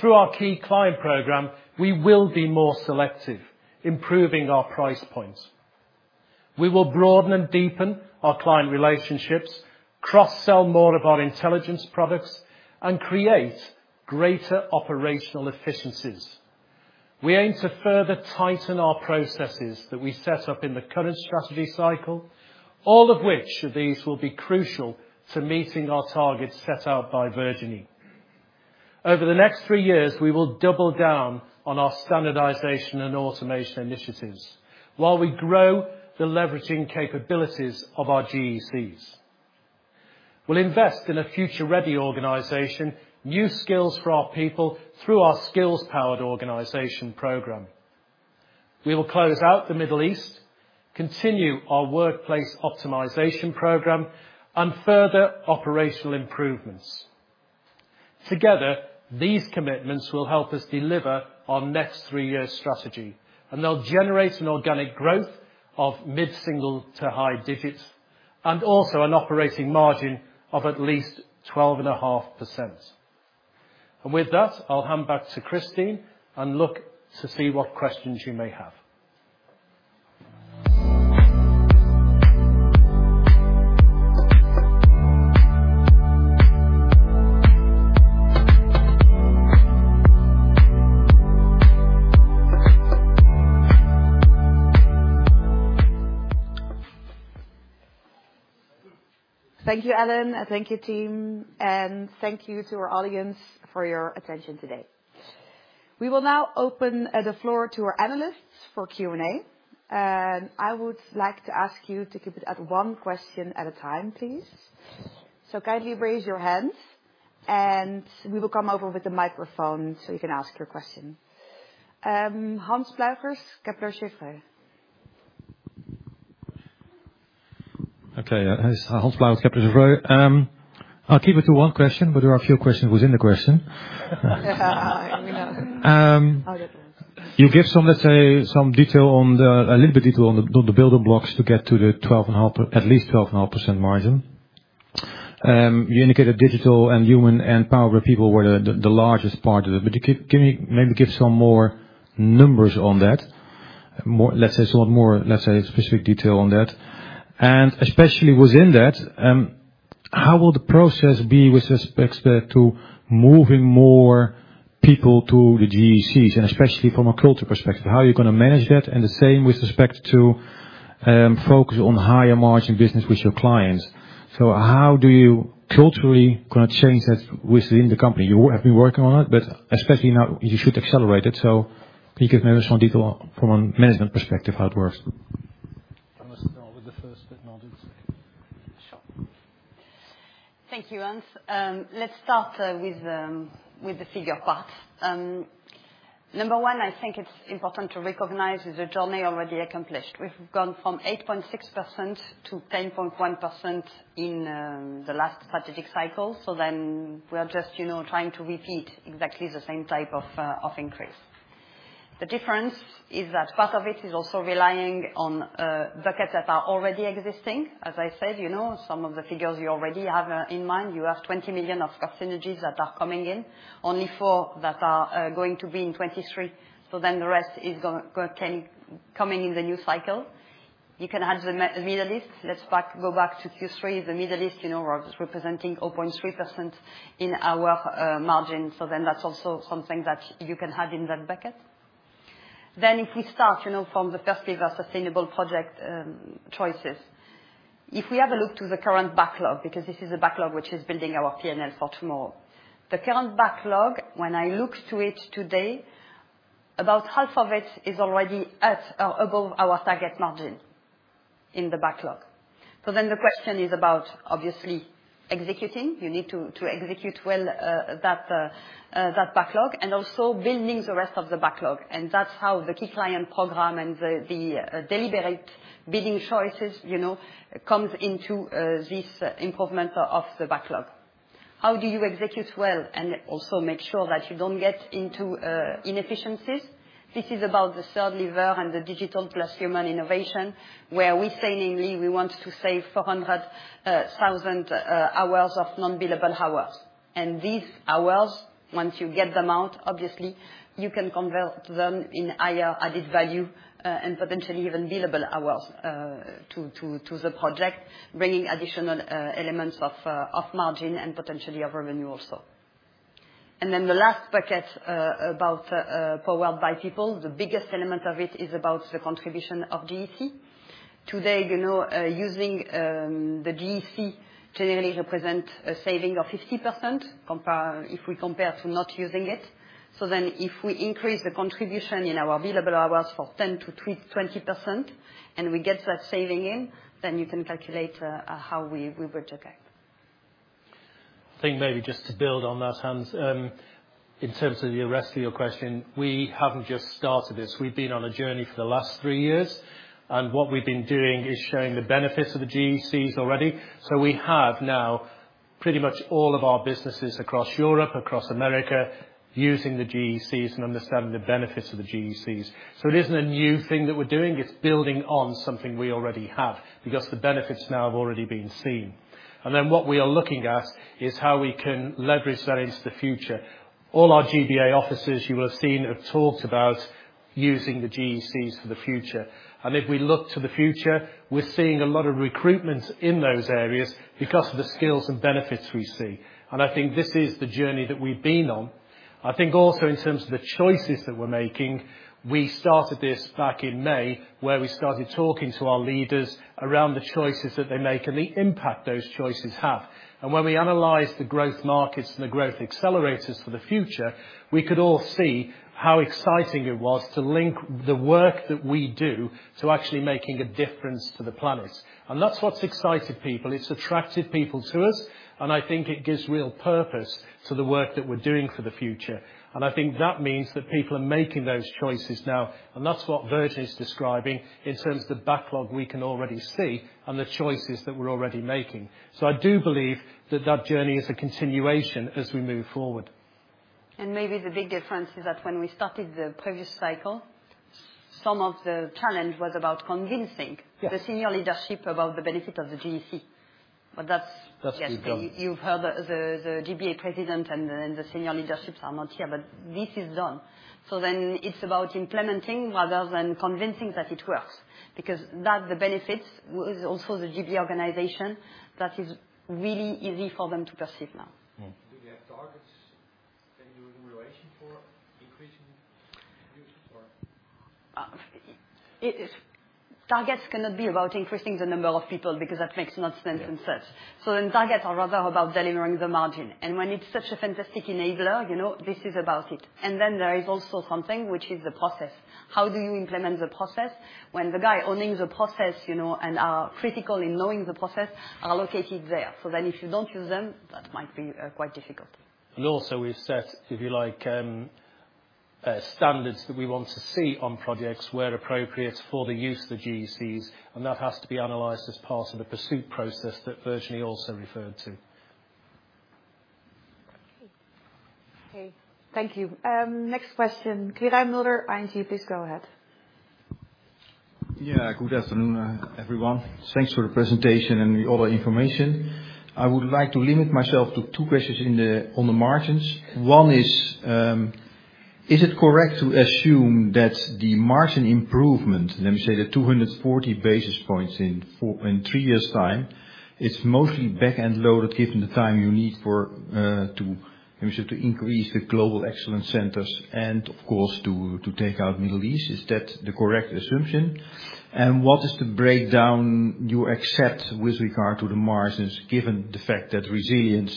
Through our key client program, we will be more selective, improving our price points. We will broaden and deepen our client relationships, cross-sell more of our intelligence products, and create greater operational efficiencies. We aim to further tighten our processes that we set up in the current strategy cycle, all of which of these will be crucial to meeting our targets set out by Virginie. Over the next three years, we will double down on our standardization and automation initiatives, while we grow the leveraging capabilities of our GECs. We'll invest in a future-ready organization, new skills for our people through our skills-powered organization program. We will close out the Middle East, continue our workplace optimization program, and further operational improvements. Together, these commitments will help us deliver our next three-year strategy, and they'll generate an organic growth of mid-single to high digits, and also an operating margin of at least 12.5%. And with that, I'll hand back to Christine, and look to see what questions you may have. Thank you, Alan, and thank you, team, and thank you to our audience for your attention today. We will now open the floor to our analysts for Q&A, and I would like to ask you to keep it at one question at a time, please. So kindly raise your hands, and we will come over with the microphone, so you can ask your question. Hans Pluijgers, Kepler Cheuvreux. Okay, it's Hans Pluijgers, Kepler Cheuvreux. I'll keep it to one question, but there are a few questions within the question. We know. Um- I'll get this. You give some, let's say, detail on the building blocks to get to the 12.5%- at least 12.5% margin. You indicated digital and human and power people were the largest part of it, but can you maybe give some more numbers on that? More, let's say, specific detail on that. And especially within that, how will the process be with respect to moving more people to the GECs, and especially from a culture perspective, how are you gonna manage that? And the same with respect to focus on higher margin business with your clients. So how do you culturally gonna change that within the company? You have been working on it, but especially now, you should accelerate it. Can you give maybe some detail from a management perspective, how it works? I must start with the first bit, not the second. Sure. Thank you, Hans. Let's start with the figure part. Number one, I think it's important to recognize is the journey already accomplished. We've gone from 8.6% to 10.1% in the last strategic cycle, so then we are just, you know, trying to repeat exactly the same type of increase. The difference is that part of it is also relying on buckets that are already existing. As I said, you know, some of the figures you already have in mind. You have 20 million of cost synergies that are coming in, only 4 million that are going to be in 2023, so then the rest is gonna come in the new cycle. you can add the Middle East. Let's go back to Q3, the Middle East, you know, was representing 0.3% in our margin, so then that's also something that you can add in that bucket. Then if we start, you know, from the first lever, sustainable project choices, if we have a look to the current backlog, because this is a backlog which is building our P&L for tomorrow. The current backlog, when I look to it today, about half of it is already at or above our target margin in the backlog. So then the question is about obviously executing. You need to execute well, that backlog, and also building the rest of the backlog. And that's how the key client program and the deliberate bidding choices, you know, comes into this improvement of the backlog. How do you execute well and also make sure that you don't get into inefficiencies? This is about the third lever and the digital plus human innovation, where we say, namely, we want to save 400,000 hours of non-billable hours. And these hours, once you get them out, obviously, you can convert them in higher added value and potentially even billable hours to the project, bringing additional elements of margin and potentially of revenue also. And then the last bucket about Powered by People, the biggest element of it is about the contribution of GEC. Today, you know, using the GEC generally represent a saving of 50% if we compare to not using it. So then if we increase the contribution in our billable hours for 10%-20%, and we get that saving in, then you can calculate how we bridge the gap. I think maybe just to build on that, Hans, in terms of the rest of your question, we haven't just started this. We've been on a journey for the last three years, and what we've been doing is showing the benefits of the GECs already. So we have now pretty much all of our businesses across Europe, across America, using the GECs and understanding the benefits of the GECs. So it isn't a new thing that we're doing, it's building on something we already have, because the benefits now have already been seen. And then what we are looking at is how we can leverage that into the future. All our GBA offices, you will have seen, have talked about using the GECs for the future. If we look to the future, we're seeing a lot of recruitment in those areas because of the skills and benefits we see. I think this is the journey that we've been on. I think also in terms of the choices that we're making, we started this back in May, where we started talking to our leaders around the choices that they make and the impact those choices have. When we analyzed the growth markets and the growth accelerators for the future, we could all see how exciting it was to link the work that we do to actually making a difference to the planet. That's what's excited people. It's attracted people to us, and I think it gives real purpose to the work that we're doing for the future. I think that means that people are making those choices now, and that's what Virginie is describing in terms of the backlog we can already see and the choices that we're already making. I do believe that that journey is a continuation as we move forward. Maybe the big difference is that when we started the previous cycle, some of the challenge was about convincing- Yeah .the senior leadership about the benefit of the GEC. But that's- That's been done. You've heard the GBA president and the senior leaderships are not here, but this is done. So then it's about implementing rather than convincing that it works, because that's the benefits, also the GBA organization, that is really easy for them to perceive now. Mm-hmm. Do they have targets, then you in relation for increasing use or? Targets cannot be about increasing the number of people, because that makes no sense and such. Yeah. So then targets are rather about delivering the margin. And when it's such a fantastic enabler, you know, this is about it. And then there is also something, which is the process. How do you implement the process when the guy owning the process, you know, and are critical in knowing the process, are located there? So then if you don't use them, that might be quite difficult. Also we've set, if you like, standards that we want to see on projects where appropriate for the use of the GECs, and that has to be analyzed as part of the pursuit process that Virginie also referred to. Okay. Thank you. Next question, Quirijn Mulder, ING, please go ahead. Yeah, good afternoon, everyone. Thanks for the presentation and the other information. I would like to limit myself to two questions on the margins. One is: Is it correct to assume that the margin improvement, let me say, the 240 basis points in three years' time, it's mostly back-end loaded, given the time you need for, to, let me say, to increase the Global Excellence Centers and, of course, to take out Middle East? Is that the correct assumption? And what is the breakdown you accept with regard to the margins, given the fact that Resilience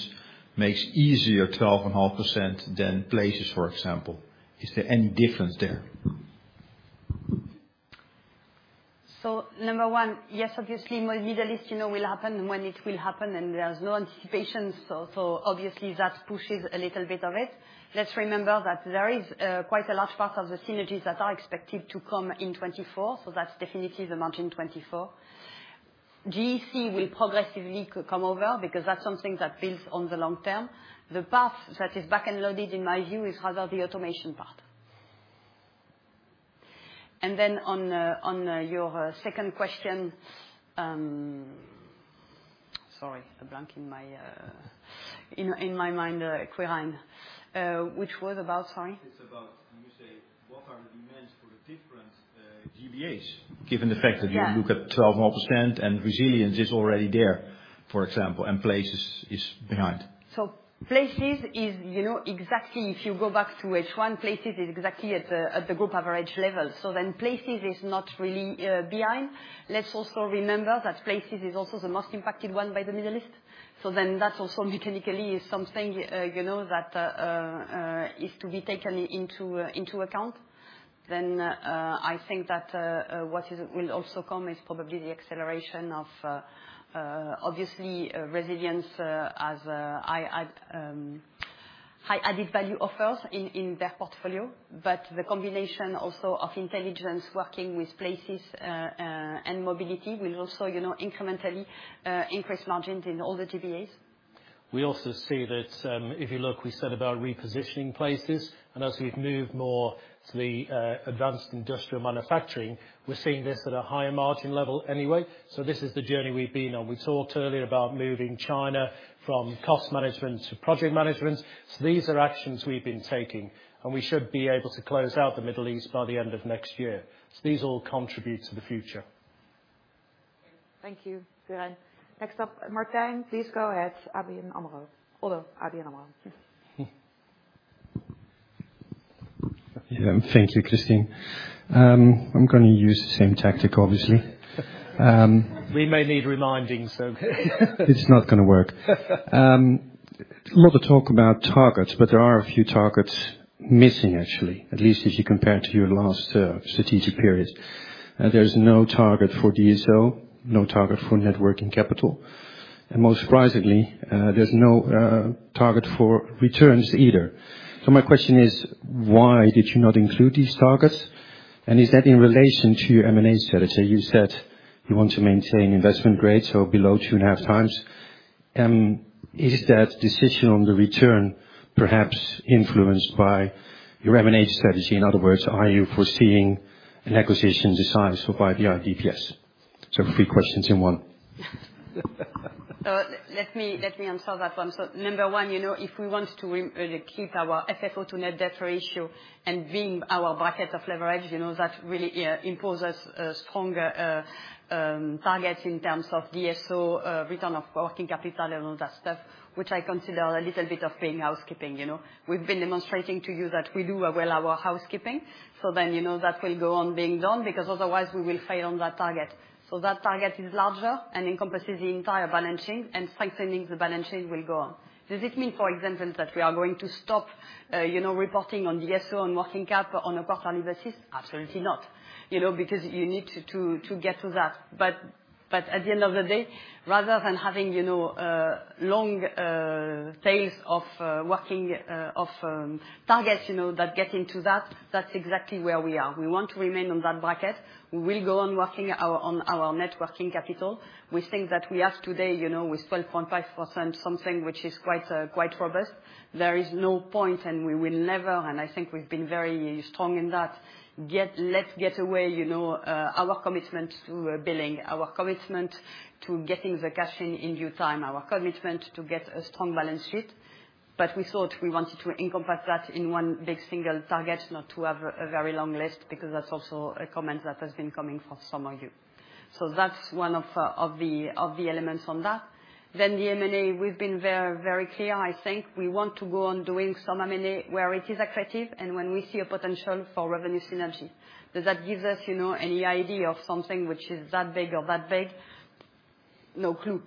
makes easier 12.5% than Places, for example? Is there any difference there? So number one, yes, obviously, Middle East, you know, will happen when it will happen, and there's no anticipation. So, obviously, that pushes a little bit of it. Let's remember that there is quite a large part of the synergies that are expected to come in 2024, so that's definitely the margin 2024. GEC will progressively come over because that's something that builds on the long term. The path that is back-loaded, in my view, is rather the automation part. And then on your second question. Sorry, a blank in my mind, Quirijn. Which was about, sorry? It's about when you say, what are the demands for the different GBAs, given the fact that- Yeah. You look at 12% more, and Resilience is already there, for example, and Places is behind. So Places is, you know, exactly if you go back to H1, Places is exactly at the group average level. So then Places is not really behind. Let's also remember that Places is also the most impacted one by the Middle East, so then that also mechanically is something, you know, that is to be taken into account. Then, I think that will also come is probably the acceleration of obviously Resilience as high added value offers in their portfolio. But the combination also of Intelligence working with Places and Mobility will also, you know, incrementally increase margins in all the GBAs. We also see that, if you look, we said about repositioning Places, and as we've moved more to the advanced industrial manufacturing, we're seeing this at a higher margin level anyway, so this is the journey we've been on. We talked earlier about moving China from cost management to project management, so these are actions we've been taking, and we should be able to close out the Middle East by the end of next year. So these all contribute to the future. Thank you, Quirijn. Next up, Martijn, please go ahead, ABN AMRO. Although, ABN AMRO. Yeah. Thank you, Christine. I'm going to use the same tactic, obviously. We may need reminding, so It's not going to work. A lot of talk about targets, but there are a few targets missing, actually, at least if you compare to your last strategic period. There's no target for DSO, no target for net working capital, and most surprisingly, there's no target for returns either. So my question is, why did you not include these targets? And is that in relation to your M&A strategy? You said you want to maintain investment grades, so below 2.5 times. Is that decision on the return perhaps influenced by your M&A strategy? In other words, are you foreseeing an acquisition decided for by the IDPS? So three questions in one. Let me, let me answer that one. So number one, you know, if we want to keep our FFO to net debt ratio and within our bracket of leverage, you know, that really target in terms of DSO, return of working capital, and all that stuff, which I consider a little bit of being housekeeping, you know? We've been demonstrating to you that we do well our housekeeping, so then, you know, that will go on being done, because otherwise we will fail on that target. So that target is larger and encompasses the entire balance sheet, and strengthening the balance sheet will go on. Does it mean, for example, that we are going to stop, you know, reporting on DSO and working cap on a quarterly basis? Absolutely not, you know, because you need to get to that. But at the end of the day, rather than having, you know, long tails of working of targets, you know, that get into that, that's exactly where we are. We want to remain on that bracket. We will go on working our, on our net working capital. We think that we have today, you know, with 12.5%, something which is quite quite robust. There is no point, and we will never, and I think we've been very strong in that, getting away, you know, our commitment to billing, our commitment to getting the cash in in due time, our commitment to get a strong balance sheet. But we thought we wanted to encompass that in one big single target, not to have a very long list, because that's also a comment that has been coming from some of you. So that's one of the elements on that. Then the M&A, we've been very, very clear. I think we want to go on doing some M&A where it is accretive and when we see a potential for revenue synergy. Does that give us, you know, any idea of something which is that big or that big? No clue.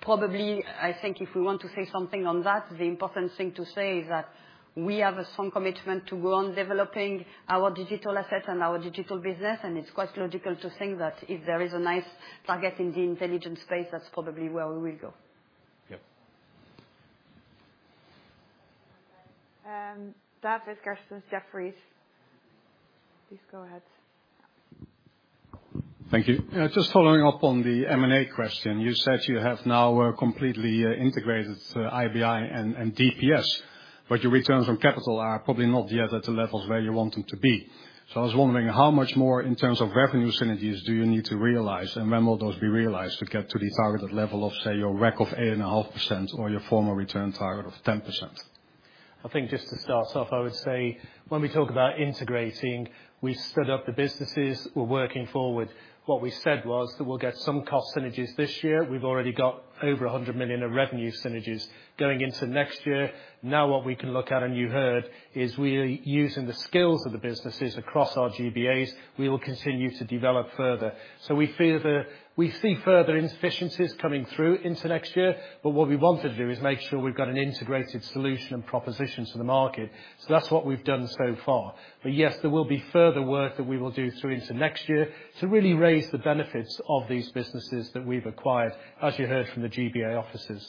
Probably, I think if we want to say something on that, the important thing to say is that we have a strong commitment to go on developing our digital asset and our digital business, and it's quite logical to think that if there is a nice target in the intelligence space, that's probably where we will go. Yep. That is Christine Disch. Please go ahead. Thank you. Just following up on the M&A question, you said you have now completely integrated IBI and DPS, but your returns on capital are probably not yet at the levels where you want them to be. So I was wondering, how much more in terms of revenue synergies do you need to realize, and when will those be realized to get to the targeted level of, say, your rec of 8.5% or your former return target of 10%? I think just to start off, I would say when we talk about integrating, we've stood up the businesses. We're working forward. What we said was that we'll get some cost synergies this year. We've already got over 100 million of revenue synergies going into next year. Now, what we can look at, and you heard, is we are using the skills of the businesses across our GBAs. We will continue to develop further. So we feel the, we see further inefficiencies coming through into next year, but what we want to do is make sure we've got an integrated solution and proposition to the market. So that's what we've done so far. But yes, there will be further work that we will do through into next year to really raise the benefits of these businesses that we've acquired, as you heard from the GBA offices.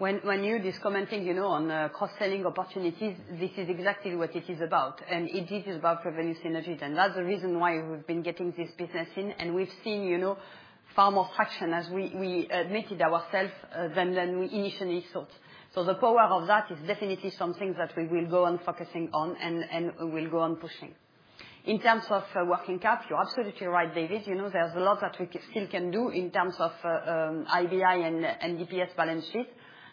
When you just commenting, you know, on cross-selling opportunities, this is exactly what it is about, and it is about revenue synergies, and that's the reason why we've been getting this business in. And we've seen, you know, far more traction, as we admitted ourselves than we initially thought. So the power of that is definitely something that we will go on focusing on and we'll go on pushing. In terms of working capital, you're absolutely right, David. You know, there's a lot that we still can do in terms of IBI and DPS balance sheet,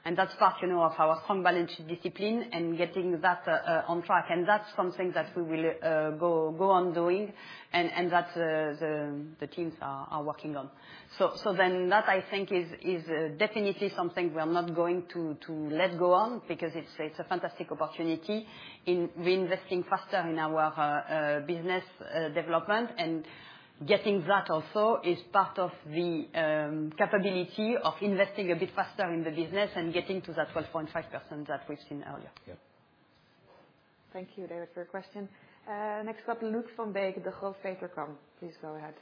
and that's part, you know, of our strong balance sheet discipline and getting that on track. And that's something that we will go on doing, and that the teams are working on. So then that I think is definitely something we are not going to let go on because it's a fantastic opportunity in reinvesting faster in our business development. And getting that also is part of the capability of investing a bit faster in the business and getting to that 12.5% that we've seen earlier. Yeah. Thank you, David, for your question. Next up, Luuk van Beek, Degroof Petercam, please go ahead.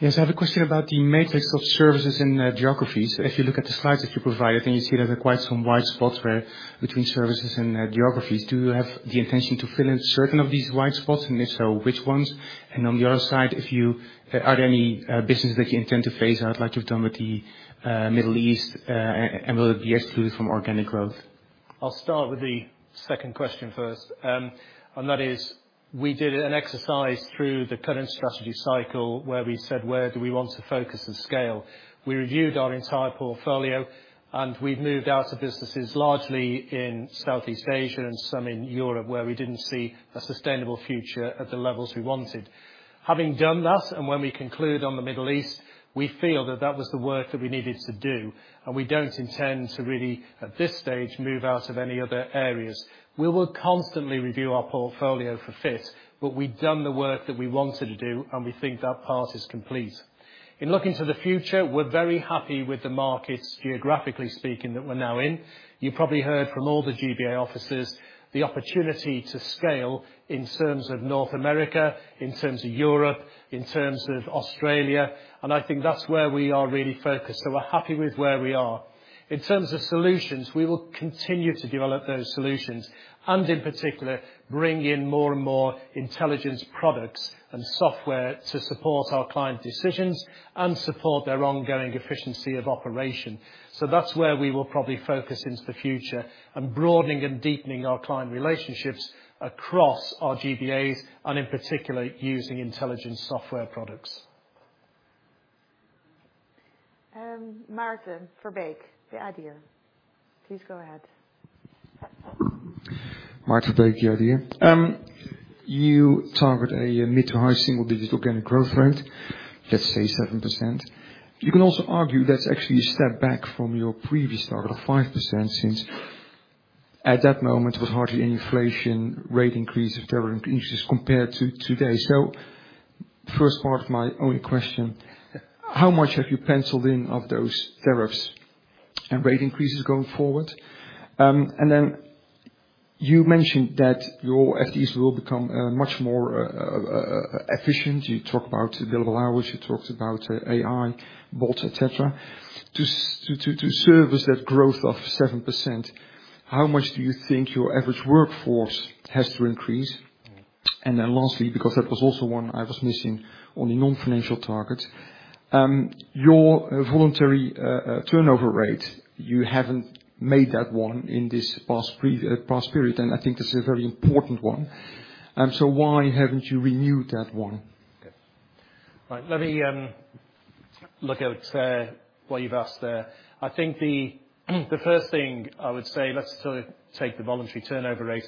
Yes, I have a question about the matrix of services in geographies. If you look at the slides that you provided, and you see there are quite some white spots where between services and geographies. Do you have the intention to fill in certain of these white spots, and if so, which ones? And on the other side, are there any businesses that you intend to phase out, like you've done with the Middle East? And will it be excluded from organic growth? I'll start with the second question first. And that is, we did an exercise through the current strategy cycle where we said: Where do we want to focus and scale? We reviewed our entire portfolio, and we've moved out of businesses largely in Southeast Asia and some in Europe, where we didn't see a sustainable future at the levels we wanted. Having done that, and when we conclude on the Middle East, we feel that that was the work that we needed to do, and we don't intend to really, at this stage, move out of any other areas. We will constantly review our portfolio for fit, but we've done the work that we wanted to do, and we think that part is complete. In looking to the future, we're very happy with the markets, geographically speaking, that we're now in. You probably heard from all the GBA offices the opportunity to scale in terms of North America, in terms of Europe, in terms of Australia, and I think that's where we are really focused. We're happy with where we are. In terms of solutions, we will continue to develop those solutions, and in particular, bring in more and more intelligence products and software to support our client decisions and support their ongoing efficiency of operation. That's where we will probably focus into the future and broadening and deepening our client relationships across our GBAs, and in particular, using intelligence software products. Maarten Verbeek, The Idea, please go ahead. Maarten Verbeek, The Idea. You target a mid- to high single-digit organic growth rate, let's say 7%. You can also argue that's actually a step back from your previous target of 5%, since at that moment, it was hardly any inflation rate increase, if there were increases compared to today. So first part of my only question, how much have you penciled in of those tariffs and rate increases going forward? And then you mentioned that your FDs will become much more efficient. You talk about billable hours, you talked about AI, bots, et cetera. To service that growth of 7%, how much do you think your average workforce has to increase? And then lastly, because that was also one I was missing on the non-financial targets, your voluntary turnover rate, you haven't made that one in this past period, and I think this is a very important one. So why haven't you renewed that one? Right. Let me look at what you've asked there. I think the first thing I would say, let's sort of take the voluntary turnover rate.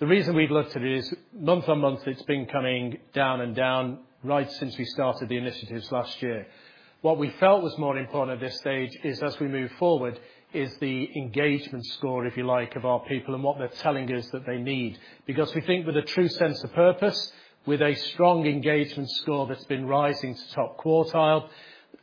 The reason we've looked at it is month on month, it's been coming down and down right since we started the initiatives last year. What we felt was more important at this stage is, as we move forward, is the engagement score, if you like, of our people, and what they're telling us that they need. Because we think with a true sense of purpose, with a strong engagement score that's been rising to top quartile,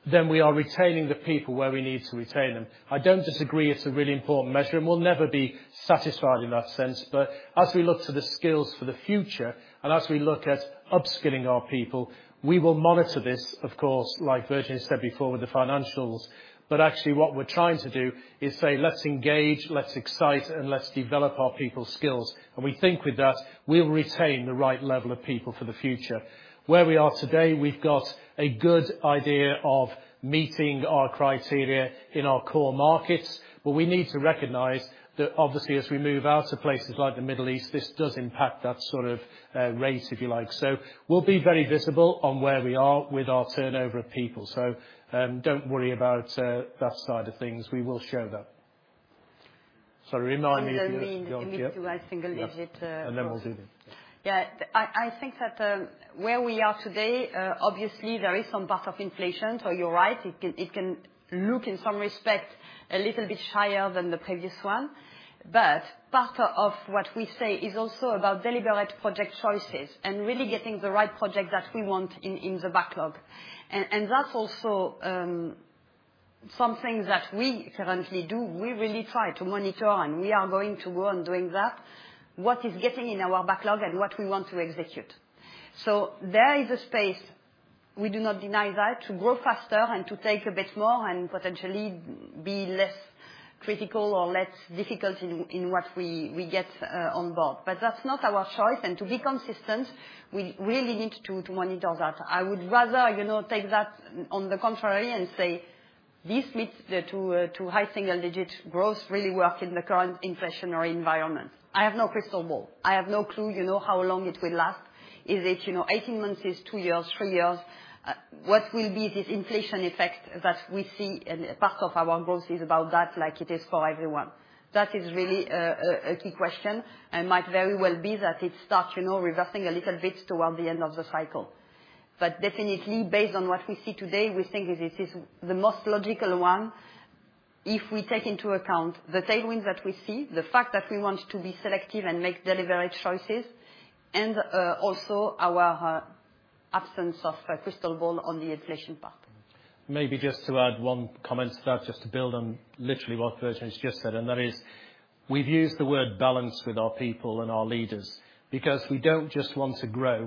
then we are retaining the people where we need to retain them. I don't disagree it's a really important measure, and we'll never be satisfied in that sense. But as we look to the skills for the future and as we look at upskilling our people, we will monitor this, of course, like Virginie said before, with the financials. But actually, what we're trying to do is say: Let's engage, let's excite, and let's develop our people's skills. And we think with that, we'll retain the right level of people for the future. Where we are today, we've got a good idea of meeting our criteria in our core markets, but we need to recognize that obviously, as we move out to Places like the Middle East, this does impact that sort of, rate, if you like. So we'll be very visible on where we are with our turnover of people. So, don't worry about, that side of things. We will show that. Sorry, remind me if you- You mean, you need to single digit, And then we'll do that. Yeah. I think that where we are today, obviously there is some part of inflation, so you're right. It can look in some respect a little bit higher than the previous one. But part of what we say is also about deliberate project choices and really getting the right project that we want in the backlog. And that's also something that we currently do. We really try to monitor, and we are going to go on doing that, what is getting in our backlog and what we want to execute. So there is a space, we do not deny that, to grow faster and to take a bit more and potentially be less critical or less difficult in what we get on board. But that's not our choice, and to be consistent, we really need to monitor that. I would rather, you know, take that on the contrary and say does this mid- to high single-digit growth really work in the current inflationary environment? I have no crystal ball. I have no clue, you know, how long it will last. Is it, you know, 18 months, is 2 years, 3 years? What will be this inflation effect that we see, and part of our growth is about that, like it is for everyone. That is really a key question, and might very well be that it starts, you know, reversing a little bit toward the end of the cycle. But definitely, based on what we see today, we think this is the most logical one. If we take into account the tailwind that we see, the fact that we want to be selective and make deliberate choices, and also our absence of a crystal ball on the inflation part. Maybe just to add one comment to that, just to build on literally what Virginie’s just said, and that is, we’ve used the word balance with our people and our leaders because we don’t just want to grow.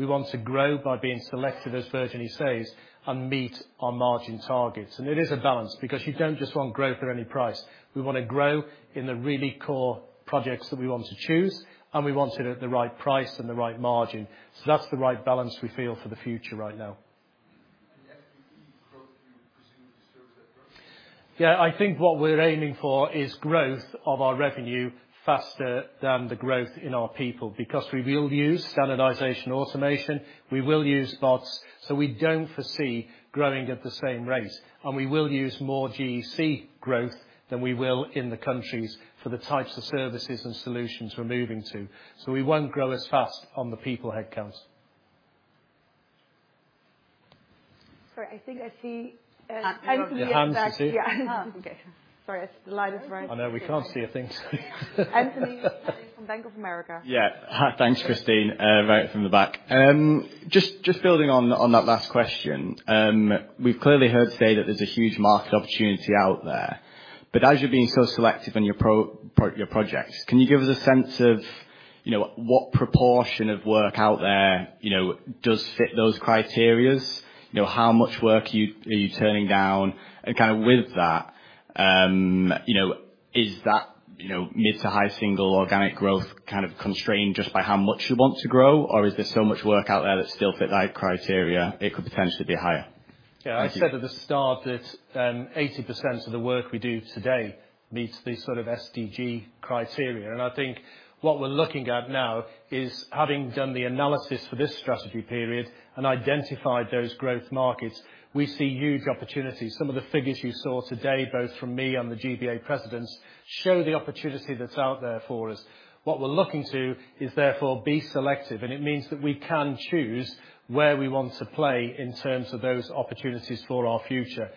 We want to grow by being selective, as Virginie says, and meet our margin targets. It is a balance because you don’t just want growth at any price. We want to grow in the really core projects that we want to choose, and we want it at the right price and the right margin. So that’s the right balance we feel for the future right now. The FTE growth, you pursue the service approach? Yeah, I think what we're aiming for is growth of our revenue faster than the growth in our people, because we will use standardization, automation, we will use bots, so we don't foresee growing at the same rate. We will use more GEC growth than we will in the countries for the types of services and solutions we're moving to. We won't grow as fast on the people headcounts. Sorry, I think I see- Hans, you see? Yeah. Okay. Sorry, as the light is right. I know, we can't see a thing. Anthony from Bank of America. Yeah. Hi. Thanks, Christine. Right from the back. Just building on that last question, we've clearly heard today that there's a huge market opportunity out there, but as you're being so selective on your projects, can you give us a sense of what proportion of work out there, you know, does fit those criteria? You know, how much work are you turning down? And kind of with that, you know, is that mid to high single organic growth kind of constrained just by how much you want to grow? Or is there so much work out there that still fit that criteria, it could potentially be higher? Yeah, I said at the start that, eighty percent of the work we do today meets the sort of SDG criteria. And I think what we're looking at now is, having done the analysis for this strategy period and identified those growth markets, we see huge opportunities. Some of the figures you saw today, both from me and the GBA presidents, show the opportunity that's out there for us. What we're looking to is, therefore, be selective, and it means that we can choose where we want to play in terms of those opportunities for our future.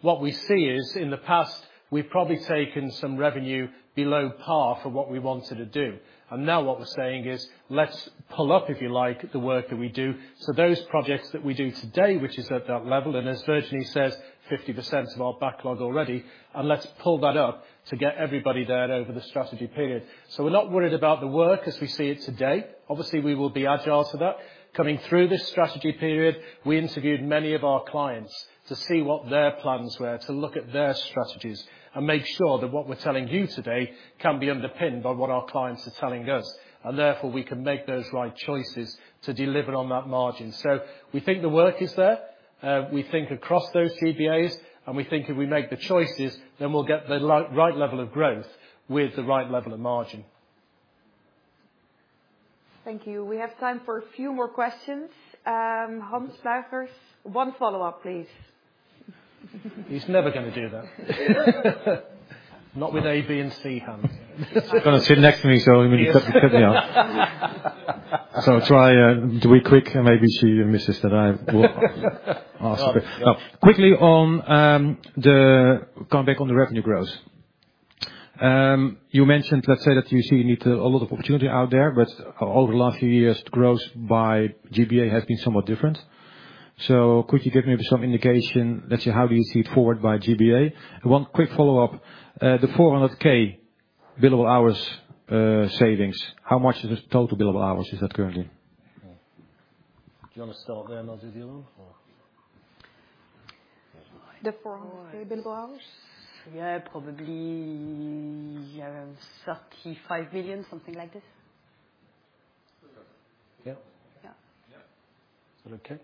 What we see is, in the past, we've probably taken some revenue below par for what we wanted to do, and now what we're saying is, "Let's pull up, if you like, the work that we do." So those projects that we do today, which is at that level, and as Virginie says, 50% of our backlog already, and let's pull that up to get everybody there over the strategy period. So we're not worried about the work as we see it today. Obviously, we will be agile to that. Coming through this strategy period, we interviewed many of our clients to see what their plans were, to look at their strategies and make sure that what we're telling you today can be underpinned by what our clients are telling us, and therefore, we can make those right choices to deliver on that margin. So we think the work is there. We think across those GBAs, and we think if we make the choices, then we'll get the right level of growth with the right level of margin. Thank you. We have time for a few more questions. Hans Pluijgers. One follow-up, please. He's never gonna do that. Not with A, B, and C, Hans. He's gonna sit next to me, so I mean, he cut me off. So I'll try do it quick, and maybe she misses that I will ask it. Quickly on, coming back on the revenue growth. You mentioned, let's say, that you see you need a lot of opportunity out there, but over the last few years, growth by GBA has been somewhat different. So could you give me some indication, let's say, how do you see it forward by GBA? And one quick follow-up, the 400,000 billable hours savings, how much is the total billable hours is that currently? Do you want to start there, Virginie, or? The 400,000 billable hours? Yeah, probably, 35 million, something like this. Yeah. Yeah. Yeah. Is that okay?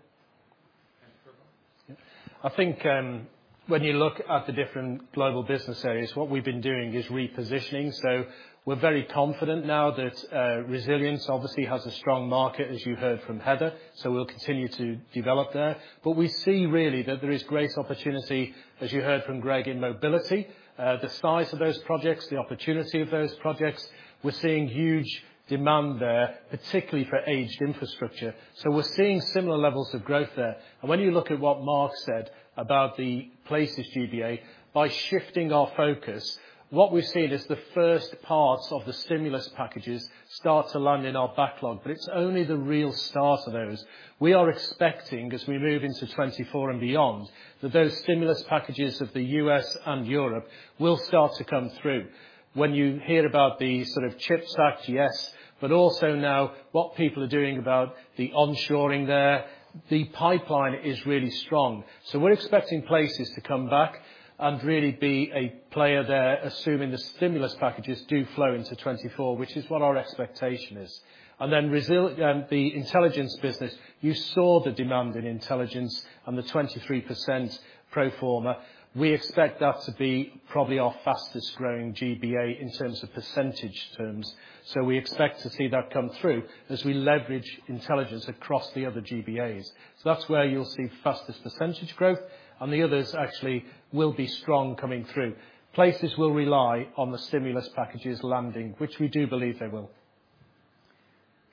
Thank you. I think, when you look at the different global business areas, what we've been doing is repositioning. So we're very confident now that, resilience obviously has a strong market, as you heard from Heather, so we'll continue to develop there. But we see really that there is great opportunity, as you heard from Greg, in mobility. The size of those projects, the opportunity of those projects, we're seeing huge demand there, particularly for aged infrastructure. So we're seeing similar levels of growth there. When you look at what Mark said about the Places GBA, by shifting our focus, what we've seen is the first parts of the stimulus packages start to land in our backlog, but it's only the real start of those. We are expecting, as we move into 2024 and beyond, that those stimulus packages of the U.S. and Europe will start to come through. When you hear about the sort of CHIPS Act, yes, but also now what people are doing about the onshoring there, the pipeline is really strong. So we're expecting Places to come back. and really be a player there, assuming the stimulus packages do flow into 2024, which is what our expectation is. And then, the Intelligence business, you saw the demand in Intelligence and the 23% pro forma. We expect that to be probably our fastest growing GBA in terms of percentage terms. So we expect to see that come through as we leverage Intelligence across the other GBAs. So that's where you'll see fastest percentage growth, and the others actually will be strong coming through. Places will rely on the stimulus packages landing, which we do believe they will.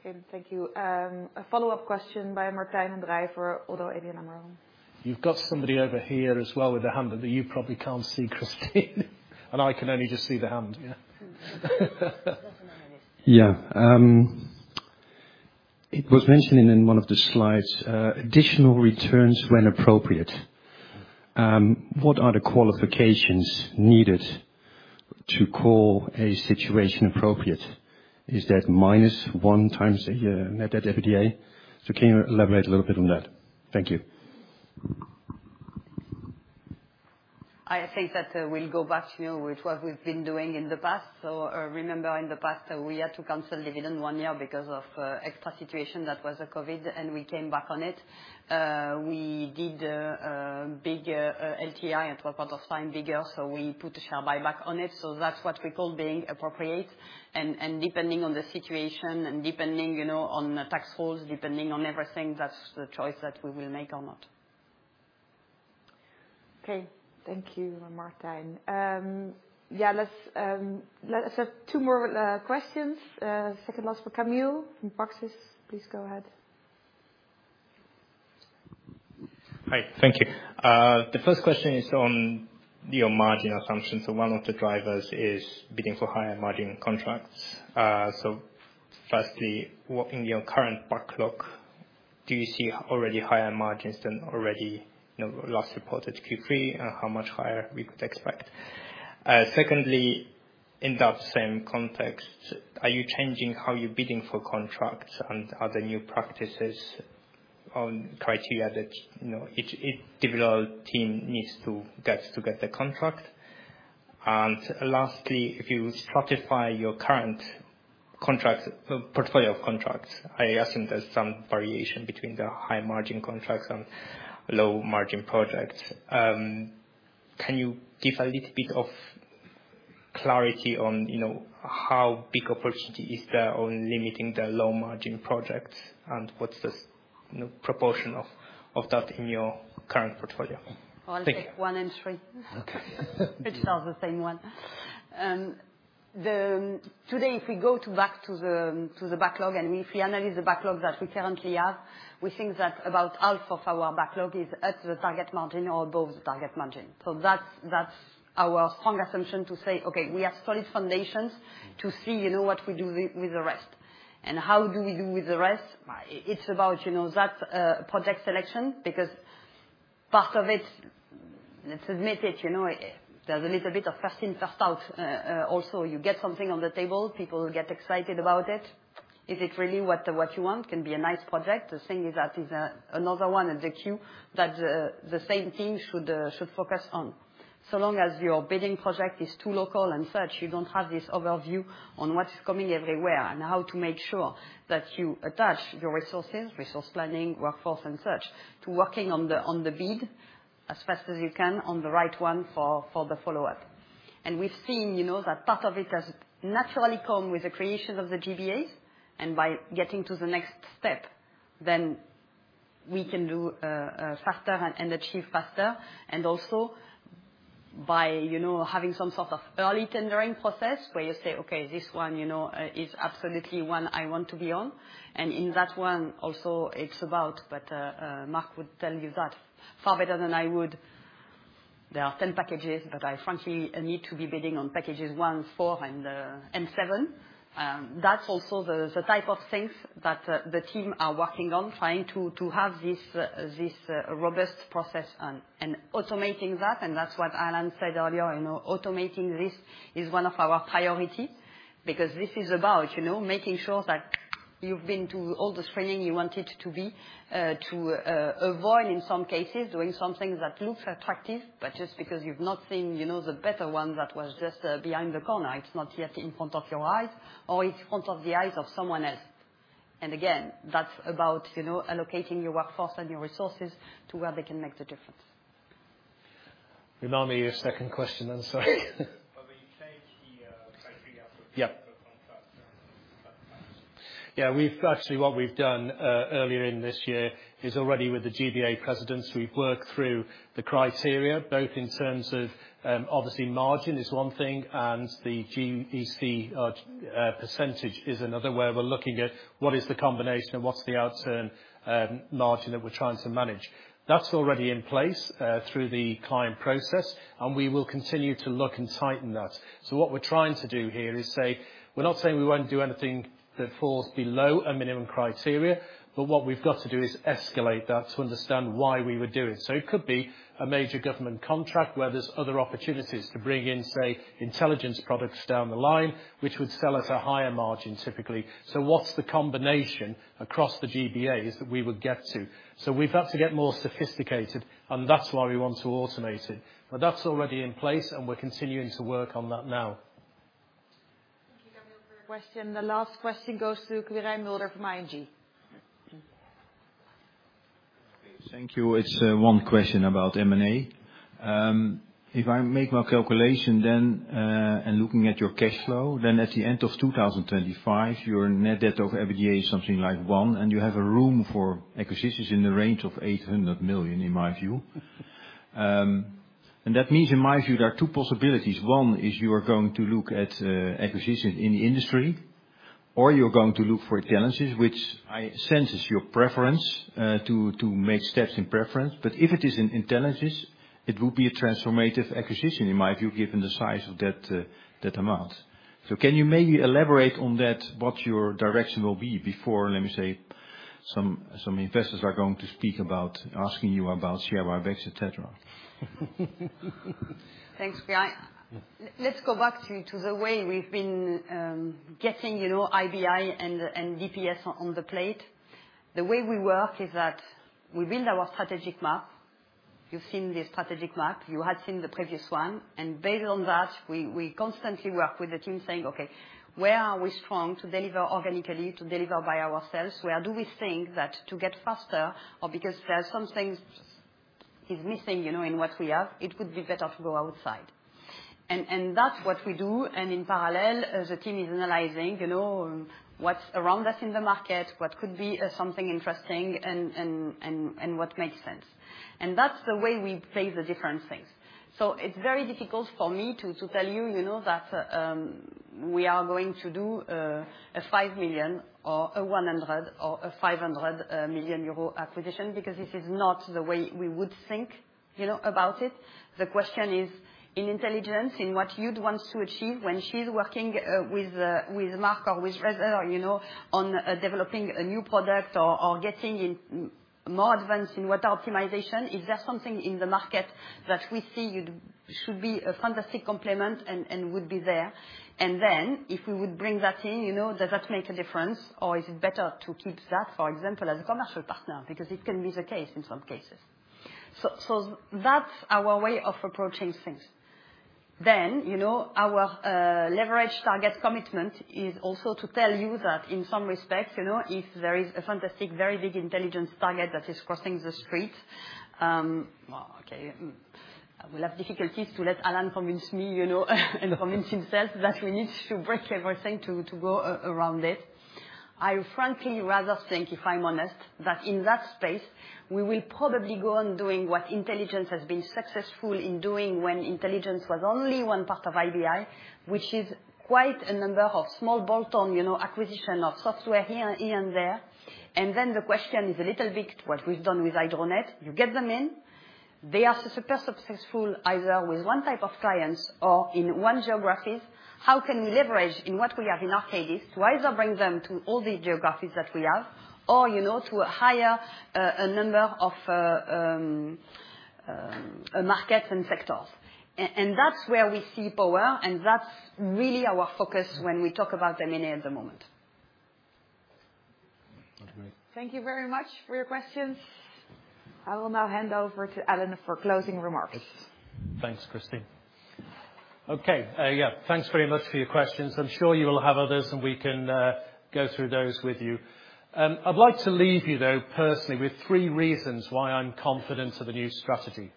Okay, thank you. A follow-up question by Martijn den Drijver Oddo ABN AMRO BHF. You've got somebody over here as well with their hand, but you probably can't see, Christine, and I can only just see the hand, yeah. Yeah. It was mentioned in one of the slides, additional returns when appropriate. What are the qualifications needed to call a situation appropriate? Is that minus one times a year net debt EBITDA? So can you elaborate a little bit on that? Thank you. I think that we'll go back to, you know, with what we've been doing in the past. So remember, in the past, we had to cancel dividend one year because of extra situation. That was COVID, and we came back on it. We did big LTI and talk about those fine figures, so we put a share buyback on it. So that's what we call being appropriate. And, and depending on the situation and depending, you know, on the tax laws, depending on everything, that's the choice that we will make or not. Okay. Thank you, Martijn. Yeah, let's have two more questions. Second last for Kamil from Praxis. Please go ahead. Hi, thank you. The first question is on your margin assumptions, so one of the drivers is bidding for higher margin contracts. So firstly, what in your current backlog, do you see already higher margins than already, you know, last reported Q3, and how much higher we could expect? Secondly, in that same context, are you changing how you're bidding for contracts, and are there new practices on criteria that, you know, each development team needs to get the contract? And lastly, if you stratify your current contract portfolio of contracts, I assume there's some variation between the high-margin contracts and low-margin projects. Can you give a little bit of clarity on, you know, how big opportunity is there on limiting the low-margin projects, and what's the, you know, proportion of that in your current portfolio? Thank you. I'll take one and three. Okay. Which are the same one. Today, if we go back to the backlog, and if we analyze the backlog that we currently have, we think that about half of our backlog is at the target margin or above the target margin. So that's our strong assumption to say, "Okay, we have solid foundations to see, you know, what we do with the rest." And how do we do with the rest? It's about, you know, that project selection because part of it, let's admit it, you know, it, there's a little bit of first in, first out. Also, you get something on the table, people get excited about it. Is it really what you want? Can be a nice project. The thing is that is another one in the queue that the same team should should focus on. So long as your bidding project is too local and such, you don't have this overview on what is coming everywhere and how to make sure that you attach your resources, resource planning, workforce, and such, to working on the on the bid as fast as you can on the right one for for the follow-up. And we've seen, you know, that part of it has naturally come with the creation of the GBAs, and by getting to the next step, then we can do faster and and achieve faster. And also, by, you know, having some sort of early tendering process, where you say, "Okay, this one, you know, is absolutely one I want to be on." And in that one also, it's about. But, Mark would tell you that far better than I would. There are 10 packages, but I frankly need to be bidding on packages 1, 4, and 7. That's also the type of things that the team are working on, trying to have this robust process and automating that, and that's what Alan said earlier. You know, automating this is one of our priorities because this is about, you know, making sure that you've been to all the training you wanted to be to avoid, in some cases, doing something that looks attractive, but just because you've not seen, you know, the better one that was just behind the corner, it's not yet in front of your eyes or it's in front of the eyes of someone else. And again, that's about, you know, allocating your workforce and your resources to where they can make the difference. Remind me your second question. I'm sorry. When you change the criteria- Yeah. of contract. Yeah. We've. Actually, what we've done earlier in this year is already with the GBA presidents, we've worked through the criteria, both in terms of, obviously, margin is one thing, and the GEC percentage is another, where we're looking at what is the combination and what's the outturn margin that we're trying to manage. That's already in place through the client process, and we will continue to look and tighten that. So what we're trying to do here is say, we're not saying we won't do anything that falls below a minimum criteria, but what we've got to do is escalate that to understand why we would do it. So it could be a major government contract where there's other opportunities to bring in, say, intelligence products down the line, which would sell at a higher margin, typically. So what's the combination across the GBAs that we would get to? So we've got to get more sophisticated, and that's why we want to automate it. But that's already in place, and we're continuing to work on that now. -question, the last question goes to Quirijn Mulder from ING. Thank you. It's one question about M&A. If I make my calculation, then, and looking at your cash flow, then at the end of 2025, your net debt of EBITDA is something like 1, and you have a room for acquisitions in the range of 800 million, in my view. And that means, in my view, there are two possibilities. One is you are going to look at acquisition in the industry, or you're going to look for Intelligence, which I sense is your preference to make steps in Intelligence. But if it is in Intelligence, it will be a transformative acquisition, in my view, given the size of that amount. So can you maybe elaborate on that, what your direction will be before, let me say, some investors are going to speak about asking you about share buybacks, et cetera? Thanks, Quirijn. Let's go back to, to the way we've been getting, you know, IBI and DPS on the plate. The way we work is that we build our strategic map. You've seen the strategic map. You had seen the previous one, and based on that, we constantly work with the team saying, "Okay, where are we strong to deliver organically, to deliver by ourselves? Where do we think that to get faster or because there are some things is missing, you know, in what we have, it would be better to go outside?" And that's what we do, and in parallel, the team is analyzing, you know, what's around us in the market, what could be something interesting, and what makes sense. And that's the way we play the different things. So it's very difficult for me to tell you, you know, that we are going to do a 5 million or a 100 million or a 500 million euro acquisition because this is not the way we would think, you know, about it. The question is, in intelligence, in what you'd want to achieve when she's working with Mark or with Heather, you know, on developing a new product or getting more advanced in water optimization, is there something in the market that we see it should be a fantastic complement and would be there? And then, if we would bring that in, you know, does that make a difference, or is it better to keep that, for example, as a commercial partner? Because it can be the case in some cases. So that's our way of approaching things. Then, you know, our leverage target commitment is also to tell you that in some respects, you know, if there is a fantastic, very big intelligence target that is crossing the street, well, I will have difficulties to let Alan convince me, you know, and convince himself that we need to break everything to go around it. I frankly rather think, if I'm honest, that in that space, we will probably go on doing what intelligence has been successful in doing when intelligence was only one part of IBI, which is quite a number of small bolt-on, you know, acquisition of software here, here and there. And then the question is a little bit what we've done with Idronect. You get them in, they are super successful, either with one type of clients or in one geographies. How can we leverage in what we have in Arcadis to either bring them to all the geographies that we have or, you know, to a higher number of markets and sectors? And that's where we see power, and that's really our focus when we talk about M&A at the moment. Okay. Thank you very much for your questions. I will now hand over to Alan for closing remarks. Thanks, Christine. Okay, yeah, thanks very much for your questions. I'm sure you will have others, and we can go through those with you. I'd like to leave you, though, personally, with three reasons why I'm confident of the new strategy.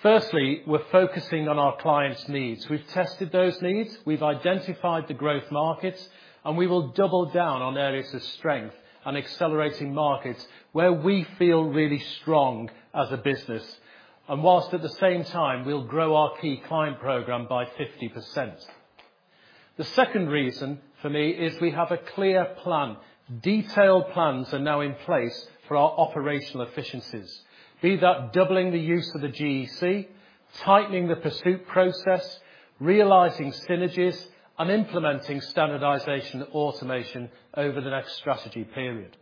Firstly, we're focusing on our clients' needs. We've tested those needs, we've identified the growth markets, and we will double down on areas of strength and accelerating markets where we feel really strong as a business. While at the same time, we'll grow our Key Client Program by 50%. The second reason for me is we have a clear plan. Detailed plans are now in place for our operational efficiencies, be that doubling the use of the GEC, tightening the pursuit process, realizing synergies, and implementing standardization automation over the next strategy period.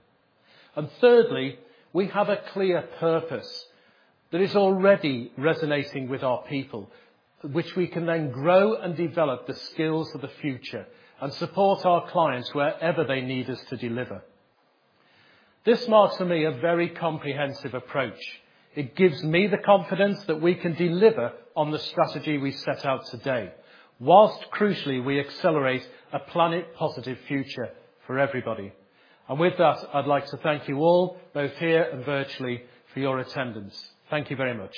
Thirdly, we have a clear purpose that is already resonating with our people, which we can then grow and develop the skills of the future and support our clients wherever they need us to deliver. This marks, for me, a very comprehensive approach. It gives me the confidence that we can deliver on the strategy we set out today, whilst crucially, we accelerate a Planet Positive Future for everybody. And with that, I'd like to thank you all, both here and virtually, for your attendance. Thank you very much.